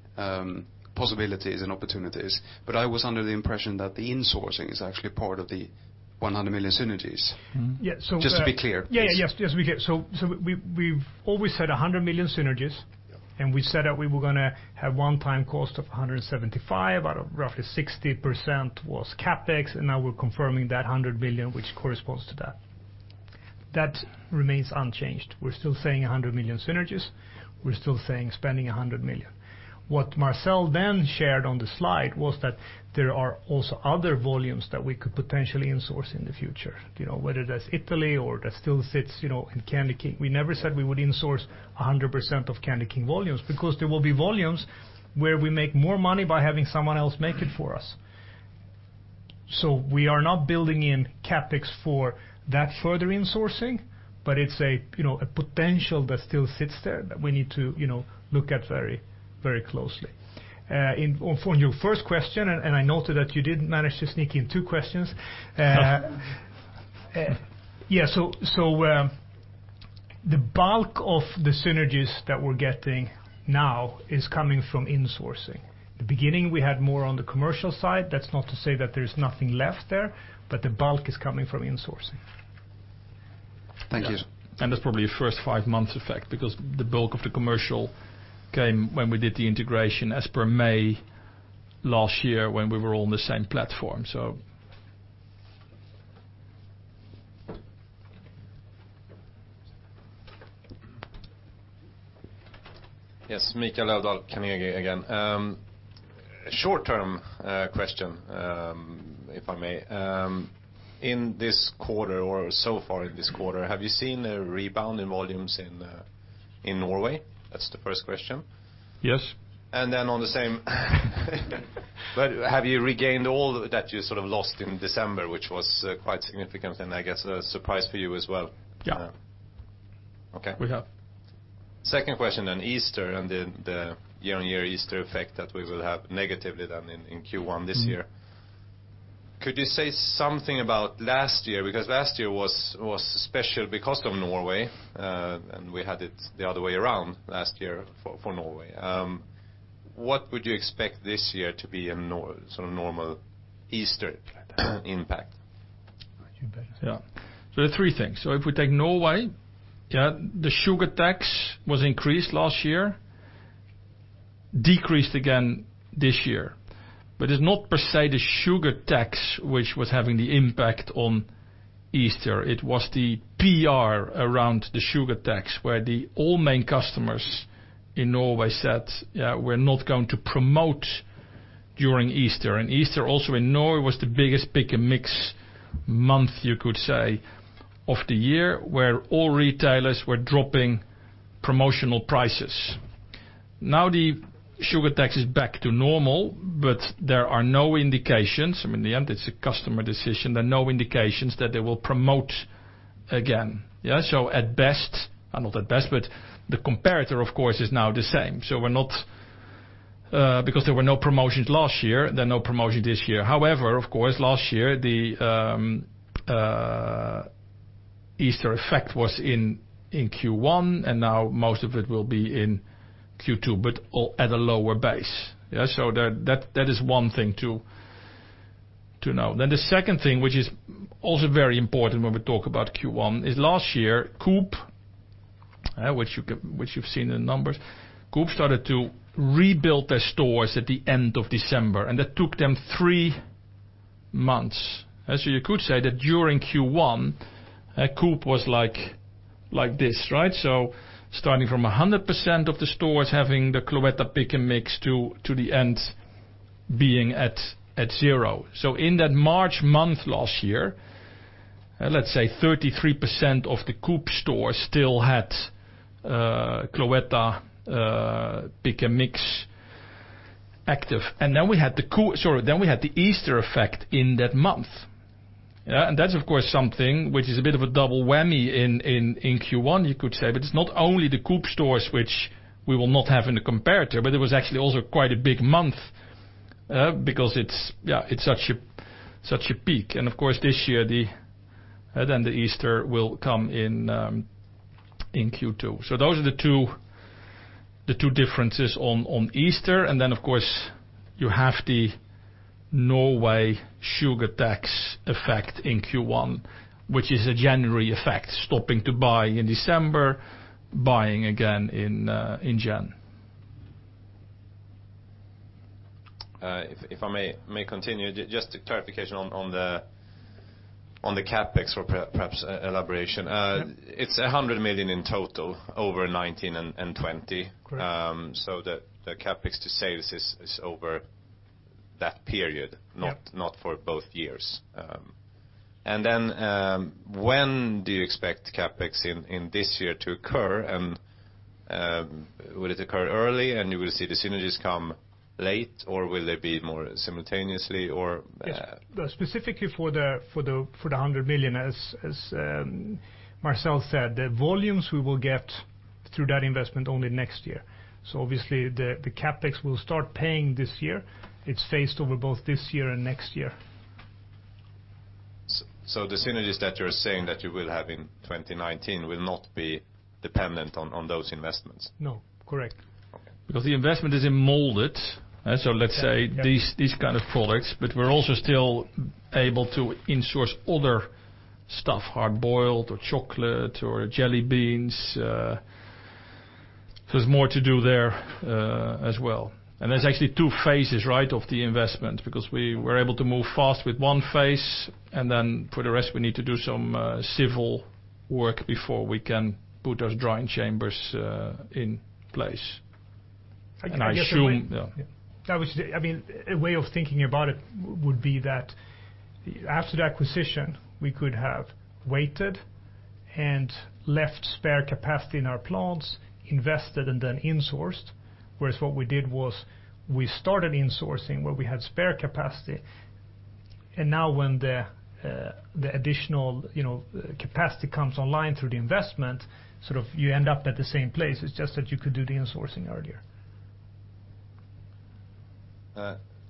possibilities and opportunities." But I was under the impression that the insourcing is actually part of the 100 million synergies. Yeah. So we're, just to be clear. Yeah, yeah, yes. Just to be clear. So we've always said 100 million synergies, and we said that we were going to have one-time cost of 175 million, out of roughly 60% was CapEx, and now we're confirming that 100 million, which corresponds to that. That remains unchanged. We're still saying 100 million synergies. We're still saying spending 100 million. What Marcel then shared on the slide was that there are also other volumes that we could potentially insource in the future, whether that's Italy or that still sits in CandyKing. We never said we would insource 100% of CandyKing volumes because there will be volumes where we make more money by having someone else make it for us. So we are not building in CapEx for that further insourcing, but it's a potential that still sits there that we need to look at very, very closely. For your first question, and I noted that you did manage to sneak in two questions. Yeah. So the bulk of the synergies that we're getting now is coming from insourcing. The beginning, we had more on the commercial side. That's not to say that there's nothing left there, but the bulk is coming from insourcing. Thank you. And that's probably a first five-month effect because the bulk of the commercial came when we did the integration as per May last year when we were all on the same platform, so. Yes, Mikael Löfdahl, coming in again. Short-term question, if I may. In this quarter, or so far in this quarter, have you seen a rebound in volumes in Norway? That's the first question. Yes. And then on the same, but have you regained all that you sort of lost in December, which was quite significant and, I guess, a surprise for you as well? Yeah. Okay. We have. Second question then, Easter and the year-on-year Easter effect that we will have negatively then in Q1 this year. Could you say something about last year? Because last year was special because of Norway, and we had it the other way around last year for Norway. What would you expect this year to be in sort of normal Easter impact? Yeah. So there are three things. So if we take Norway, yeah, the sugar tax was increased last year, decreased again this year. But it's not per se the sugar tax which was having the impact on Easter. It was the PR around the sugar tax where the all main customers in Norway said, "Yeah, we're not going to promote during Easter." And Easter also in Norway was the biggest pick and mix month, you could say, of the year where all retailers were dropping promotional prices. Now the sugar tax is back to normal, but there are no indications—I mean, in the end, it's a customer decision—there are no indications that they will promote again. Yeah? So at best, not at best, but the comparator, of course, is now the same. So because there were no promotions last year, there are no promotions this year. However, of course, last year, the Easter effect was in Q1, and now most of it will be in Q2, but at a lower base. Yeah? So that is one thing to know. Then the second thing, which is also very important when we talk about Q1, is last year, Coop, which you've seen in the numbers, Coop started to rebuild their stores at the end of December, and that took them three months. So you could say that during Q1, Coop was like this, right? So starting from 100% of the stores having the Cloetta pick and mix to the end being at zero. So in that March month last year, let's say 33% of the Coop stores still had Cloetta pick and mix active. And then we had the, sorry, then we had the Easter effect in that month. Yeah? That's, of course, something which is a bit of a double whammy in Q1, you could say, but it's not only the Coop stores which we will not have in the comparator, but it was actually also quite a big month because it's such a peak. Of course, this year, then the Easter will come in Q2. So those are the two differences on Easter. Then, of course, you have the Norway sugar tax effect in Q1, which is a January effect, stopping to buy in December, buying again in Jan. If I may continue, just a clarification on the CapEx for perhaps elaboration. It's 100 million in total over 2019 and 2020. So the CapEx to sales is over that period, not for both years. Then when do you expect CapEx in this year to occur? Will it occur early, and you will see the synergies come late, or will they be more simultaneously, or? Yeah. Specifically for the 100 million, as Marcel said, the volumes we will get through that investment only next year. So obviously, the CapEx will start paying this year. It's phased over both this year and next year. So the synergies that you're saying that you will have in 2019 will not be dependent on those investments? No. Correct. Because the investment is in molded, so let's say these kind of products, but we're also still able to insource other stuff, hard boiled or chocolate or jelly beans. So there's more to do there as well. And there's actually two phases, right, of the investment because we were able to move fast with one phase, and then for the rest, we need to do some civil work before we can put those drying chambers in place. And I assume, I mean, a way of thinking about it would be that after the acquisition, we could have waited and left spare capacity in our plants, invested, and then insourced, whereas what we did was we started insourcing where we had spare capacity. And now when the additional capacity comes online through the investment, sort of you end up at the same place. It's just that you could do the insourcing earlier.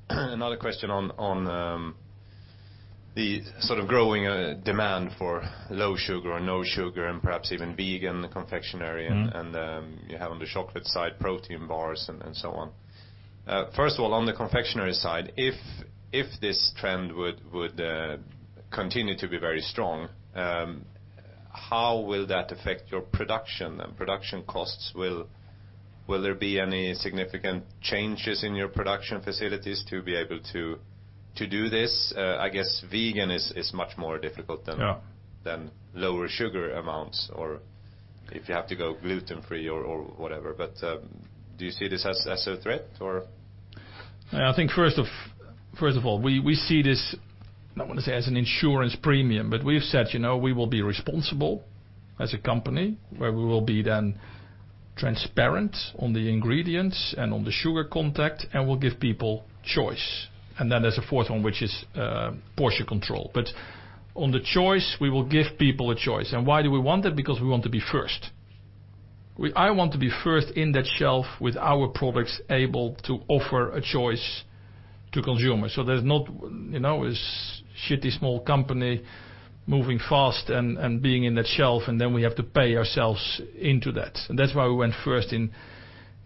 Another question on the sort of growing demand for low sugar or no sugar and perhaps even vegan confectionery, and you have on the chocolate side protein bars and so on. First of all, on the confectionery side, if this trend would continue to be very strong, how will that affect your production? And production costs, will there be any significant changes in your production facilities to be able to do this? I guess vegan is much more difficult than lower sugar amounts or if you have to go gluten-free or whatever. But do you see this as a threat, or? I think, first of all, we see this. I don't want to say as an insurance premium, but we've said we will be responsible as a company where we will be then transparent on the ingredients and on the sugar content, and we'll give people choice. And then there's a fourth one, which is portion control. But on the choice, we will give people a choice. And why do we want that? Because we want to be first. I want to be first in that shelf with our products able to offer a choice to consumers. So there's not this shitty small company moving fast and being in that shelf, and then we have to pay ourselves into that. And that's why we went first in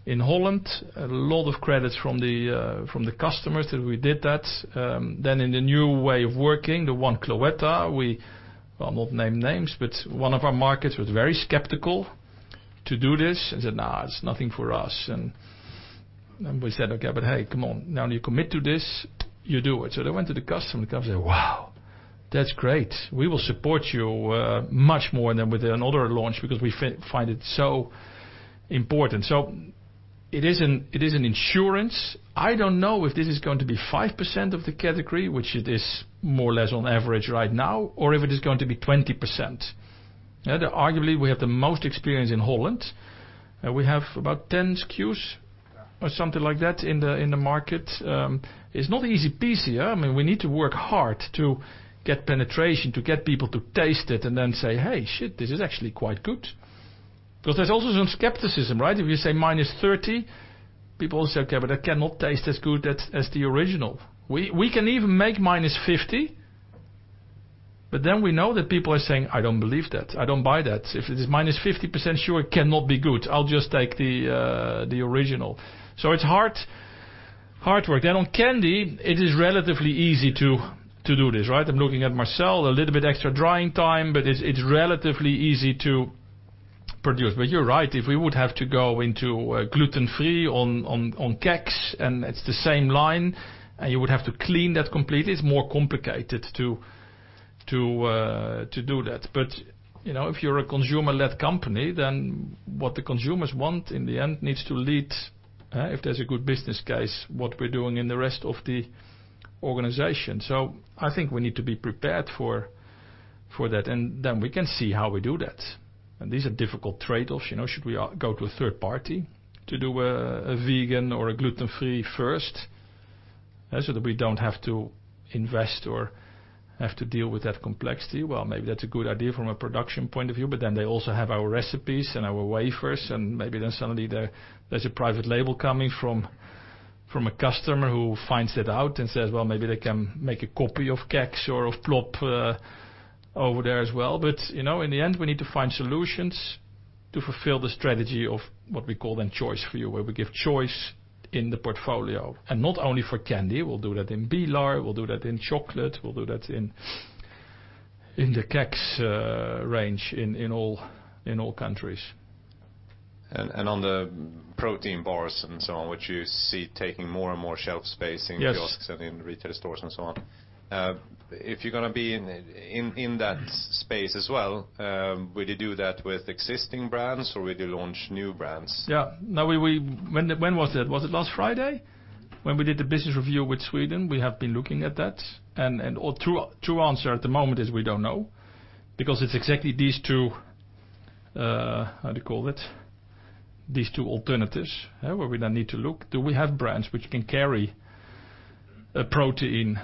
Holland. A lot of credits from the customers that we did that. Then in the new way of working, the one Cloetta, we, well, I'll not name names, but one of our markets was very skeptical to do this and said, "No, it's nothing for us." And we said, "Okay, but hey, come on. Now you commit to this, you do it." So they went to the customer and the customer said, "Wow, that's great. We will support you much more than with another launch because we find it so important." So it is an insurance. I don't know if this is going to be 5% of the category, which it is more or less on average right now, or if it is going to be 20%. Arguably, we have the most experience in Holland. We have about 10 SKUs or something like that in the market. It's not an easy piece, yeah? I mean, we need to work hard to get penetration, to get people to taste it, and then say, "Hey, shit, this is actually quite good." Because there's also some skepticism, right? If you say minus 30, people will say, "Okay, but that cannot taste as good as the original." We can even make minus 50, but then we know that people are saying, "I don't believe that. I don't buy that. If it is minus 50% sure, it cannot be good. I'll just take the original." So it's hard work. Then on candy, it is relatively easy to do this, right? I'm looking at Marcel, a little bit extra drying time, but it's relatively easy to produce. But you're right. If we would have to go into gluten-free on KEX, and it's the same line, and you would have to clean that completely, it's more complicated to do that. But if you're a consumer-led company, then what the consumers want in the end needs to lead if there's a good business case what we're doing in the rest of the organization. So I think we need to be prepared for that. And then we can see how we do that. And these are difficult trade-offs. Should we go to a third party to do a vegan or a gluten-free first so that we don't have to invest or have to deal with that complexity? Maybe that's a good idea from a production point of view, but then they also have our recipes and our wafers, and maybe then suddenly there's a private label coming from a customer who finds that out and says, "Well, maybe they can make a copy of KEX or of Plopp over there as well." But in the end, we need to find solutions to fulfill the strategy of what we call then Choice for You, where we give choice in the portfolio. And not only for candy. We'll do that in Bilar. We'll do that in chocolate. We'll do that in the KEX range in all countries. And on the protein bars and so on, which you see taking more and more shelf space in kiosks and in retail stores and so on. If you're going to be in that space as well, will you do that with existing brands, or will you launch new brands? Yeah. Now, when was it? Was it last Friday when we did the business review with Sweden? We have been looking at that. And true answer at the moment is we don't know because it's exactly these two, how do you call it? These two alternatives where we then need to look. Do we have brands which can carry a protein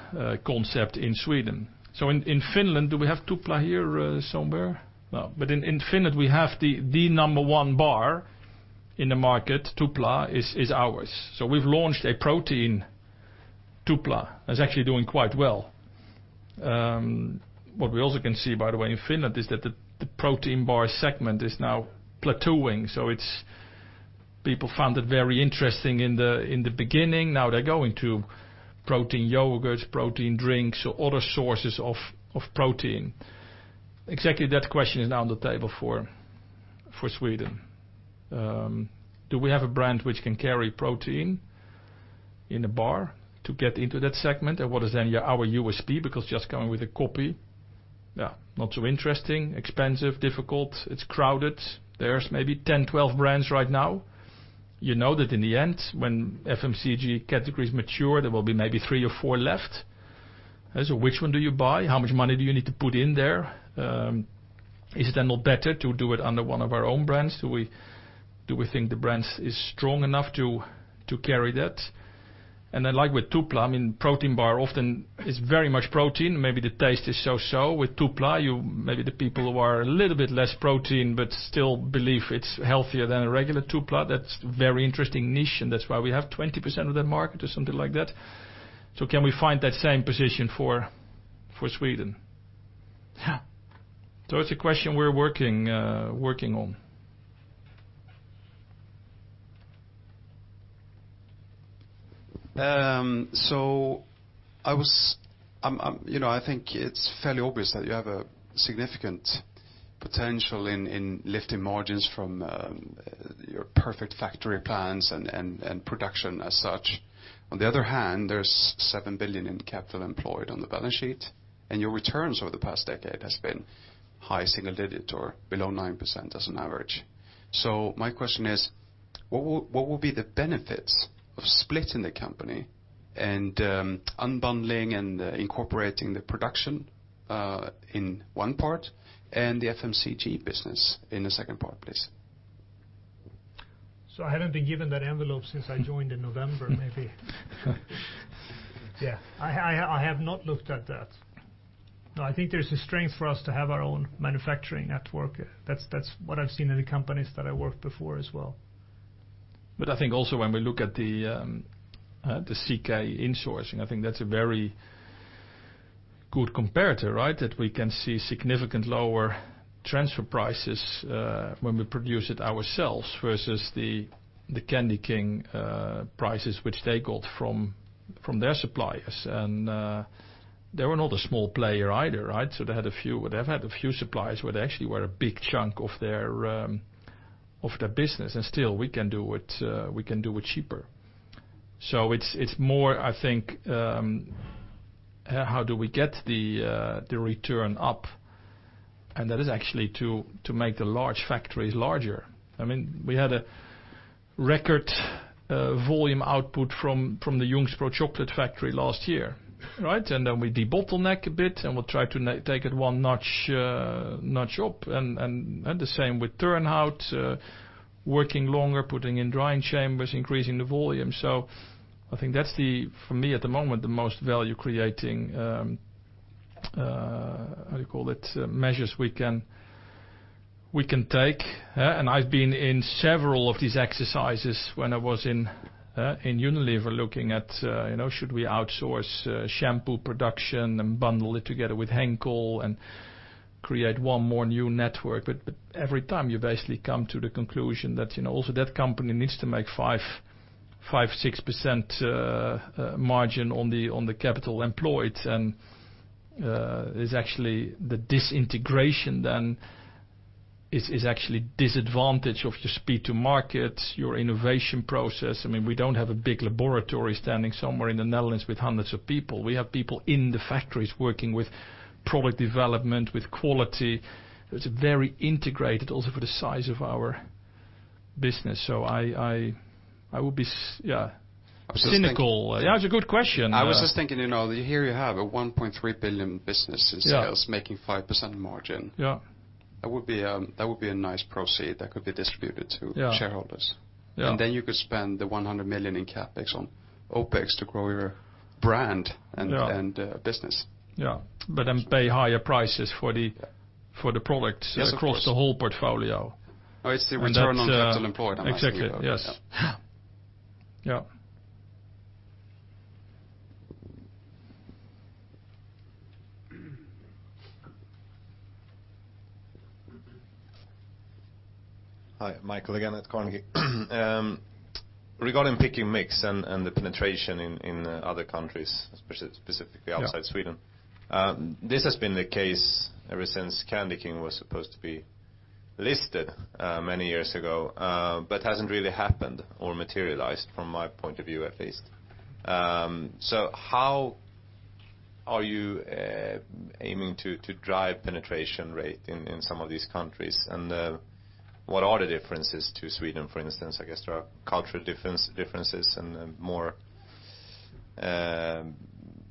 concept in Sweden? So in Finland, do we have Tupla here somewhere? No. But in Finland, we have the number one bar in the market. Tupla is ours. So we've launched a protein Tupla. It's actually doing quite well. What we also can see, by the way, in Finland is that the protein bar segment is now plateauing. So people found it very interesting in the beginning. Now they're going to protein yogurts, protein drinks, or other sources of protein. Exactly that question is now on the table for Sweden. Do we have a brand which can carry protein in a bar to get into that segment? And what is then our USP? Because just coming with a copy, yeah, not so interesting, expensive, difficult. It's crowded. There's maybe 10, 12 brands right now. You know that in the end, when FMCG categories mature, there will be maybe three or four left. So which one do you buy? How much money do you need to put in there? Is it then not better to do it under one of our own brands? Do we think the brand is strong enough to carry that? And then like with Tupla, I mean, protein bar often is very much protein. Maybe the taste is so-so. With Tupla, maybe the people who are a little bit less protein but still believe it's healthier than a regular Tupla. That's a very interesting niche, and that's why we have 20% of that market or something like that. So can we find that same position for Sweden? Yeah. So it's a question we're working on. So I think it's fairly obvious that you have a significant potential in lifting margins from your Perfect Factory plans and production as such. On the other hand, there's seven billion in capital employed on the balance sheet, and your returns over the past decade have been high single digit or below 9% as an average. So my question is, what will be the benefits of splitting the company and unbundling and incorporating the production in one part and the FMCG business in the second part, please? So I haven't been given that envelope since I joined in November, maybe. Yeah. I have not looked at that. No, I think there's a strength for us to have our own manufacturing network. That's what I've seen in the companies that I worked before as well. But I think also when we look at the CK insourcing, I think that's a very good comparator, right, that we can see significant lower transfer prices when we produce it ourselves versus the CandyKing prices which they got from their suppliers. And they were not a small player either, right? So they had a few, well, they've had a few suppliers where they actually were a big chunk of their business. And still, we can do it. We can do it cheaper. So it's more, I think, how do we get the return up? And that is actually to make the large factories larger. I mean, we had a record volume output from the Ljungsbro chocolate factory last year, right? And then we de-bottlenecked a bit, and we'll try to take it one notch up. And the same with Turnhout, working longer, putting in drying chambers, increasing the volume. So I think that's, for me at the moment, the most value-creating, how do you call it, measures we can take. And I've been in several of these exercises when I was in Unilever looking at, should we outsource shampoo production and bundle it together with Henkel and create one more new network? But every time you basically come to the conclusion that also that company needs to make 5-6% margin on the capital employed, and it's actually the disintegration then is actually disadvantage of your speed to market, your innovation process. I mean, we don't have a big laboratory standing somewhere in the Netherlands with hundreds of people. We have people in the factories working with product development, with quality. It's very integrated also for the size of our business. So I will be, yeah, cynical. That's a good question. I was just thinking, here you have a 1.3 billion business in sales making 5% margin. That would be a nice proceeds that could be distributed to shareholders. And then you could spend the 100 million in CapEx on OpEx to grow your brand and business. Yeah. But then pay higher prices for the products across the whole portfolio. It's the return on capital employed, I'm assuming. Exactly. Yes. Yeah. Hi, Mikael again at Carnegie. Regarding Pick & Mix and the penetration in other countries, specifically outside Sweden, this has been the case ever since CandyKing was supposed to be listed many years ago, but hasn't really happened or materialized from my point of view at least. So how are you aiming to drive penetration rate in some of these countries? And what are the differences to Sweden, for instance? I guess there are cultural differences and more, I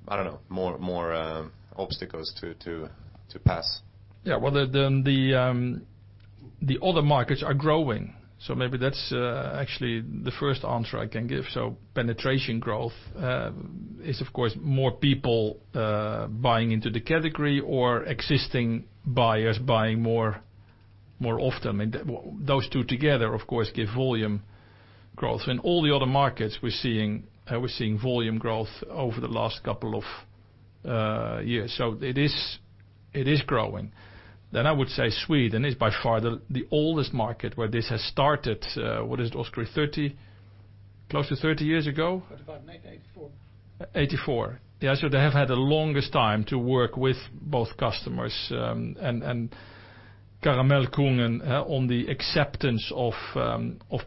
don't know, more obstacles to pass. Yeah. The other markets are growing. So maybe that's actually the first answer I can give. Penetration growth is, of course, more people buying into the category or existing buyers buying more often. Those two together, of course, give volume growth. In all the other markets, we're seeing volume growth over the last couple of years. So it is growing. Then I would say Sweden is by far the oldest market where this has started. What is it? Oskari 30? Close to 30 years ago? 1984. 1984. Yeah. So they have had the longest time to work with both customers and Karamellkungen on the acceptance of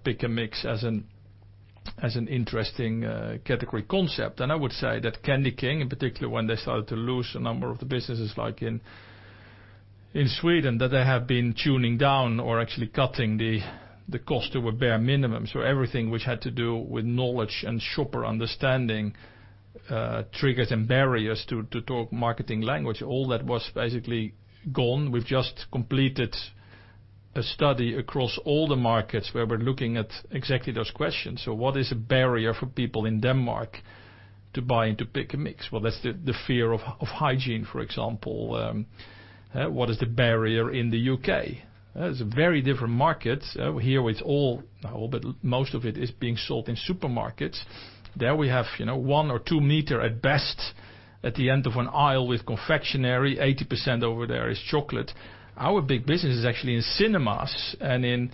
Pick & Mix as an interesting category concept. And I would say that CandyKing, in particular, when they started to lose a number of the businesses like in Sweden, that they have been tuning down or actually cutting the cost to a bare minimum. So everything which had to do with knowledge and shopper understanding, triggers and barriers to marketing language, all that was basically gone. We've just completed a study across all the markets where we're looking at exactly those questions. So what is a barrier for people in Denmark to buy into Pick & Mix? That's the fear of hygiene, for example. What is the barrier in the U.K.? It's a very different market. Here, it's all, well, but most of it is being sold in supermarkets. There we have one or two-meter at best at the end of an aisle with confectionery. 80% over there is chocolate. Our big business is actually in cinemas and in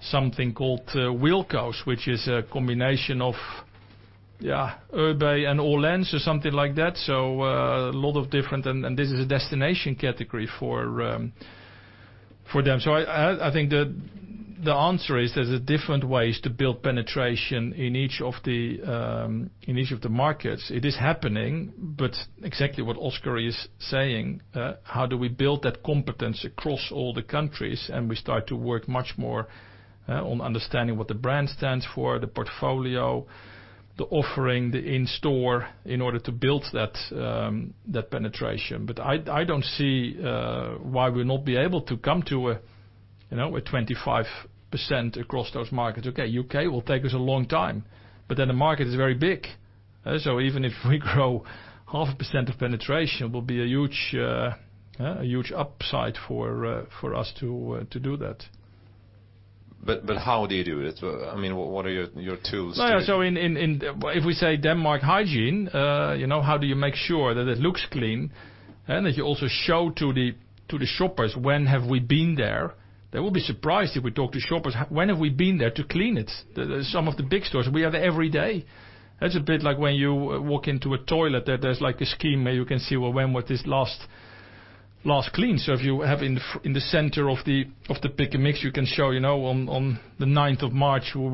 something called Wilko's, which is a combination of, yeah, ÖoB and Åhléns or something like that. So a lot of different, and this is a destination category for them. So I think the answer is there's different ways to build penetration in each of the markets. It is happening, but exactly what Oskari is saying, how do we build that competence across all the countries and we start to work much more on understanding what the brand stands for, the portfolio, the offering, the in-store in order to build that penetration. But I don't see why we would not be able to come to a 25% across those markets. Okay, UK will take us a long time, but then the market is very big. So even if we grow 0.5% of penetration, it will be a huge upside for us to do that. But how do you do it? I mean, what are your tools? Well, yeah. So if we say Denmark hygiene, how do you make sure that it looks clean and that you also show to the shoppers when have we been there? They will be surprised if we talk to shoppers, "When have we been there to clean it?" Some of the big stores, we have every day. That's a bit like when you walk into a toilet that there's a scheme where you can see when was this last clean. So if you have in the center of the Pick & Mix, you can show, "On the 9th of March, we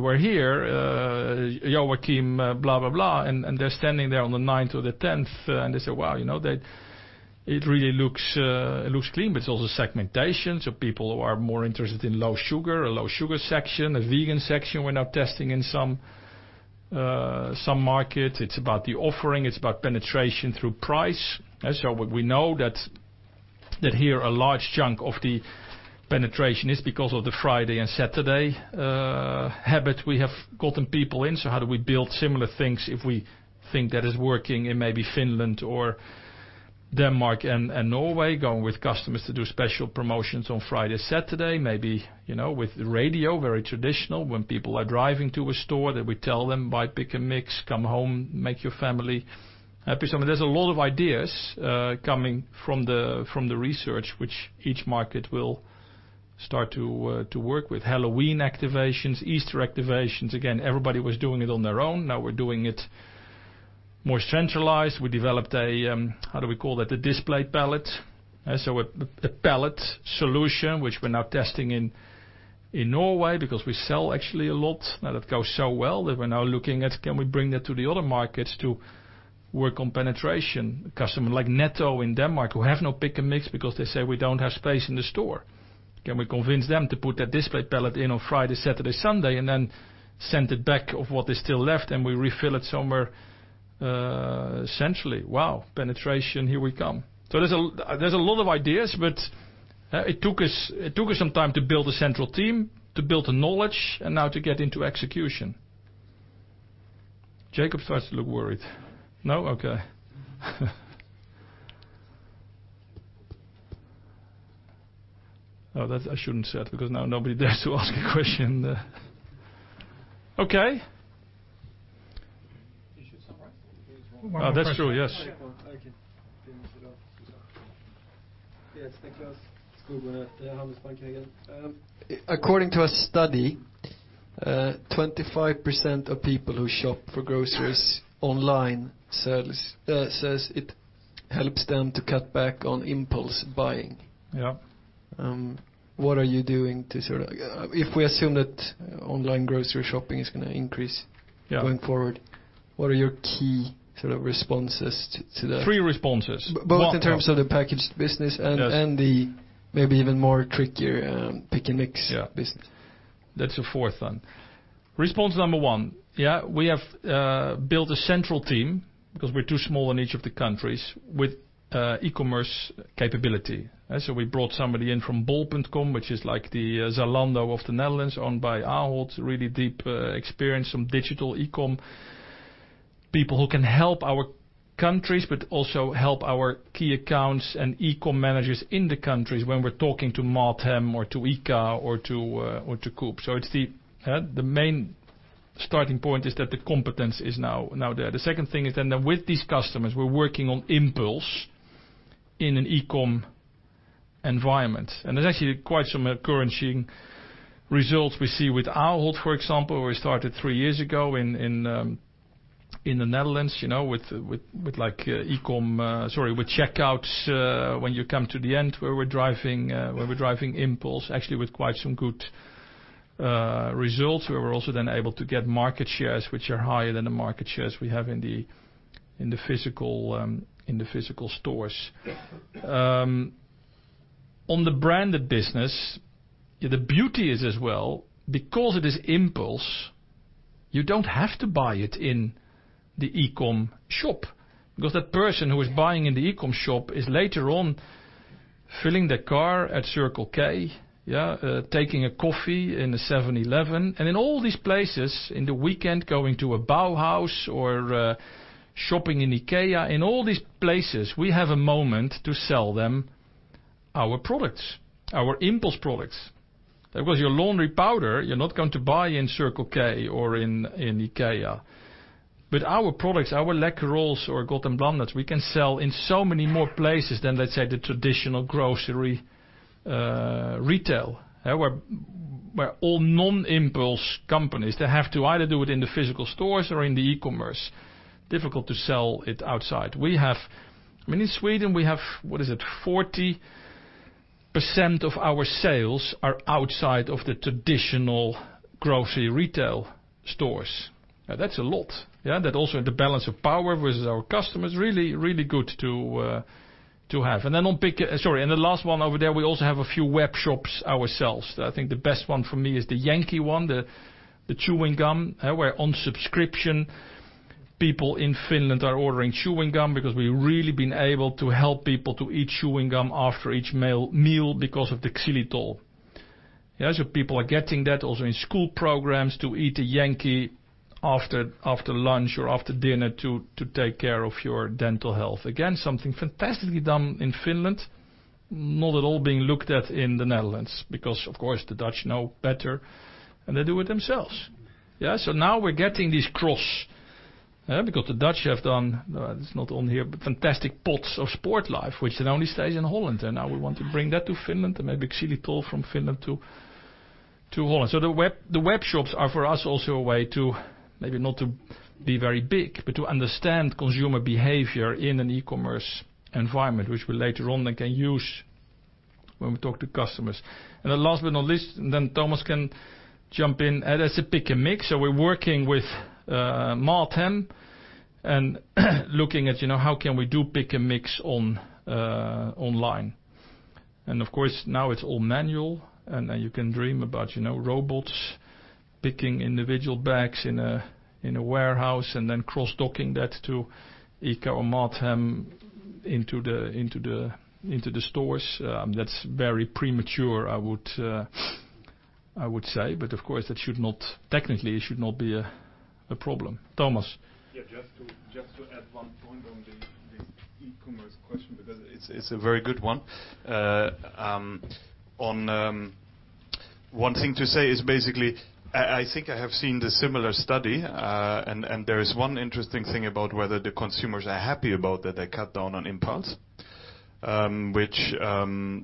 were here, Joakim, blah, blah, blah." And they're standing there on the 9th or the 10th, and they say, "Wow, it really looks clean." But it's also segmentation. So people who are more interested in low sugar, a low sugar section, a vegan section we're now testing in some markets. It's about the offering. It's about penetration through price. We know that here a large chunk of the penetration is because of the Friday and Saturday habits we have gotten people in. How do we build similar things if we think that is working in maybe Finland or Denmark and Norway, going with customers to do special promotions on Friday, Saturday, maybe with the radio, very traditional, when people are driving to a store that we tell them, "Buy Pick & Mix, come home, make your family happy." There's a lot of ideas coming from the research which each market will start to work with. Halloween activations, Easter activations. Again, everybody was doing it on their own. Now we're doing it more centralized. We developed a, how do we call that?, a display pallet. So a pallet solution which we're now testing in Norway because we sell actually a lot. Now that goes so well that we're now looking at, can we bring that to the other markets to work on penetration? Customers like Netto in Denmark who have no pick and mix because they say, "We don't have space in the store. Can we convince them to put that display pallet in on Friday, Saturday, Sunday, and then send it back of what is still left and we refill it somewhere centrally?" Wow, penetration, here we come. So there's a lot of ideas, but it took us some time to build a central team, to build the knowledge, and now to get into execution. Jacob starts to look worried. No? Okay. No, I shouldn't say that because now nobody dares to ask a question. Okay. You should summarize. That's true. Yes. I can finish it off. Yeah. Stay close. It's good. How much time can I get? According to a study, 25% of people who shop for groceries online says it helps them to cut back on impulse buying. What are you doing to sort of, if we assume that online grocery shopping is going to increase going forward, what are your key sort of responses to that? Three responses. But what? Both in terms of the packaged business and the maybe even more trickier Pick & Mix business. That's the fourth one. Response number one. Yeah. We have built a central team because we're too small in each of the countries with e-commerce capability. So we brought somebody in from Bol.com, which is like the Zalando of the Netherlands owned by Ahold, really deep experience, some digital e-com people who can help our countries but also help our key accounts and e-com managers in the countries when we're talking to MatHem or to ICA or to Coop. So the main starting point is that the competence is now there. The second thing is then that with these customers, we're working on impulse in an e-com environment. And there's actually quite some encouraging results we see with Ahold, for example, where we started three years ago in the Netherlands with e-com, sorry, with checkouts when you come to the end where we're driving impulse, actually with quite some good results. We were also then able to get market shares which are higher than the market shares we have in the physical stores. On the branded business, the beauty is as well, because it is impulse, you don't have to buy it in the e-com shop because that person who is buying in the e-com shop is later on filling their car at Circle K, taking a coffee in a 7-Eleven. In all these places, in the weekend going to a Bauhaus or shopping in IKEA, in all these places, we have a moment to sell them our products, our impulse products. Because your laundry powder, you're not going to buy in Circle K or in IKEA. But our products, our Läkerol or Gott & Blandat, we can sell in so many more places than, let's say, the traditional grocery retail where all non-impulse companies, they have to either do it in the physical stores or in the e-commerce. Difficult to sell it outside. I mean, in Sweden, we have - what is it? - 40% of our sales are outside of the traditional grocery retail stores. That's a lot. That also in the balance of power versus our customers, really, really good to have. And then on pick - sorry. And the last one over there, we also have a few web shops ourselves. I think the best one for me is the Jenkki one, the chewing gum, where on subscription, people in Finland are ordering chewing gum because we've really been able to help people to eat chewing gum after each meal because of the xylitol. So people are getting that also in school programs to eat a Jenkki after lunch or after dinner to take care of your dental health. Again, something fantastically done in Finland, not at all being looked at in the Netherlands because, of course, the Dutch know better and they do it themselves. So now we're getting these cross because the Dutch have done—it's not on here—fantastic pots of Sportlife, which then only stays in Holland. And now we want to bring that to Finland and maybe xylitol from Finland to Holland. The web shops are for us also a way to maybe not to be very big, but to understand consumer behavior in an e-commerce environment, which we later on then can use when we talk to customers. Last but not least, Thomas can jump in. That's Pick & Mix. We're working with MatHem and looking at how can we do Pick & Mix online. Of course, now it's all manual. You can dream about robots picking individual bags in a warehouse and then cross-docking that to ICA or MatHem into the stores. That's very premature, I would say. But of course, technically, it should not be a problem. Thomas. Yeah. Just to add one point on the e-commerce question because it's a very good one. One thing to say is basically, I think I have seen the similar study. There is one interesting thing about whether the consumers are happy about that they cut down on impulse, which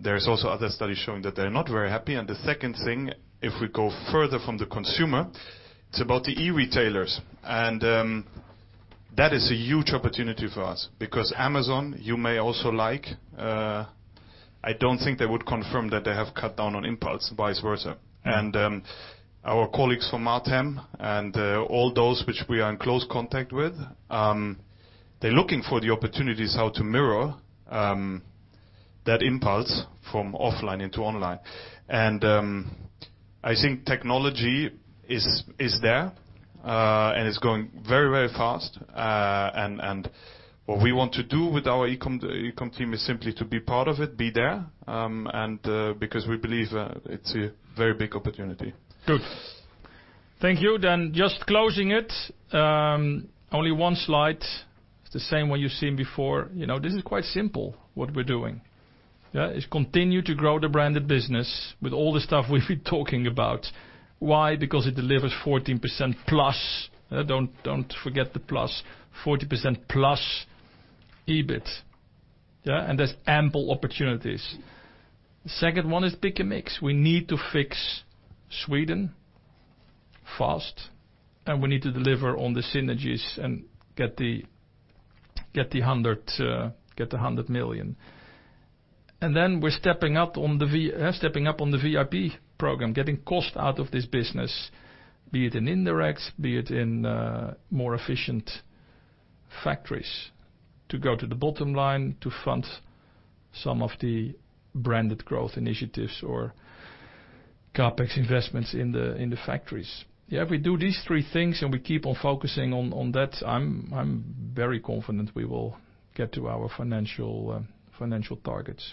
there's also other studies showing that they're not very happy. The second thing, if we go further from the consumer, it's about the e-retailers. That is a huge opportunity for us because Amazon, you may also like, I don't think they would confirm that they have cut down on impulse, vice versa. Our colleagues from MatHem and all those which we are in close contact with, they're looking for the opportunities how to mirror that impulse from offline into online. I think technology is there and it's going very, very fast. What we want to do with our e-com team is simply to be part of it, be there, because we believe it's a very big opportunity. Good. Thank you. Then just closing it, only one slide. It's the same one you've seen before. This is quite simple what we're doing. It's continue to grow the branded business with all the stuff we've been talking about. Why? Because it delivers 14% plus. Don't forget the plus. 40% plus EBIT. And there's ample opportunities. The second one is pick and mix. We need to fix Sweden fast, and we need to deliver on the synergies and get the 100 million. And then we're stepping up on the VIP program, getting cost out of this business, be it in indirect, be it in more efficient factories to go to the bottom line to fund some of the branded growth initiatives or CapEx investments in the factories. Yeah. If we do these three things and we keep on focusing on that, I'm very confident we will get to our financial targets.